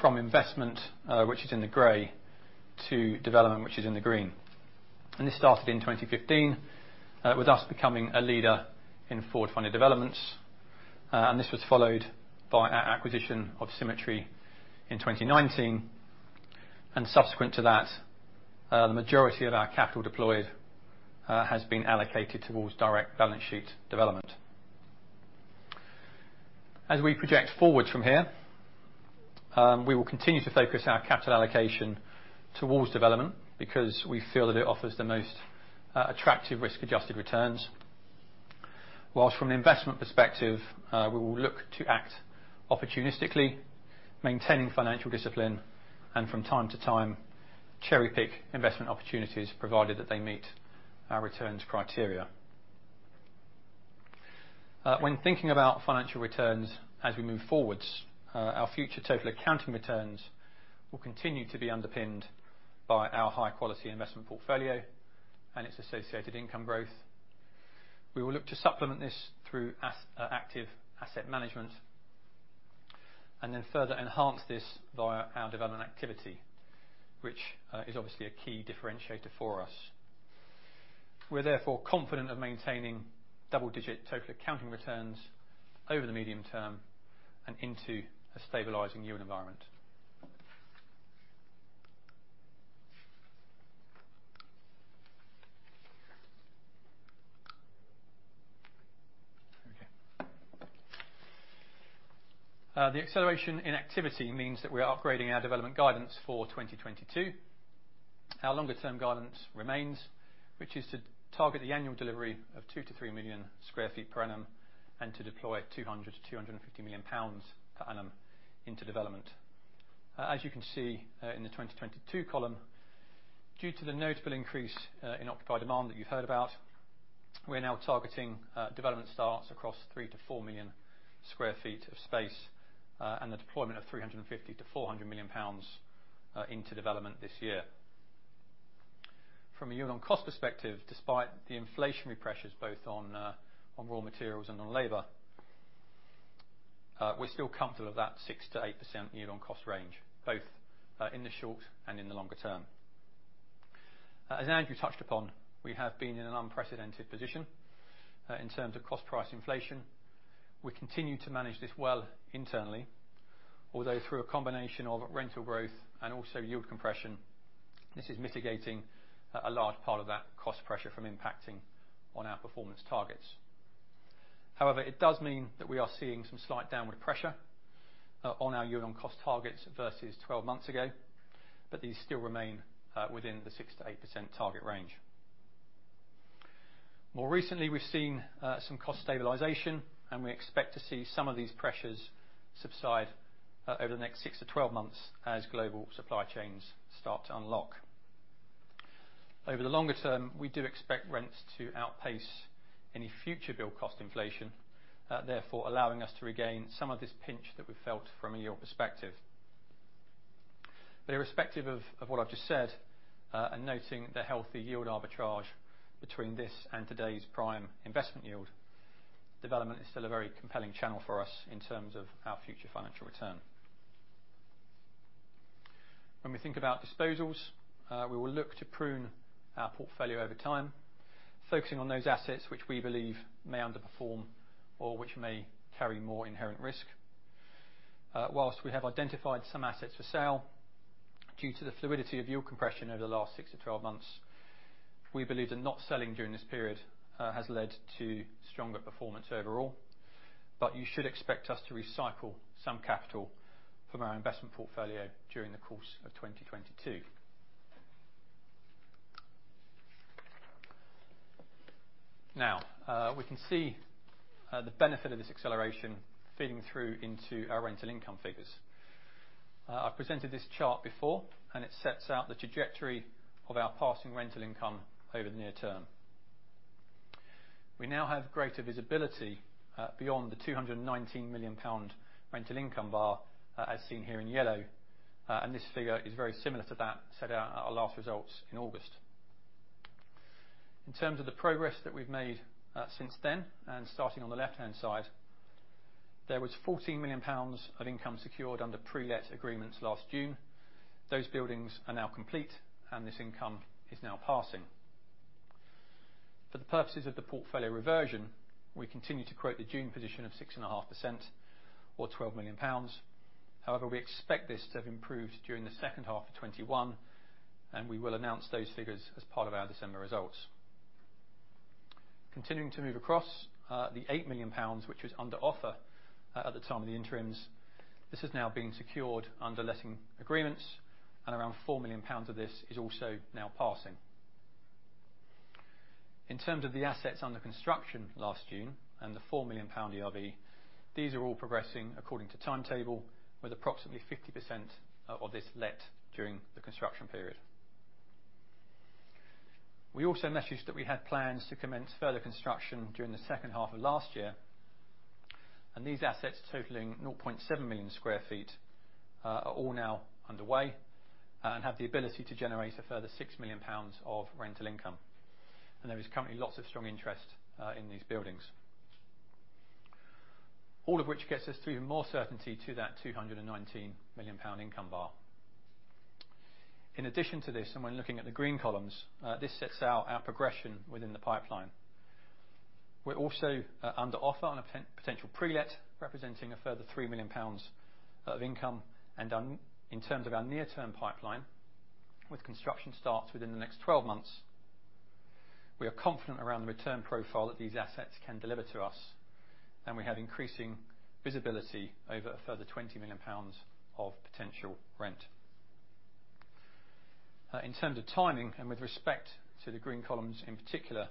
from investment, which is in the gray, to development, which is in the green. This started in 2015 with us becoming a leader in forward funding developments. This was followed by our acquisition of db Symmetry in 2019, and subsequent to that, the majority of our capital deployed has been allocated towards direct balance sheet development. As we project forward from here, we will continue to focus our capital allocation towards development because we feel that it offers the most attractive risk-adjusted returns. While from an investment perspective, we will look to act opportunistically, maintaining financial discipline, and from time to time, cherry-pick investment opportunities provided that they meet our returns criteria. When thinking about financial returns as we move forwards, our future total accounting returns will continue to be underpinned by our high-quality investment portfolio and its associated income growth. We will look to supplement this through active asset management, and then further enhance this via our development activity, which is obviously a key differentiator for us. We're therefore confident of maintaining double-digit total accounting returns over the medium term and into a stabilizing year environment. Okay. The acceleration in activity means that we're upgrading our development guidance for 2022. Our longer-term guidance remains, which is to target the annual delivery of 2 million sq ft-3 million sq ft per annum, and to deploy 200 million-250 million pounds per annum. As you can see, in the 2022 column, due to the notable increase in occupier demand that you've heard about, we're now targeting development starts across 3 million sq ft-4 million sq ft of space, and the deployment of 350 million-400 million pounds into development this year. From a yield on cost perspective, despite the inflationary pressures both on raw materials and on labor, we're still comfortable with that 6%-8% yield on cost range, both in the short and in the longer term. As Andrew touched upon, we have been in an unprecedented position in terms of cost price inflation. We continue to manage this well internally. Although through a combination of rental growth and also yield compression, this is mitigating a large part of that cost pressure from impacting on our performance targets. However, it does mean that we are seeing some slight downward pressure on our yield on cost targets versus 12 months ago, but these still remain within the 6%-8% target range. More recently, we've seen some cost stabilization, and we expect to see some of these pressures subside over the next 6-12 months as global supply chains start to unlock. Over the longer term, we do expect rents to outpace any future build cost inflation, therefore allowing us to regain some of this pinch that we've felt from a year perspective. Irrespective of what I've just said, and noting the healthy yield arbitrage between this and today's prime investment yield, development is still a very compelling channel for us in terms of our future financial return. When we think about disposals, we will look to prune our portfolio over time, focusing on those assets which we believe may underperform or which may carry more inherent risk. While we have identified some assets for sale, due to the fluidity of yield compression over the last 6-12 months, we believe that not selling during this period has led to stronger performance overall. You should expect us to recycle some capital from our investment portfolio during the course of 2022. Now, we can see the benefit of this acceleration feeding through into our rental income figures. I presented this chart before, and it sets out the trajectory of our passing rental income over the near term. We now have greater visibility beyond the 219 million pound rental income bar, as seen here in yellow, and this figure is very similar to that set out at our last results in August. In terms of the progress that we've made since then, and starting on the left-hand side, there was 40 million pounds of income secured under pre-let agreements last June. Those buildings are now complete, and this income is now passing. For the purposes of the portfolio reversion, we continue to quote the June position of 6.5% or 12 million pounds. However, we expect this to have improved during the second half of 2021, and we will announce those figures as part of our December results. Continuing to move across, the 8 million pounds, which was under offer, at the time of the interims, this is now being secured under letting agreements and around 4 million pounds of this is also now passing. In terms of the assets under construction last June and the 4 million pound ERV, these are all progressing according to timetable with approximately 50% of this let during the construction period. We also messaged that we had plans to commence further construction during the second half of last year, and these assets totaling 0.7 million sq ft are all now underway, and have the ability to generate a further 6 million pounds of rental income, and there is currently lots of strong interest in these buildings. All of which gets us to more certainty to that 219 million pound income bar. In addition to this, when looking at the green columns, this sets out our progression within the pipeline. We're also under offer on a potential pre-let, representing a further 3 million pounds of income. In terms of our near-term pipeline, with construction starts within the next 12 months. We are confident around the return profile that these assets can deliver to us, and we have increasing visibility over a further 20 million pounds of potential rent. In terms of timing and with respect to the green columns in particular,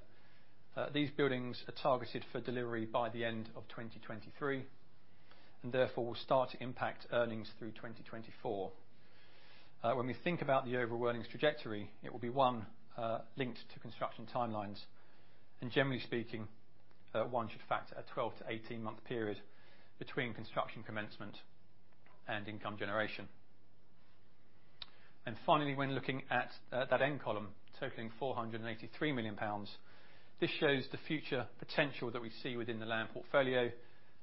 these buildings are targeted for delivery by the end of 2023 and therefore will start to impact earnings through 2024. When we think about the overall earnings trajectory, it will be one linked to construction timelines. Generally speaking, one should factor a 12-18 month period between construction commencement and income generation. Finally, when looking at that end column totaling 483 million pounds, this shows the future potential that we see within the land portfolio.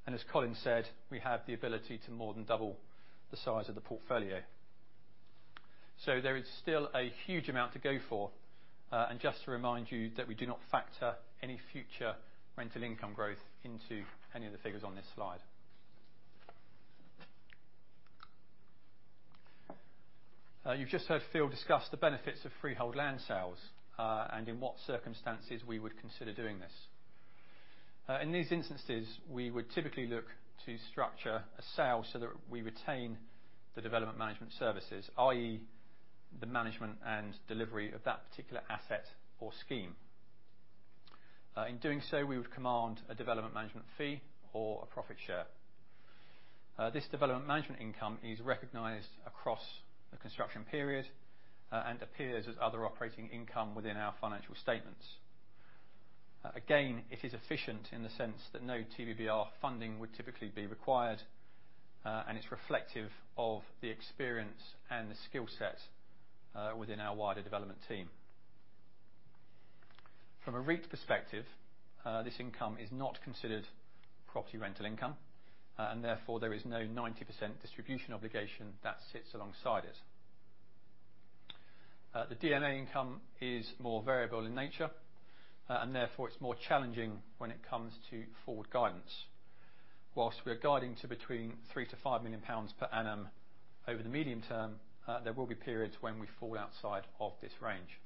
As Colin said, we have the ability to more than double the size of the portfolio. There is still a huge amount to go for. Just to remind you that we do not factor any future rental income growth into any of the figures on this slide. You've just heard Phil discuss the benefits of freehold land sales, and in what circumstances we would consider doing this. In these instances, we would typically look to structure a sale so that we retain the development management services, i.e. the management and delivery of that particular asset or scheme. In doing so, we would command a development management fee or a profit share. This development management income is recognized across the construction period, and appears as other operating income within our financial statements. Again, it is efficient in the sense that no TVBR funding would typically be required, and it's reflective of the experience and the skill set within our wider development team. From a REIT perspective, this income is not considered property rental income, and therefore, there is no 90% distribution obligation that sits alongside it. The DMA income is more variable in nature, and therefore, it's more challenging when it comes to forward guidance. While we are guiding to between 3 million-5 million pounds per annum over the medium term, there will be periods when we fall outside of this range.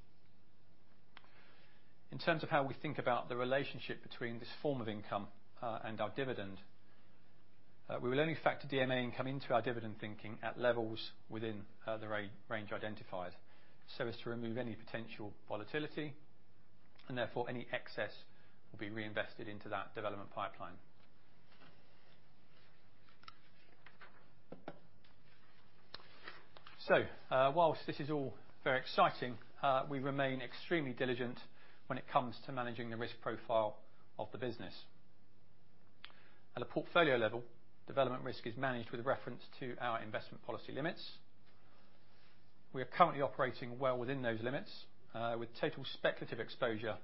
In terms of how we think about the relationship between this form of income and our dividend, we will only factor DMA income into our dividend thinking at levels within the range identified, so as to remove any potential volatility and therefore any excess will be reinvested into that development pipeline. While this is all very exciting, we remain extremely diligent when it comes to managing the risk profile of the business. At a portfolio level, development risk is managed with reference to our investment policy limits. We are currently operating well within those limits, with total speculative exposure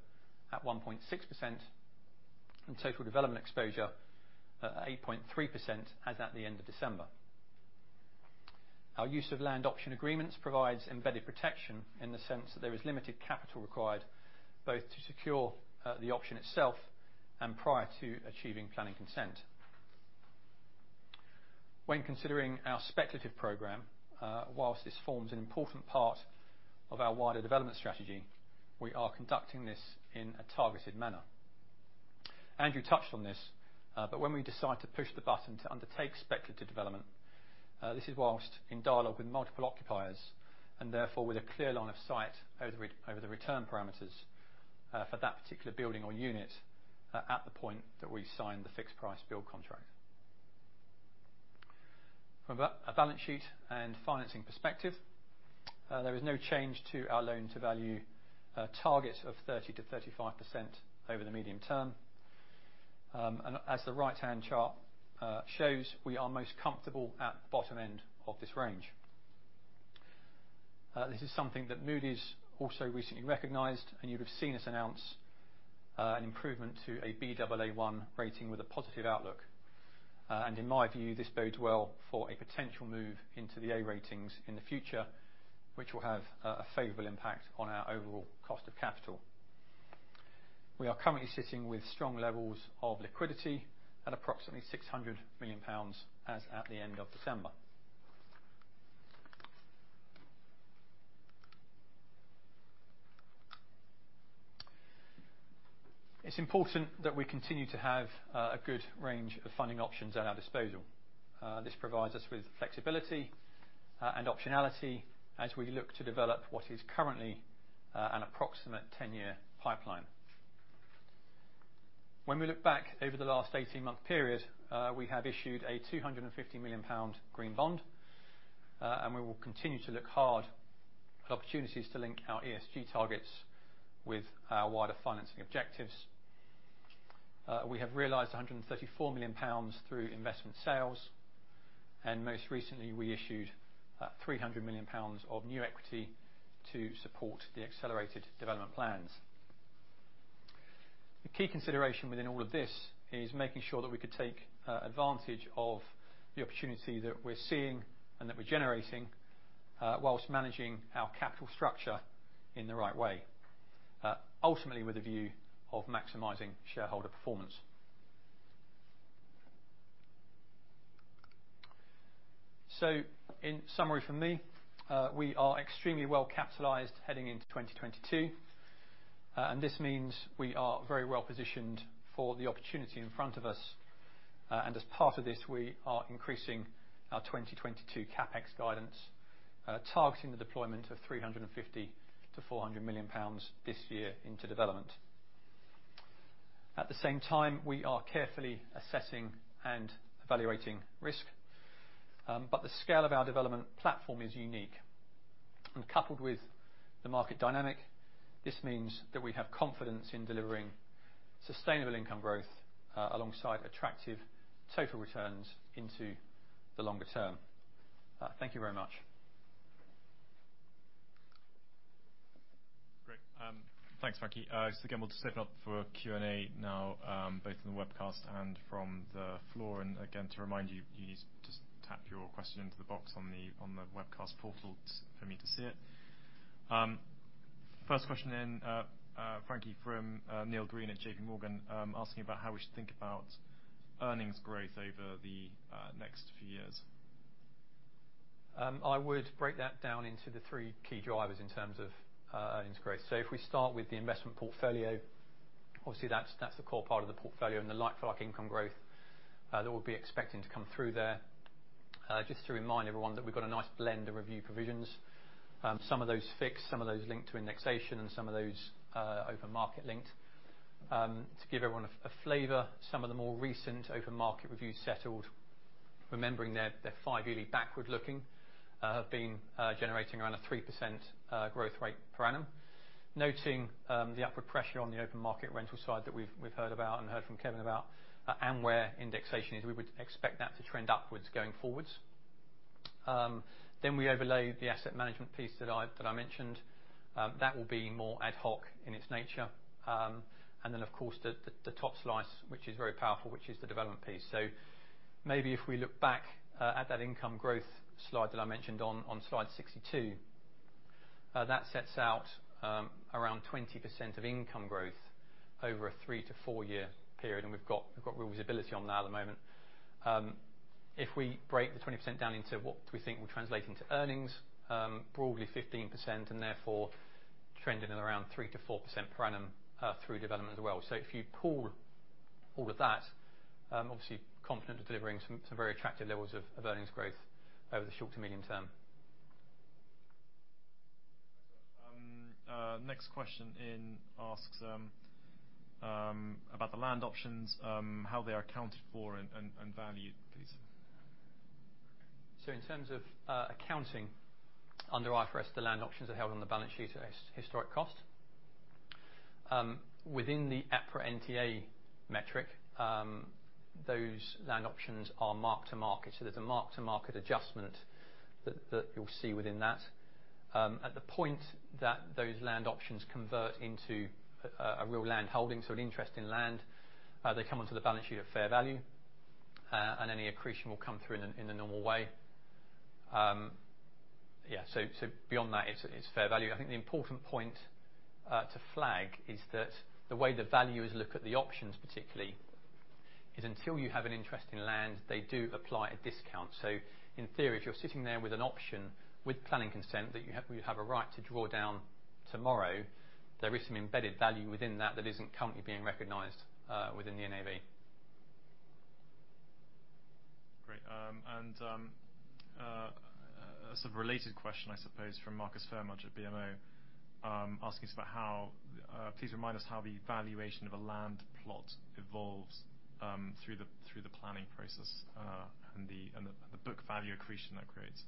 at 1.6% and total development exposure at 8.3% as at the end of December. Our use of land option agreements provides embedded protection in the sense that there is limited capital required both to secure the option itself and prior to achieving planning consent. When considering our speculative program, whilst this forms an important part of our wider development strategy, we are conducting this in a targeted manner. Andrew touched on this, but when we decide to push the button to undertake speculative development, this is whilst in dialogue with multiple occupiers and therefore with a clear line of sight over the return parameters for that particular building or unit at the point that we sign the fixed price build contract. From a balance sheet and financing perspective, there is no change to our loan to value target of 30%-35% over the medium term. As the right-hand chart shows, we are most comfortable at bottom end of this range. This is something that Moody's also recently recognized, and you'd have seen us announce an improvement to a Baa1 rating with a positive outlook. In my view, this bodes well for a potential move into the A ratings in the future, which will have a favorable impact on our overall cost of capital. We are currently sitting with strong levels of liquidity at approximately 600 million pounds as at the end of December. It's important that we continue to have a good range of funding options at our disposal. This provides us with flexibility and optionality as we look to develop what is currently an approximate 10-year pipeline. When we look back over the last 18-month period, we have issued a 250 million pound green bond, and we will continue to look hard at opportunities to link our ESG targets with our wider financing objectives. We have realized 134 million pounds through investment sales, and most recently, we issued 300 million pounds of new equity to support the accelerated development plans. The key consideration within all of this is making sure that we could take advantage of the opportunity that we're seeing and that we're generating, while managing our capital structure in the right way, ultimately with a view of maximizing shareholder performance. In summary for me, we are extremely well capitalized heading into 2022. This means we are very well positioned for the opportunity in front of us. As part of this, we are increasing our 2022 CapEx guidance, targeting the deployment of 350 million-400 million pounds this year into development. At the same time, we are carefully assessing and evaluating risk, but the scale of our development platform is unique. Coupled with the market dynamic, this means that we have confidence in delivering sustainable income growth, alongside attractive total returns into the longer term. Thank you very much. Great. Thanks, Frankie. Just again, we'll just open up for Q&A now, both on the webcast and from the floor. Again, to remind you need to just type your question into the box on the webcast portal for me to see it. First question then, Frankie, from Neil Green at JPMorgan, asking about how we should think about earnings growth over the next few years. I would break that down into the three key drivers in terms of earnings growth. If we start with the investment portfolio, obviously, that's a core part of the portfolio and the like-for-like income growth that we'll be expecting to come through there. Just to remind everyone that we've got a nice blend of review provisions, some of those fixed, some of those linked to indexation, and some of those open market linked. To give everyone a flavor, some of the more recent open market reviews settled, remembering their five-yearly backward-looking, have been generating around a 3% growth rate per annum. Noting the upward pressure on the open market rental side that we've heard about and heard from Kevin about, and where indexation is, we would expect that to trend upwards going forwards. Then we overlay the asset management piece that I mentioned. That will be more ad hoc in its nature. Then of course, the top slice, which is very powerful, which is the development piece. Maybe if we look back at that income growth slide that I mentioned on slide 62, that sets out around 20% of income growth over a 3-4 years period, and we've got visibility on that at the moment. If we break the 20% down into what we think will translate into earnings, broadly 15%, and therefore trending at around 3%-4% per annum, through development as well. If you pool all of that, obviously confident of delivering some very attractive levels of earnings growth over the short to medium term. Next question asks about the land options, how they are accounted for and valued, please. In terms of accounting, under IFRS, the land options are held on the balance sheet at historic cost. Within the EPRA NTA metric, those land options are mark-to-market. There's a mark-to-market adjustment that you'll see within that. At the point that those land options convert into a real land holding, an interest in land, they come onto the balance sheet at fair value, and any accretion will come through in the normal way. Beyond that, it's fair value. I think the important point to flag is that the way the valuers look at the options particularly is until you have an interest in land, they do apply a discount. In theory, if you're sitting there with an option with planning consent that you have, you have a right to draw down tomorrow, there is some embedded value within that that isn't currently being recognized within the NAV. Great. Sort of a related question, I suppose, from Marcus Phayre-Mudge at BMO, asking us about, "Please remind us how the valuation of a land plot evolves through the planning process, and the book value accretion that creates."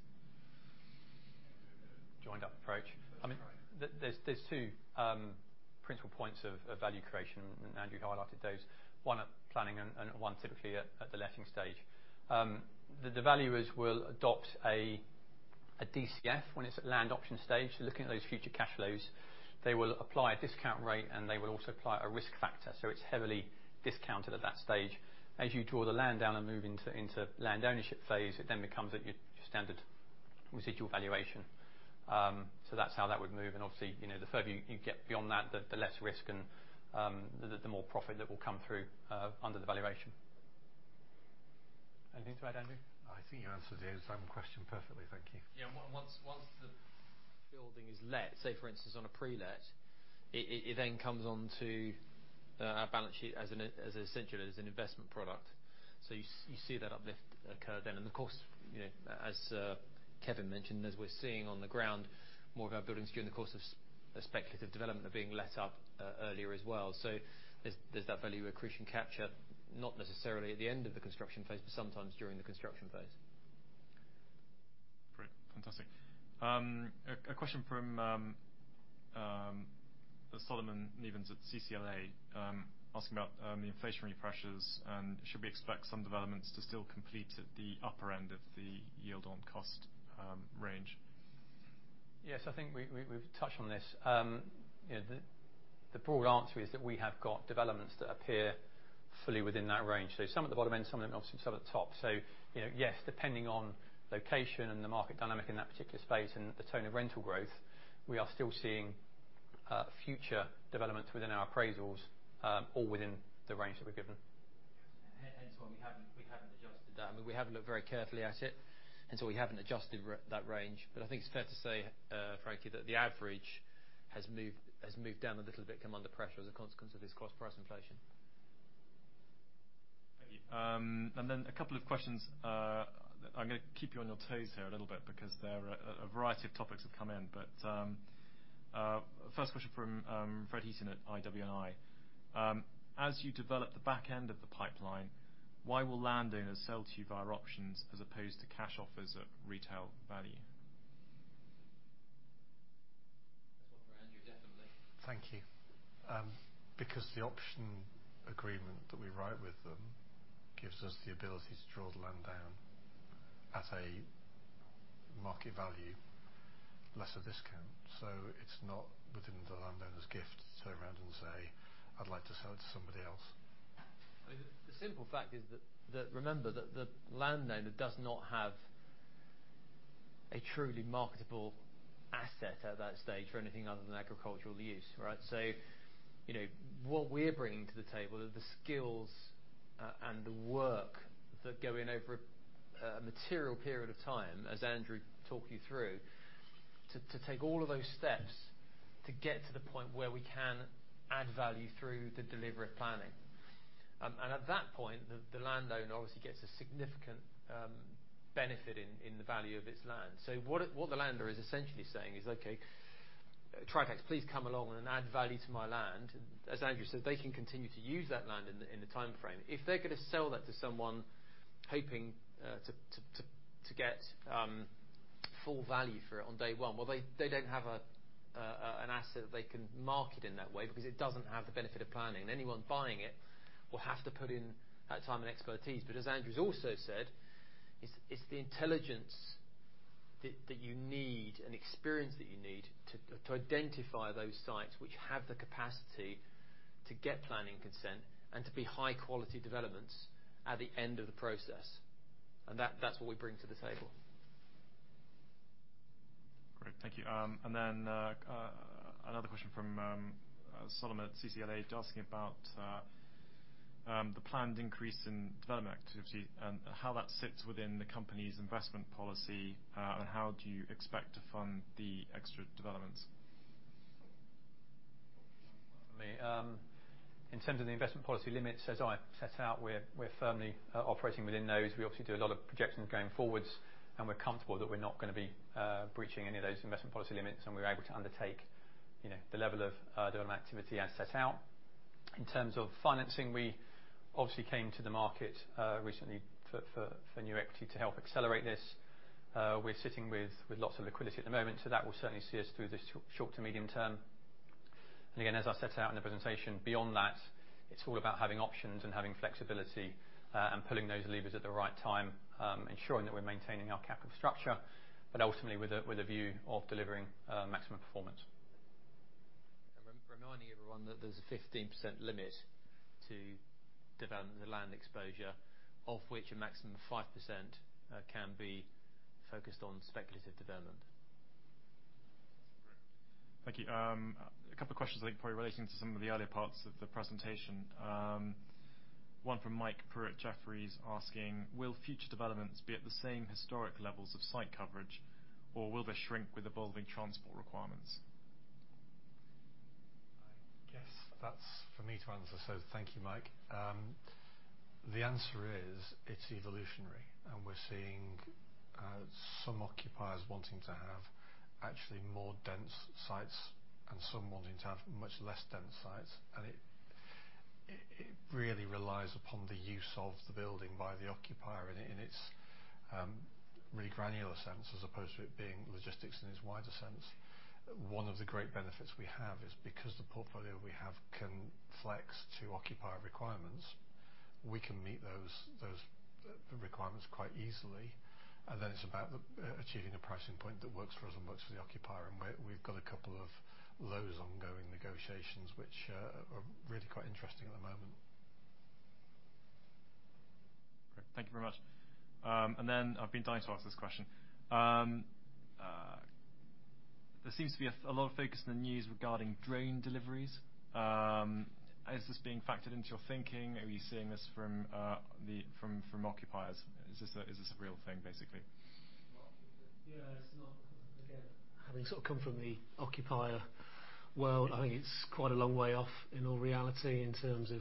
Joined up approach. That's right. I mean, there's two principal points of value creation, and Andrew highlighted those. One at planning and one typically at the letting stage. The valuers will adopt a DCF when it's at land option stage. So looking at those future cash flows, they will apply a discount rate, and they will also apply a risk factor. So it's heavily discounted at that stage. As you draw the land down and move into land ownership phase, it then becomes at your standard residual valuation. So that's how that would move. Obviously, you know, the further you get beyond that, the less risk and the more profit that will come through under the valuation. Anything to add, Andrew? I think you answered the exam question perfectly. Thank you. Yeah. Once the building is let, say for instance, on a pre-let, it then comes onto our balance sheet as essentially an investment product. So you see that uplift occur then. Of course, you know, as Kevin mentioned, as we're seeing on the ground, more of our buildings during the course of speculative development are being let up earlier as well. So there's that value accretion capture, not necessarily at the end of the construction phase, but sometimes during the construction phase. Great. Fantastic. A question from Solomon Nevins at CCLA, asking about the inflationary pressures, and should we expect some developments to still complete at the upper end of the yield on cost range? Yes, I think we've touched on this. You know, the broad answer is that we have got developments that appear fully within that range. Some at the bottom end, some of them, obviously, some at the top. You know, yes, depending on location and the market dynamic in that particular space and the tone of rental growth, we are still seeing future developments within our appraisals, all within the range that we're given. Hence why we haven't adjusted that. I mean, we have looked very carefully at it, and so we haven't adjusted that range. But I think it's fair to say, frankly, that the average has moved down a little bit, come under pressure as a consequence of this cost price inflation. Thank you. Then a couple of questions. I'm gonna keep you on your toes here a little bit because there are a variety of topics have come in. First question from Fred Heaton at Investec Wealth & Investment. As you develop the back end of the pipeline, why will landowners sell to you via options as opposed to cash offers at retail value? That's one for Andrew, definitely. Thank you. Because the option agreement that we write with them gives us the ability to draw the land down at a market value less a discount. It's not within the landowner's gift to turn around and say, "I'd like to sell it to somebody else." The simple fact is that remember that the landowner does not have a truly marketable asset at that stage for anything other than agricultural use, right? You know, what we're bringing to the table are the skills and the work that go in over a material period of time, as Andrew talked you through, to take all of those steps to get to the point where we can add value through the delivery of planning. And at that point, the landowner obviously gets a significant benefit in the value of his land. What the landowner is essentially saying is, "Okay, Tritax, please come along and add value to my land." As Andrew said, they can continue to use that land in the timeframe. If they're gonna sell that to someone hoping to get full value for it on day one, well, they don't have an asset that they can market in that way because it doesn't have the benefit of planning. Anyone buying it will have to put in that time and expertise. As Andrew has also said, it's the intelligence that you need and experience that you need to identify those sites which have the capacity to get planning consent and to be high-quality developments at the end of the process. That's what we bring to the table. Great, thank you. Another question from Solomon at CCLA asking about the planned increase in development activity and how that sits within the company's investment policy, and how do you expect to fund the extra developments? In terms of the investment policy limits, as I set out, we're firmly operating within those. We obviously do a lot of projections going forwards, and we're comfortable that we're not gonna be breaching any of those investment policy limits, and we're able to undertake, you know, the level of development activity as set out. In terms of financing, we obviously came to the market recently for new equity to help accelerate this. We're sitting with lots of liquidity at the moment, so that will certainly see us through this short to medium term. Again, as I set out in the presentation, beyond that, it's all about having options and having flexibility, and pulling those levers at the right time, ensuring that we're maintaining our capital structure, but ultimately with a view of delivering maximum performance. Reminding everyone that there's a 15% limit to development and the land exposure, of which a maximum 5% can be focused on speculative development. Great. Thank you. A couple questions I think probably relating to some of the earlier parts of the presentation. One from Mike Prew at Jefferies asking, "Will future developments be at the same historic levels of site coverage or will they shrink with evolving transport requirements?" I guess that's for me to answer, so thank you, Mike. The answer is it's evolutionary and we're seeing some occupiers wanting to have actually more dense sites and some wanting to have much less dense sites. It really relies upon the use of the building by the occupier in its really granular sense as opposed to it being logistics in its wider sense. One of the great benefits we have is because the portfolio we have can flex to occupier requirements, we can meet those requirements quite easily. Then it's about the achieving a pricing point that works for us and works for the occupier. We we've got a couple of those ongoing negotiations which are really quite interesting at the moment. Great. Thank you very much. I've been dying to ask this question. "There seems to be a lot of focus in the news regarding drone deliveries. Is this being factored into your thinking? Are you seeing this from the occupiers? Is this a real thing, basically?" Yeah, it's not. Again, having sort of come from the occupier world, I think it's quite a long way off in all reality in terms of,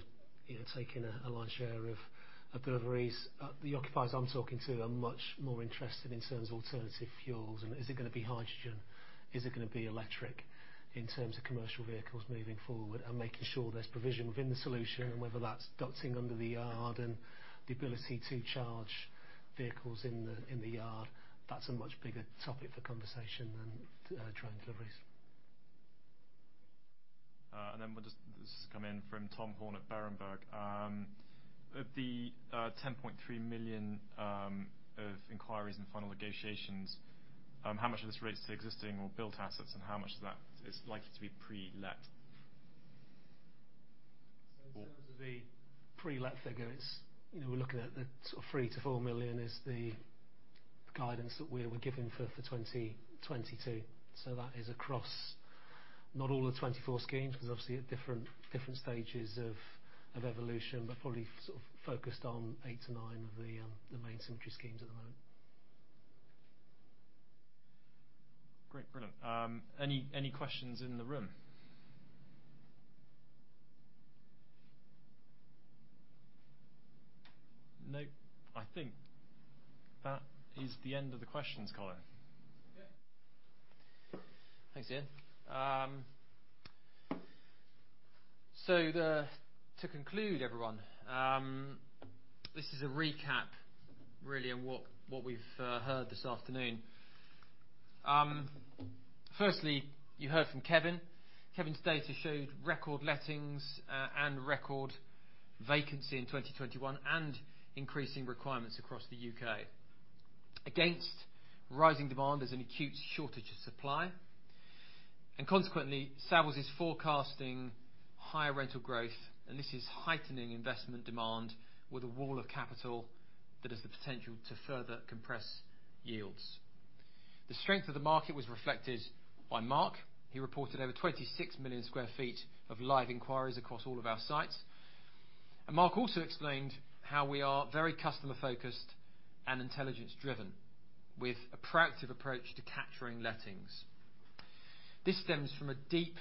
you know, taking a lion's share of deliveries. The occupiers I'm talking to are much more interested in terms of alternative fuels and is it gonna be hydrogen, is it gonna be electric in terms of commercial vehicles moving forward and making sure there's provision within the solution, and whether that's docking under the yard and the ability to charge vehicles in the yard. That's a much bigger topic for conversation than drone deliveries. This has come in from Tom Horne at Berenberg. Of the 10.3 million of inquiries and final negotiations, how much of this relates to existing or built assets, and how much of that is likely to be pre-let? The pre-let figure is, you know, we're looking at the sort of 3 million-4 million is the guidance that we're giving for 2022. That is across not all the 24 schemes, 'cause obviously at different stages of evolution, but probably sort of focused on 8-9 of the main Symmetry schemes at the moment. Great. Brilliant. Any questions in the room? No? I think that is the end of the questions, Colin. Yeah. Thanks, Ian. To conclude, everyone, this is a recap really on what we've heard this afternoon. Firstly, you heard from Kevin. Kevin's data showed record lettings and record vacancy in 2021, and increasing requirements across the U.K. Against rising demand, there's an acute shortage of supply, and consequently, Savills is forecasting higher rental growth, and this is heightening investment demand with a wall of capital that has the potential to further compress yields. The strength of the market was reflected by Mark. He reported over 26 million sq ft of live inquiries across all of our sites. Mark also explained how we are very customer-focused and intelligence-driven, with a proactive approach to capturing lettings. This stems from a deep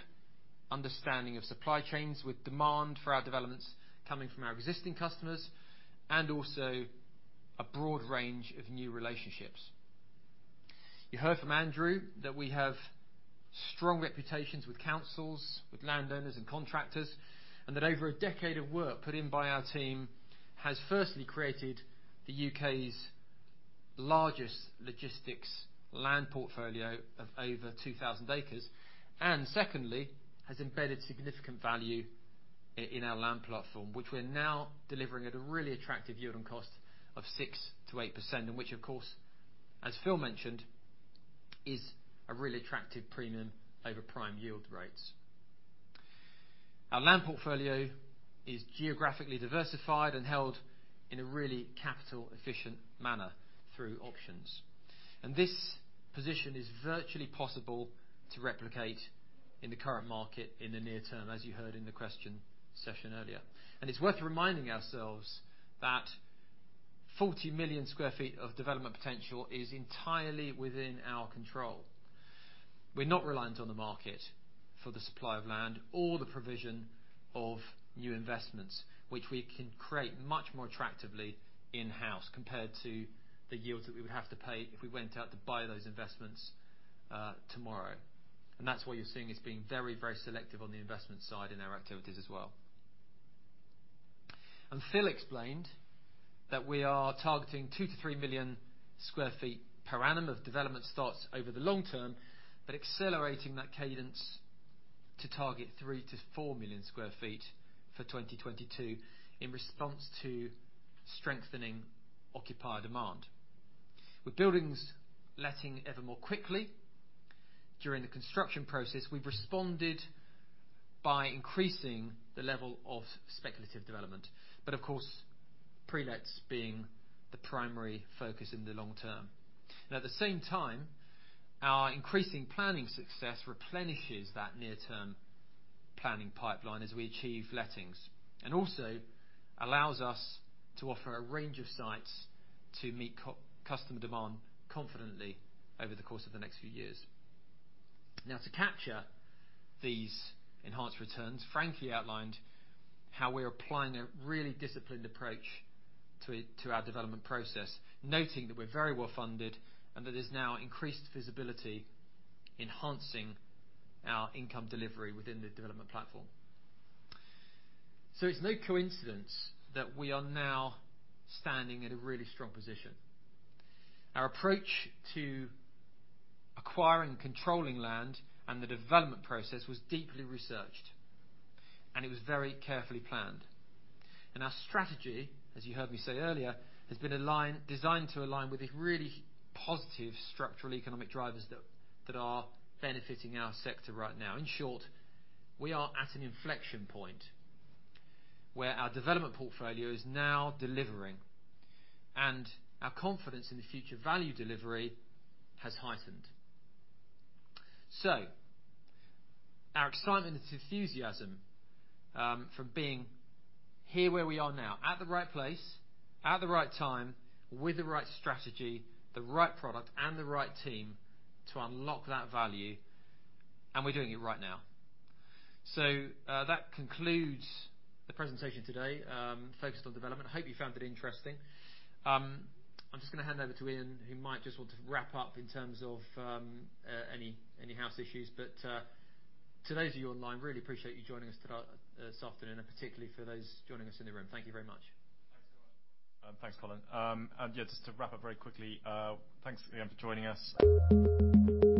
understanding of supply chains, with demand for our developments coming from our existing customers and also a broad range of new relationships. You heard from Andrew that we have strong reputations with councils, with landowners and contractors, and that over a decade of work put in by our team has firstly created the U.K.'s largest logistics land portfolio of over 2,000 acres. Secondly, has embedded significant value in our land platform, which we're now delivering at a really attractive yield on cost of 6%-8%. Which, of course, as Phil mentioned, is a really attractive premium over prime yield rates. Our land portfolio is geographically diversified and held in a really capital efficient manner through options. This position is virtually impossible to replicate in the current market in the near term, as you heard in the question session earlier. It's worth reminding ourselves that 40 million sq ft of development potential is entirely within our control. We're not reliant on the market for the supply of land or the provision of new investments, which we can create much more attractively in-house compared to the yields that we would have to pay if we went out to buy those investments, tomorrow. That's what you're seeing us being very, very selective on the investment side in our activities as well. Phil explained that we are targeting 2 million sq ft-3 million sq ft per annum of development starts over the long term, but accelerating that cadence to target 3 million sq ft-4 million sq ft for 2022 in response to strengthening occupier demand. With buildings letting ever more quickly during the construction process, we've responded by increasing the level of speculative development. Of course, pre-lets being the primary focus in the long term. At the same time, our increasing planning success replenishes that near-term planning pipeline as we achieve lettings. Also allows us to offer a range of sites to meet our customer demand confidently over the course of the next few years. Now, to capture these enhanced returns, Frankie outlined how we are applying a really disciplined approach to our development process, noting that we're very well funded and that there's now increased visibility enhancing our income delivery within the development platform. It's no coincidence that we are now standing in a really strong position. Our approach to acquiring and controlling land and the development process was deeply researched, and it was very carefully planned. Our strategy, as you heard me say earlier, has been designed to align with the really positive structural economic drivers that are benefiting our sector right now. In short, we are at an inflection point where our development portfolio is now delivering, and our confidence in the future value delivery has heightened. Our excitement and enthusiasm from being here where we are now, at the right place, at the right time, with the right strategy, the right product, and the right team to unlock that value, and we're doing it right now. That concludes the presentation today, focused on development. Hope you found it interesting. I'm just gonna hand over to Ian, who might just want to wrap up in terms of any house issues. To those of you online, I really appreciate you joining us today, this afternoon, and particularly for those joining us in the room. Thank you very much. Thanks a lot. Thanks, Colin. Yeah, just to wrap up very quickly, thanks again for joining us.